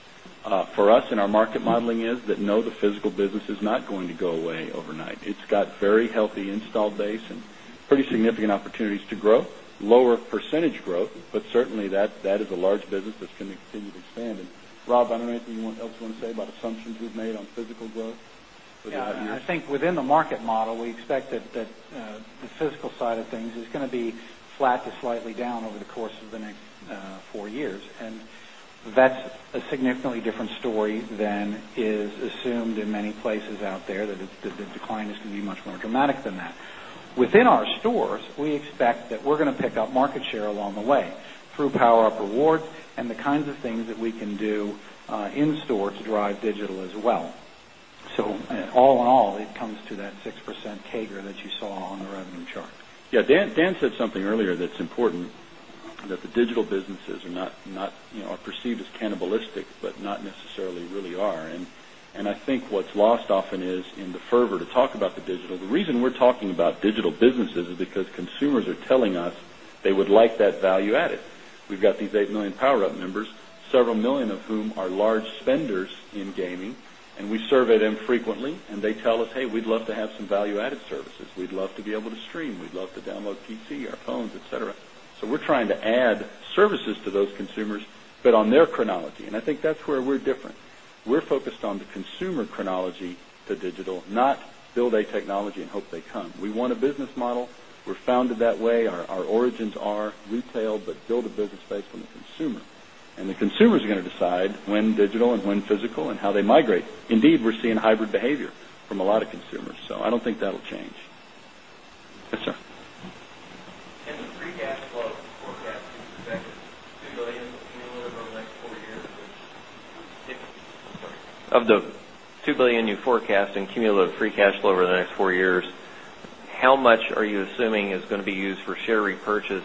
for us in our market modeling is that, no, the physical business is not going to go away overnight. It's got very healthy installed base and pretty significant opportunities to grow, lower percentage growth, but certainly that is a large business that's going to continue to expand. And Rob, I don't know anything else you want to say about assumptions you've made on physical growth? Yes. I think within the market model, we expect that the physical side of things is going to be flat to slightly down over the course of the next 4 years. And that's a significantly different story than is assumed in many places out there that the decline is going to be much more dramatic than that. Within our stores, we expect that we're going to pick up market share along the way through PowerUp Rewards and the kinds of things that we can do in store to drive digital as well. So all in all, it comes to that 6% CAGR that you saw on the revenue chart. Yes. Dan said something earlier that's important that the digital businesses are not are perceived as cannibalistic, but not necessarily really are. And I think what's lost often is in the fervor to talk about the digital. The reason we're talking about digital businesses is because consumers are telling us they would like that value added. We've got these 8,000,000 PowerUp members, several million of whom are large spenders in gaming and we survey them frequently and they tell us, hey, we'd love to have some value added services. We'd love to be able to stream. We'd love to download PC or phones, etcetera. We're trying to add services to those consumers, but on their chronology. And I think that's where we're different. We're focused on the consumer chronology to digital, not build a technology and hope they come. We want a business model. We're founded that way. Our origins are retail, but build a business based on the consumer. And the consumer is going to decide when digital and when physical and how they migrate. Indeed, we're seeing hybrid behavior from a lot of consumers. So I don't think that will change. Of the $2,000,000,000 you forecast in cumulative free cash flow over the next 4 years, how much are you assuming is going to be used for share repurchase?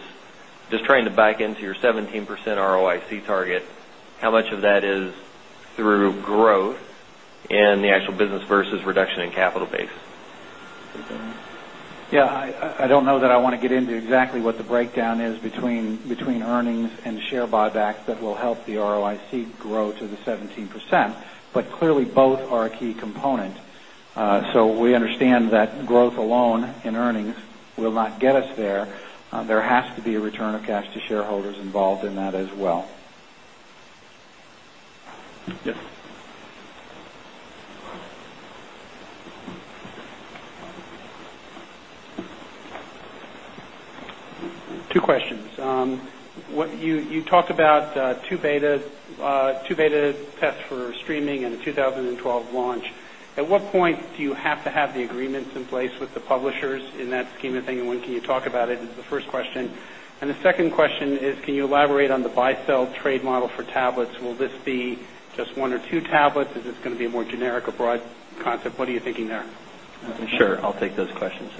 Just trying to back into your 17% ROIC target, how much of that is through growth in the actual business versus reduction in capital base? Yes. I don't know that I want to get into exactly what the breakdown is between earnings and share buybacks that will help the ROIC grow to the 17%, but clearly both are a key component. So we understand that growth alone in earnings will not get us there. There has to be a return of cash to shareholders involved in that as well. Two questions. You talked about 2 beta for streaming and 2012 launch. At what point do you have to have the agreements in place with the publishers in that scheme of thing? And when can you talk about it is the first question? And the second question is, can you elaborate on the buy sell trade model for tablets? Will this be just 1 or 2 tablets? Is this going to be a more generic or broad concept? What are you thinking there? Sure. I'll take those questions.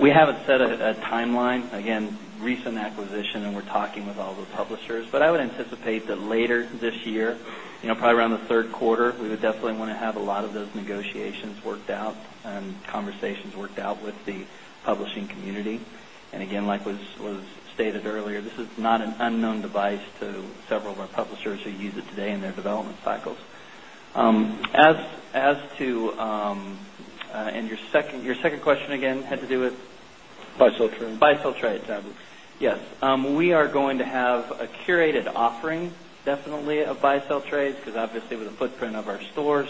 We haven't set a timeline, again, recent acquisition and we're talking with all the publishers. But I would anticipate that later this year, probably around Q3, we would definitely want to have a lot of those negotiations worked out and conversations worked out with the publishing community. And again, like was stated earlier, this is not an unknown device to several of our publishers who use it today in their development cycles. As to and your second question again had to do with? Biociltrate. Sell trade. Buy sell trade. Yes. We are going to have a curated offering definitely of buy sell trades because obviously with the footprint of our stores,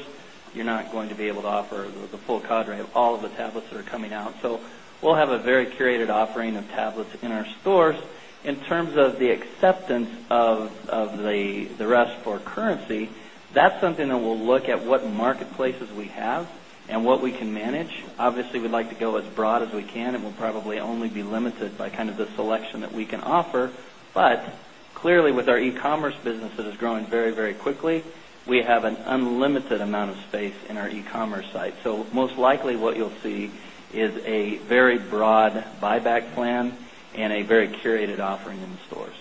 you're not going to be able offer the full cadre of all of the tablets that are coming out. So we'll have a very curated offering of tablets in our stores. In terms of the acceptance of the rest for currency, that's something that we'll look at what marketplaces we have and what we can manage. Obviously, we'd like to go as broad as we can and we'll probably only be limited by kind of the selection that we can offer. But clearly with our e commerce business that is growing very, very quickly, we have an unlimited amount of space in our e commerce site. So most likely what you'll see is a very broad buyback plan and a very curated offering in the stores.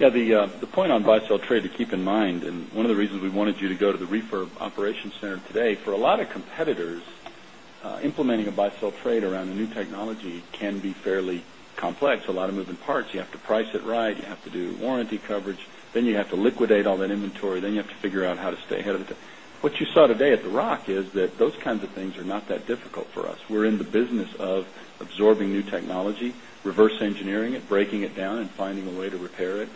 Yes. The point on buy sell trade to keep in mind and one of the reasons we wanted you to go to the refurb operation center today for a lot of competitors, implementing a buy sell trade around the new technology can be fairly complex, a lot of moving parts. You have to price it right, you have to do warranty coverage, then you have to liquidate all that inventory, then you have to figure out how to stay ahead of it. What you saw today at the Rock is that those kinds of things are not that difficult for us. We're in the business of absorbing new technology, reverse engineering it, breaking it down and finding a way to repair it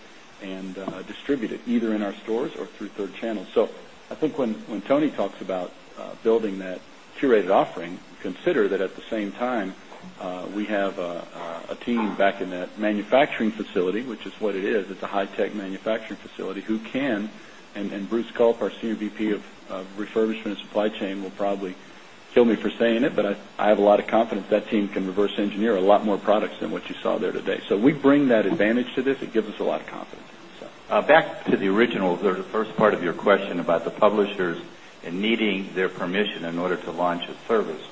and distribute it either in our stores or through 3rd channels. So I think when Tony talks about building that curated offering, consider that at the same time, we have a team back in that manufacturing facility, which is what it is. It's a high-tech manufacturing facility who can and Bruce Culp, our Senior VP of Refurbishment and Supply Chain will probably kill me for saying it, but I have a lot of confidence that team can reverse engineer a lot more products than what you saw there today. So we bring that advantage to this. It gives us a lot of confidence. Back to the original the first part of your question about the publishers and needing their permission in order to launch a service.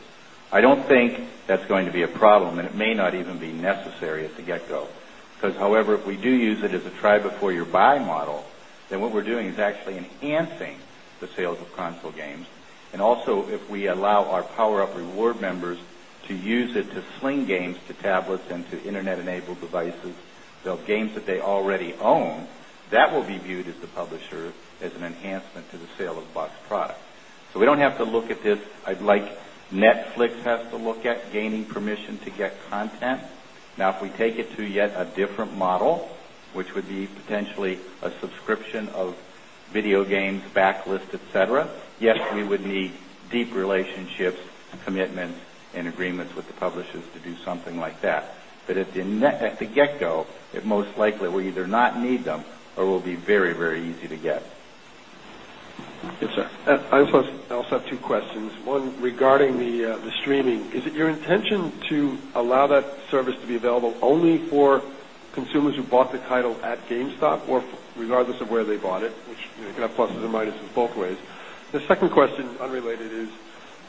I don't think that's going to be a problem and it may not even be necessary at the get go. Because however, if we do use it as a try before you buy model, then what we're doing is actually enhancing the sales of console games. And also if we allow our PowerUp Rewards members to use it to sling games to tablets and to Internet enabled devices, So games that they already own, that will be viewed as the publisher as an enhancement to the sale of box product. So we don't have to look at this. I'd like Netflix has to look at gaining permission to get content. Now, if we take it to yet a different model, which would be potentially a subscription of video games backlist, etcetera. Yes, we would need deep relationships and commitments and agreements with the publishers to do something like that. But at the get go, it most likely will either not need them or will be very, very easy to get. Yes, sir. I just want to I also have 2 questions. One, regarding the streaming. Is it your intention to allow that service to be available only for consumers who bought the title at GameStop or regardless of where they bought it, which you can have pluses and minuses both ways. The second question, unrelated is,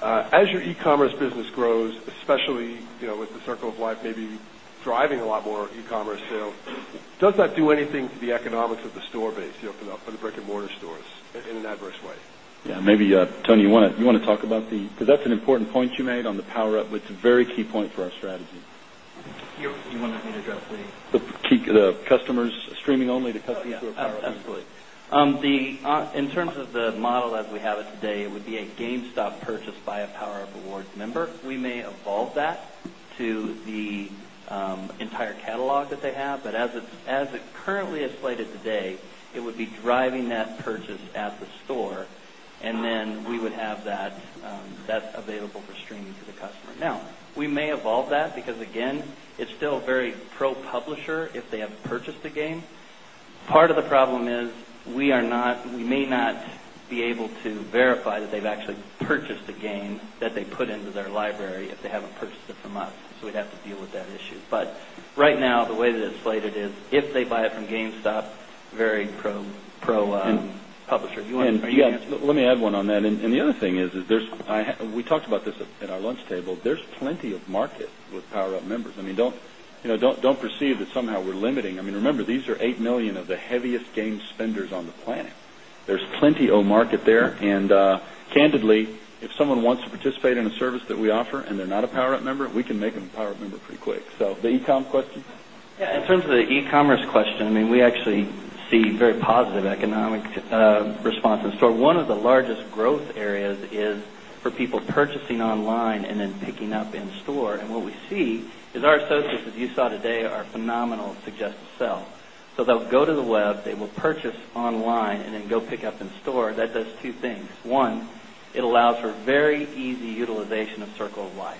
as your e commerce business grows, especially with the circle of life maybe driving a lot more e commerce sales, does that do anything to the economics of the store base you open up for the brick and mortar stores in an adverse way? Yes. Maybe, Tony, you want to talk about the because that's important point you made on the power up, but it's a very key point for our strategy. You wanted me to address the The customers streaming only to customers who are power up. Yes, absolutely. In terms of the model as we have it today, it would be a GameStop purchase by a PowerUp Rewards member. We may evolve that to the entire catalog that they have. But as it currently is slated today, it would be driving that purchase at the store and then we would have that available for streaming to the customer. Now, we may evolve that because again, it's still very pro publisher if they have purchased a game. Part of the problem is we are not we may not be able to verify that they've actually purchased a game that they put into their library if they haven't purchased it from us. So we'd have to deal with that issue. But right now, the way that it's slated is, if they buy it from GameStop, very pro publisher. Do you want to add anything to that? Yes. Let me add one on that. And the other thing is, is there's we talked about this at our lunch table. There's plenty of market with PowerUp members. I mean, don't perceive that somehow we're limiting. I mean, remember, these are 8,000,000 of the heaviest game spenders on the planet. There's plenty of market there. And candidly, if someone wants to participate in a service that we offer and they're not a PowerUp member, we can make them a PowerUp member pretty quick. So the e com question? Yes. In terms of the e commerce question, I mean, we actually see very positive economic response in store. 1 of the largest growth areas is for people purchasing online and then picking up in store. And what we see is our associates, as you saw today, are phenomenal suggest to sell. So they'll go to the web, they will purchase online and 2 things. 1, it allows for very easy utilization of Circle of Life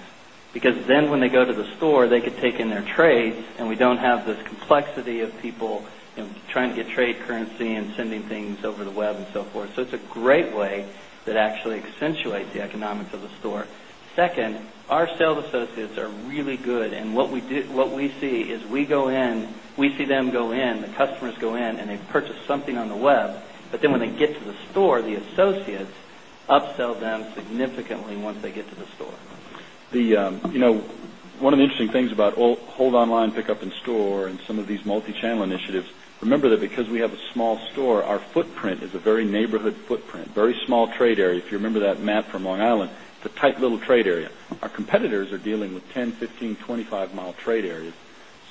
because then when they go to the store, they could take in their trades and we don't have this complexity of people trying to get trade currency and sending things over the web and so forth. So it's a great way that actually accentuates the economics of the store. 2nd, our sales associates are really good and what we see is we go in, we see them go in, the associates upsell them significantly once they get to the store. The one of the interesting things about hold online, pickup in store and some of these multichannel initiatives, remember that because we have a small store, our footprint is a very neighborhood footprint, very small trade area. If you remember that map from Long Island, it's a tight little trade area. Our competitors are dealing with 10, 15, 25 mile trade areas.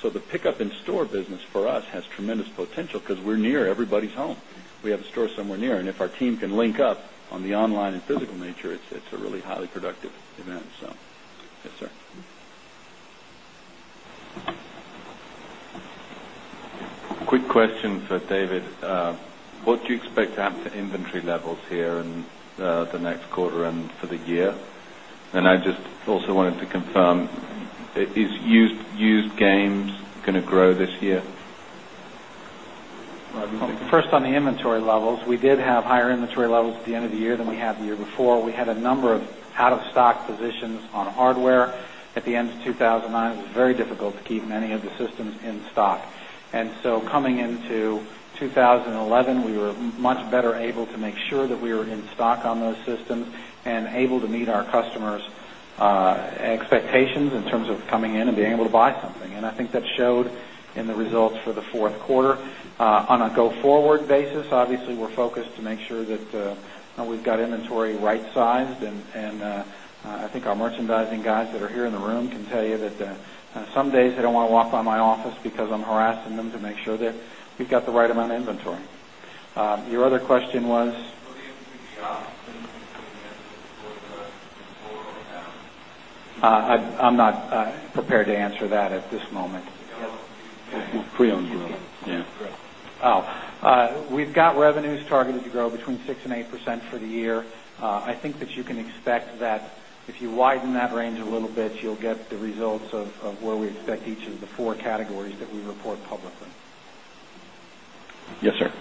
So the pickup in store business for us has tremendous potential because we're near everybody's home. We have a store somewhere near. And if our team can link up on the online and physical nature, it's a really highly productive event. So yes, sir. Quick question for David. What do you expect to happen to inventory levels here in the next quarter and for the year? And I just also wanted to confirm, is used games going to grow this year? First on the inventory levels, we did have higher inventory levels at the end of the year than we had the year before. We had a number of out of stock positions on hardware the end of 2009, it was very difficult to keep many of the systems in stock. And so coming into 2011, we were much better able to make sure that we were in stock on those systems and able to meet our customers' expectations in terms of coming in and being able to buy something. And I think that showed in the results for the Q4. On a go forward basis, obviously, we're focused to make sure that we've got inventory right sized. And I think our merchandising guys that are here in the room can tell you that some days they don't want to walk by my office because I'm harassing them to make sure that we've got the right amount of inventory. Your other question was? I'm not prepared to answer that at this moment. Pre owned growth. Yes. We've got revenues targeted to grow between 6% 8% for the year. I think that you can expect that if you widen that range a little bit, you'll get the results of where we expect each of the 4 categories that we report publicly. Yes, sir.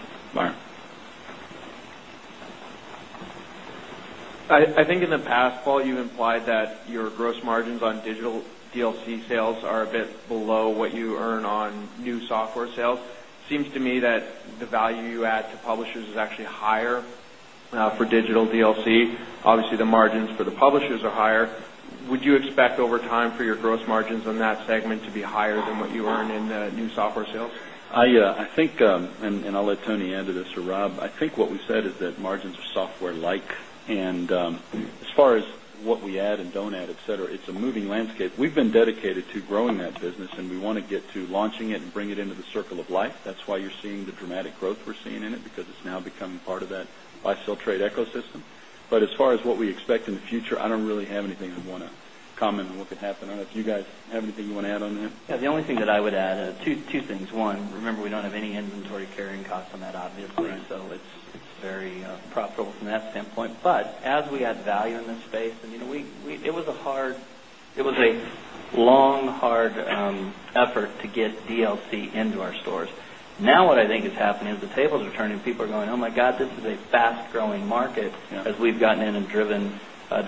I think in the past, Paul, you implied that your gross margins on digital DLC sales are a bit below what you earn on new software sales. It seems to me that the value you add to publishers is actually higher for digital DLC. Obviously, the margins for the publishers are higher. Would you expect over time for your gross margins on that segment be higher than what you earn in the new software sales? I think and I'll let Tony answer this for Rob. I think what we said is that margins are software like. And as far as what we add and don't add, etcetera, it's a moving landscape. We've been dedicated to growing that business and we want to get to launching it and bring it into the circle of life. That's why you're seeing the dramatic growth we're seeing in it because it's now becoming part of that buy sell trade ecosystem. But as far as what we expect in the future, I don't really have anything I want to comment on what could happen. I don't know if you guys have anything you want to add on that? Yes. The only thing that I would add, 2 things. 1, remember, we don't have any inventory carrying costs on that, obviously. So it's very profitable from that standpoint. But as we add value in this space, I mean, we it was a hard it was a long, hard effort to get DLC into our stores. Now what I think is happening is the tables are turning. People are going, oh my god, this is a fast growing market as we've gotten in and driven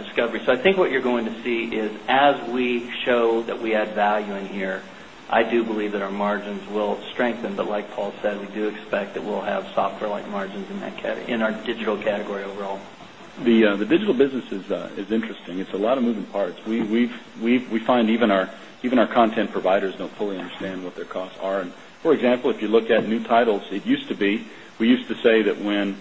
discovery. So I think what you're going to see is as we show that we add value in here, I do believe that our margins will strengthen. But like Paul said, we do expect that we'll have software like margins in our digital category overall. The digital business is interesting. It's a lot of moving parts. We find even our content providers don't fully understand what their costs are. And for example, if you look at new titles, it used to be we used to say that when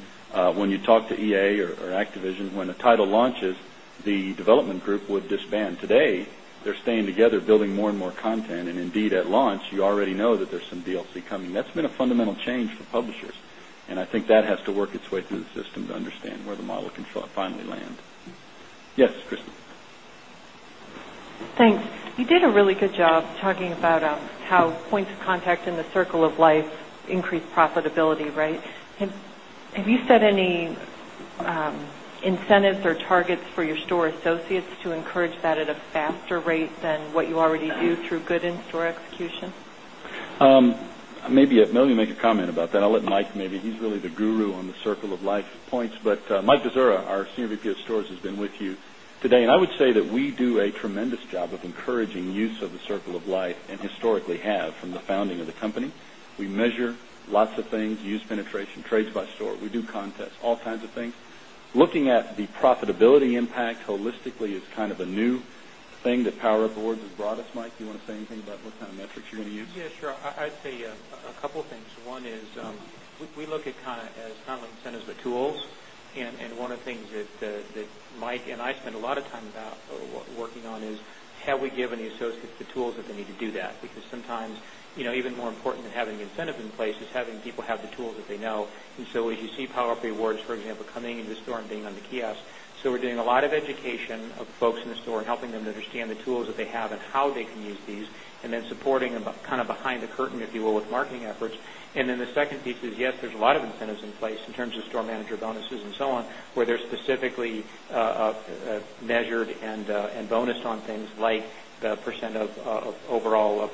you talk to EA or Activision, when a title launches, the development group would disband. Today, they're staying together building more and more content. And indeed, at launch, you already know that there's some DLC coming. That's been a fundamental change for publishers. And I think that has to work its way through the system to understand where the model can finally land. Yes, Kristen? Thanks. You did a really good job talking about how points of contact in the circle of life increased profitability, right? Have you set any incentives or targets for your store associates to encourage that at a faster rate than what you already do through good in store execution? Maybe I'll let you make a comment about that. I'll let Mike maybe. He's really the guru on the circle of life points. But Mike Dezura, our Senior VP of Stores has been with you today. And I would say that we do a tremendous job of encouraging use of the Circle of Life and historically have from the founding of the company. We measure lots of things, use penetration, trades by store, we do contests, all kinds of things. Looking at the profitability impact holistically is kind of a new thing that Power Boards has brought us. Mike, do you want to say anything about what kind of metrics you're going to use? Yes, sure. I'd say a couple of things. One is we look at kind of as kind of incentives with tools. And one of the things that Mike and I spend a lot of time about working on is have we given the associates the tools that they need to do that, because sometimes even more important than having incentive in place is having people have the tools that they know. So as you see PowerUp Rewards, for example, coming into the store and being on the kiosk, so we're doing a lot of education of folks in the store and helping them to understand the tools that they have and how they can use these and then supporting them terms of store manager bonuses and so on, where they're specifically measured and and so on, where they're specifically measured and bonused on things like percent of overall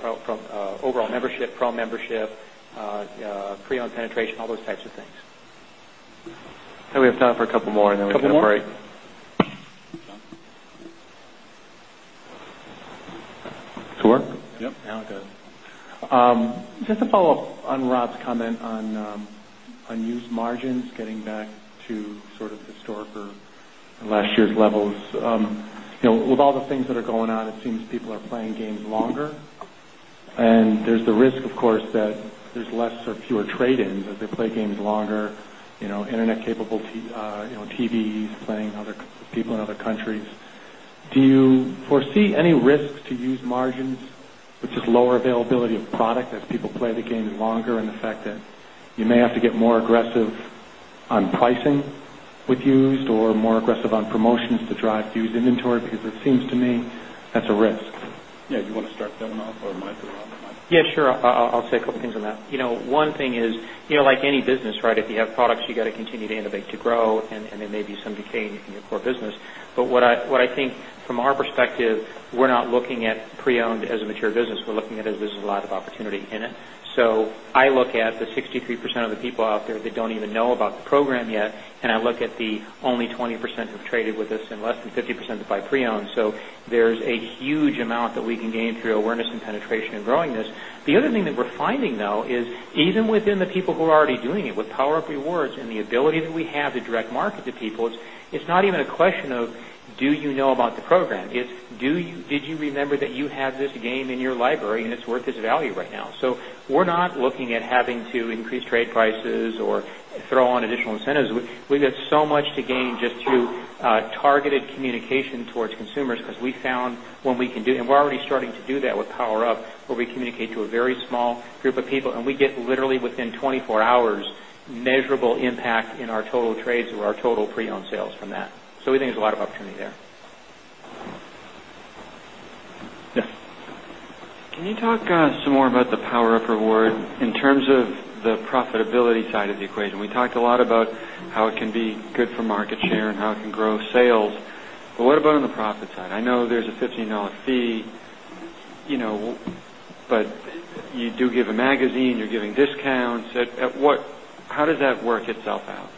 membership, pro membership, owned penetration, all those types of things. And we have time for a couple more and then we can operate. Just a follow-up on Rob's comment on unused margins getting back to sort of historic or last year's levels. With all the things that are going on, it seems people are playing games longer. And there's the risk, of course, that there's less or fewer trade ins as they play games longer, Internet capable TVs playing other people in other countries. Do you foresee any risks to use margins, which is lower availability of product as people play the game longer and the fact that you may have to get more aggressive on pricing with used or more aggressive on promotions to drive used inventory because it seems to me that's a risk? Yes. You want to start that one off or Mike or Rob or Mike? Yes, sure. I'll say a couple of things on that. One thing is, like any business, right, if you have products, you got to continue to innovate to grow and there may be some decay in your core business. But what I think from our perspective, we're not looking at pre owned as a mature business. We're looking at it as there's a lot of opportunity in it. So, I look at the 63% of the people out there that don't even know about the program yet and I look at the only 20% have traded with us and less than 50% buy pre owned. So, there's a huge amount that we can gain through awareness and penetration and growing this. The other thing that we're finding though is even within the people who are already doing it with PowerUp Rewards and the ability that we have to direct market to people, it's not even a question of do you know about the program, it's do you did you remember that you have this game in your library and it's worth its value right now. So we're not looking at having to increase trade prices or throw on additional incentives. We've got so much to gain just through targeted communication towards consumers because we found what we can do and we're already starting to do that with PowerUp where we communicate to a very small group of people and we get literally within 24 hours measurable impact in our total trades or our total pre owned sales from that. So we think there's a lot of opportunity there. Yes. Can you talk some more about the power of reward in terms of the profitability side of the equation? We talked a lot about how it can be good for market share and how it can grow sales. But what about on the profit side? I know there's a $15 fee, but you do give a magazine, you're giving discounts. What how does that work itself out?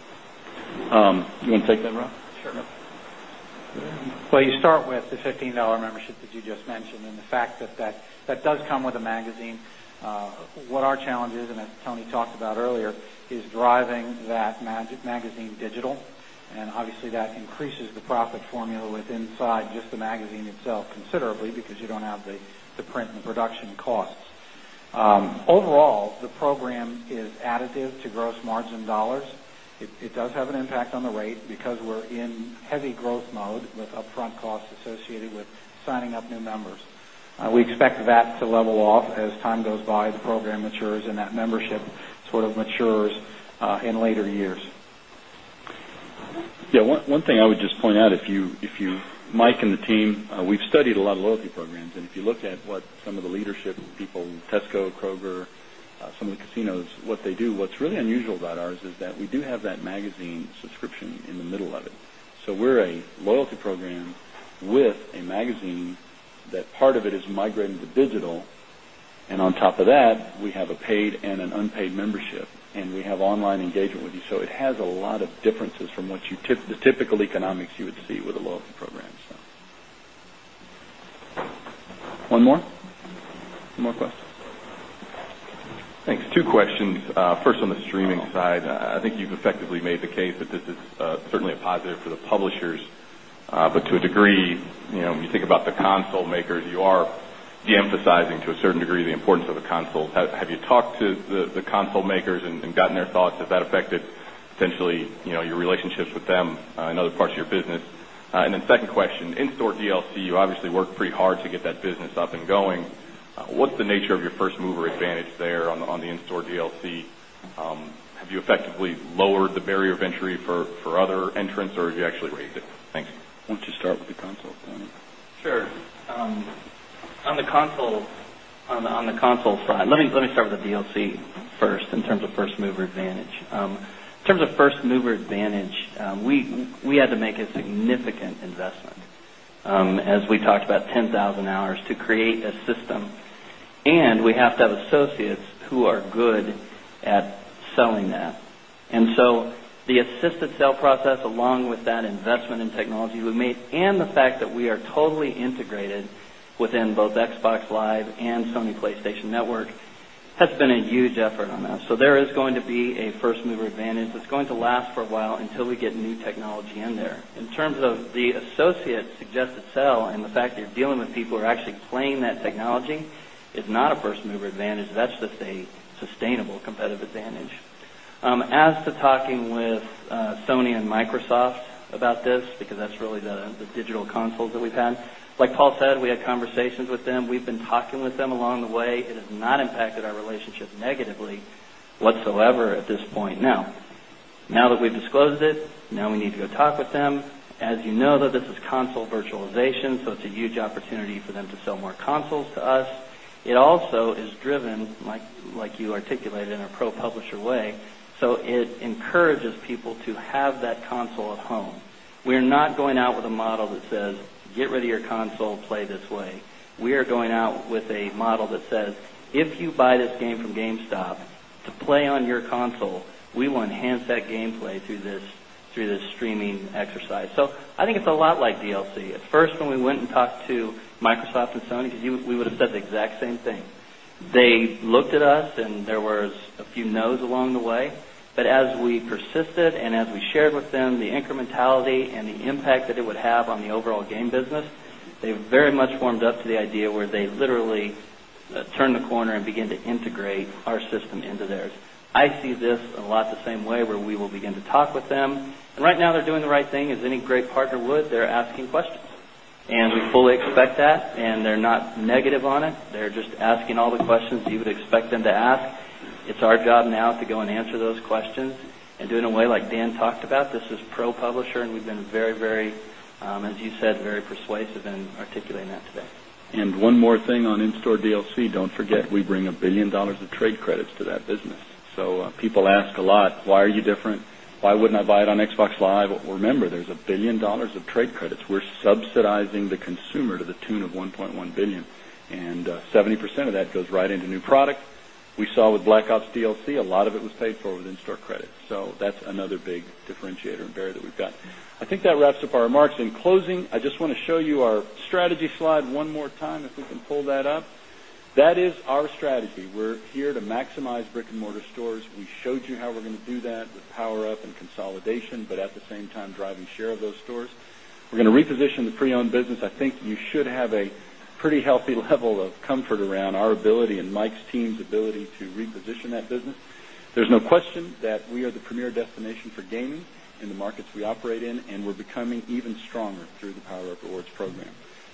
You want to take that, Rob? Sure. Well, you start with the $15 membership that you just mentioned and the fact that, does come with a magazine. What our challenge is and as Tony talked about earlier is driving that magazine digital and obviously that increases the profit formula with inside just the magazine itself considerably because you don't have the print and production costs. Overall, the program is additive to gross margin dollars. It does have an impact on the rate because we're in heavy growth mode with upfront costs associated with signing up new members. We expect that to level off as time goes by, the program matures and that membership sort of matures in later years. Yes. One thing I would just point out, if you Mike and the team, we've studied a lot of loyalty programs. And if you look at what some of the leadership people, Tesco, Kroger, some of the casinos, what they do, what's really unusual about ours is that we do have that magazine subscription in the middle of it. So we're a loyalty program with a magazine that part of it is migrating to digital. And on top of that, we have a paid and an unpaid membership and we have online engagement with you. So it has a lot of differences from what you the typical economics you would see with a local program. Two questions. First on the streaming side, I think you've effectively made the case that this is certainly a positive for the publishers. But to a degree, when you think about the console makers, you are deemphasizing to a certain degree the importance of the console. Have you talked to the console makers and gotten their thoughts if that affected potentially your relationships with them in other parts of your business? And then second question, in store DLC, you obviously worked pretty hard to get that business up and going. What's the nature of your first mover advantage there on the in store DLC? Have you effectively lowered the barrier of entry for other entrants or have you actually raised it? Thanks. Why don't you start with the console, Danny? Sure. On the console side, let me start with the DLC first in terms of 1st mover advantage. In terms of 1st mover advantage, we had to make a significant investment. As we talked about 10000 hours to create a system and we have to have associates who are good at selling that. And so the assisted sale process along with that investment in technology we've made and the fact that we are totally integrated within both Xbox Live and Sony PlayStation Network has been a huge effort on that. So there is going to be a first mover advantage that's going to last for a while until we get new technology in there. In terms of the associates suggest itself and the fact that you're dealing with people who are actually playing that technology is not a first mover advantage. That's just a sustainable competitive advantage. As to talking with Sony and Microsoft about this, because that's really the digital consoles that we've had, like Paul said, we had conversations with them. We've been talking with them along the way. It has not impacted our relationship negatively whatsoever at this point. Now that we've disclosed it, now we need to go talk with them. As you know that this is console virtualization, so it's a huge opportunity for them to sell more consoles to us. It also is driven like you articulated in a Pro Publisher way. So it We are going out with a model that says, if you buy this game from GameStop to play on your console, we want handset gameplay through this streaming exercise. So I think it's a lot like DLC. At first, when we went and talked to Microsoft and Sony, because we would have said the exact same thing, They looked at us and there was a few no's along the way. But as we persisted and as we shared with them the incrementality and the impact that it would have on the overall game business, they very much formed up to the idea where they literally turn the corner and begin to integrate our system into theirs. I see this in a lot the same way where we will begin to talk with them. And right now, they're doing the right thing as any great partner would. They're asking questions. And we fully expect that and they're not negative on it. They're just asking all the questions you would expect them to ask. It's our job now to go and answer those questions and do it in a way like Dan talked about. This is Pro Publisher and we've been very, very, as you said, very persuasive in articulating that today. And one more thing on in store DLC, don't forget, we bring $1,000,000,000 of trade credits to that business. So people ask a lot, why are you different? Why wouldn't I buy it on Xbox Live? Remember, there's $1,000,000,000 of trade credits. We're subsidizing the consumer to the tune of $1,100,000,000 and 70% of that goes right into new product. We saw with Black Ops DLC, a lot of it was paid for within store credit. So that's another big differentiator and barrier that we've got. I think that wraps up our remarks. In closing, I just want to show you our strategy slide one more time, if we can pull that up. That is our strategy. We're here to maximize brick and mortar stores. We showed you how we're going to do that with PowerUp and consolidation, but at the same time driving share of those stores. We're going reposition the pre owned business. I think you should have a pretty healthy level of comfort around our ability and Mike's team's ability to reposition that business. Digital Growth, I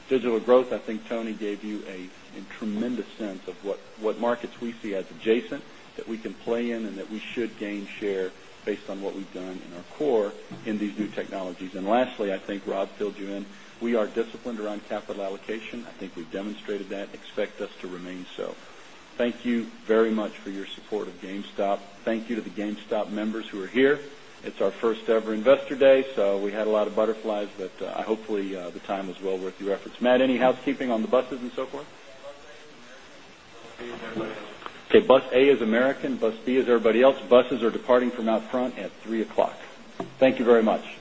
Digital Growth, I think Tony gave you a tremendous sense of what markets we see as adjacent that we can play in and that we should gain share based on what we've done in our core in these new technologies. And lastly, I think Rob filled you in. We are disciplined around capital allocation. I think we've demonstrated that and expect us to remain so. Thank you very much for your support of GameStop. Thank you to the GameStop members who are here. It's our first ever Investor Day, so we had a lot of butterflies, but hopefully the time was well worth your efforts. Matt, any housekeeping on the buses and so forth? Bus A is American. Bus B is everybody else. Buses are departing from out front at 3 Thank you very much.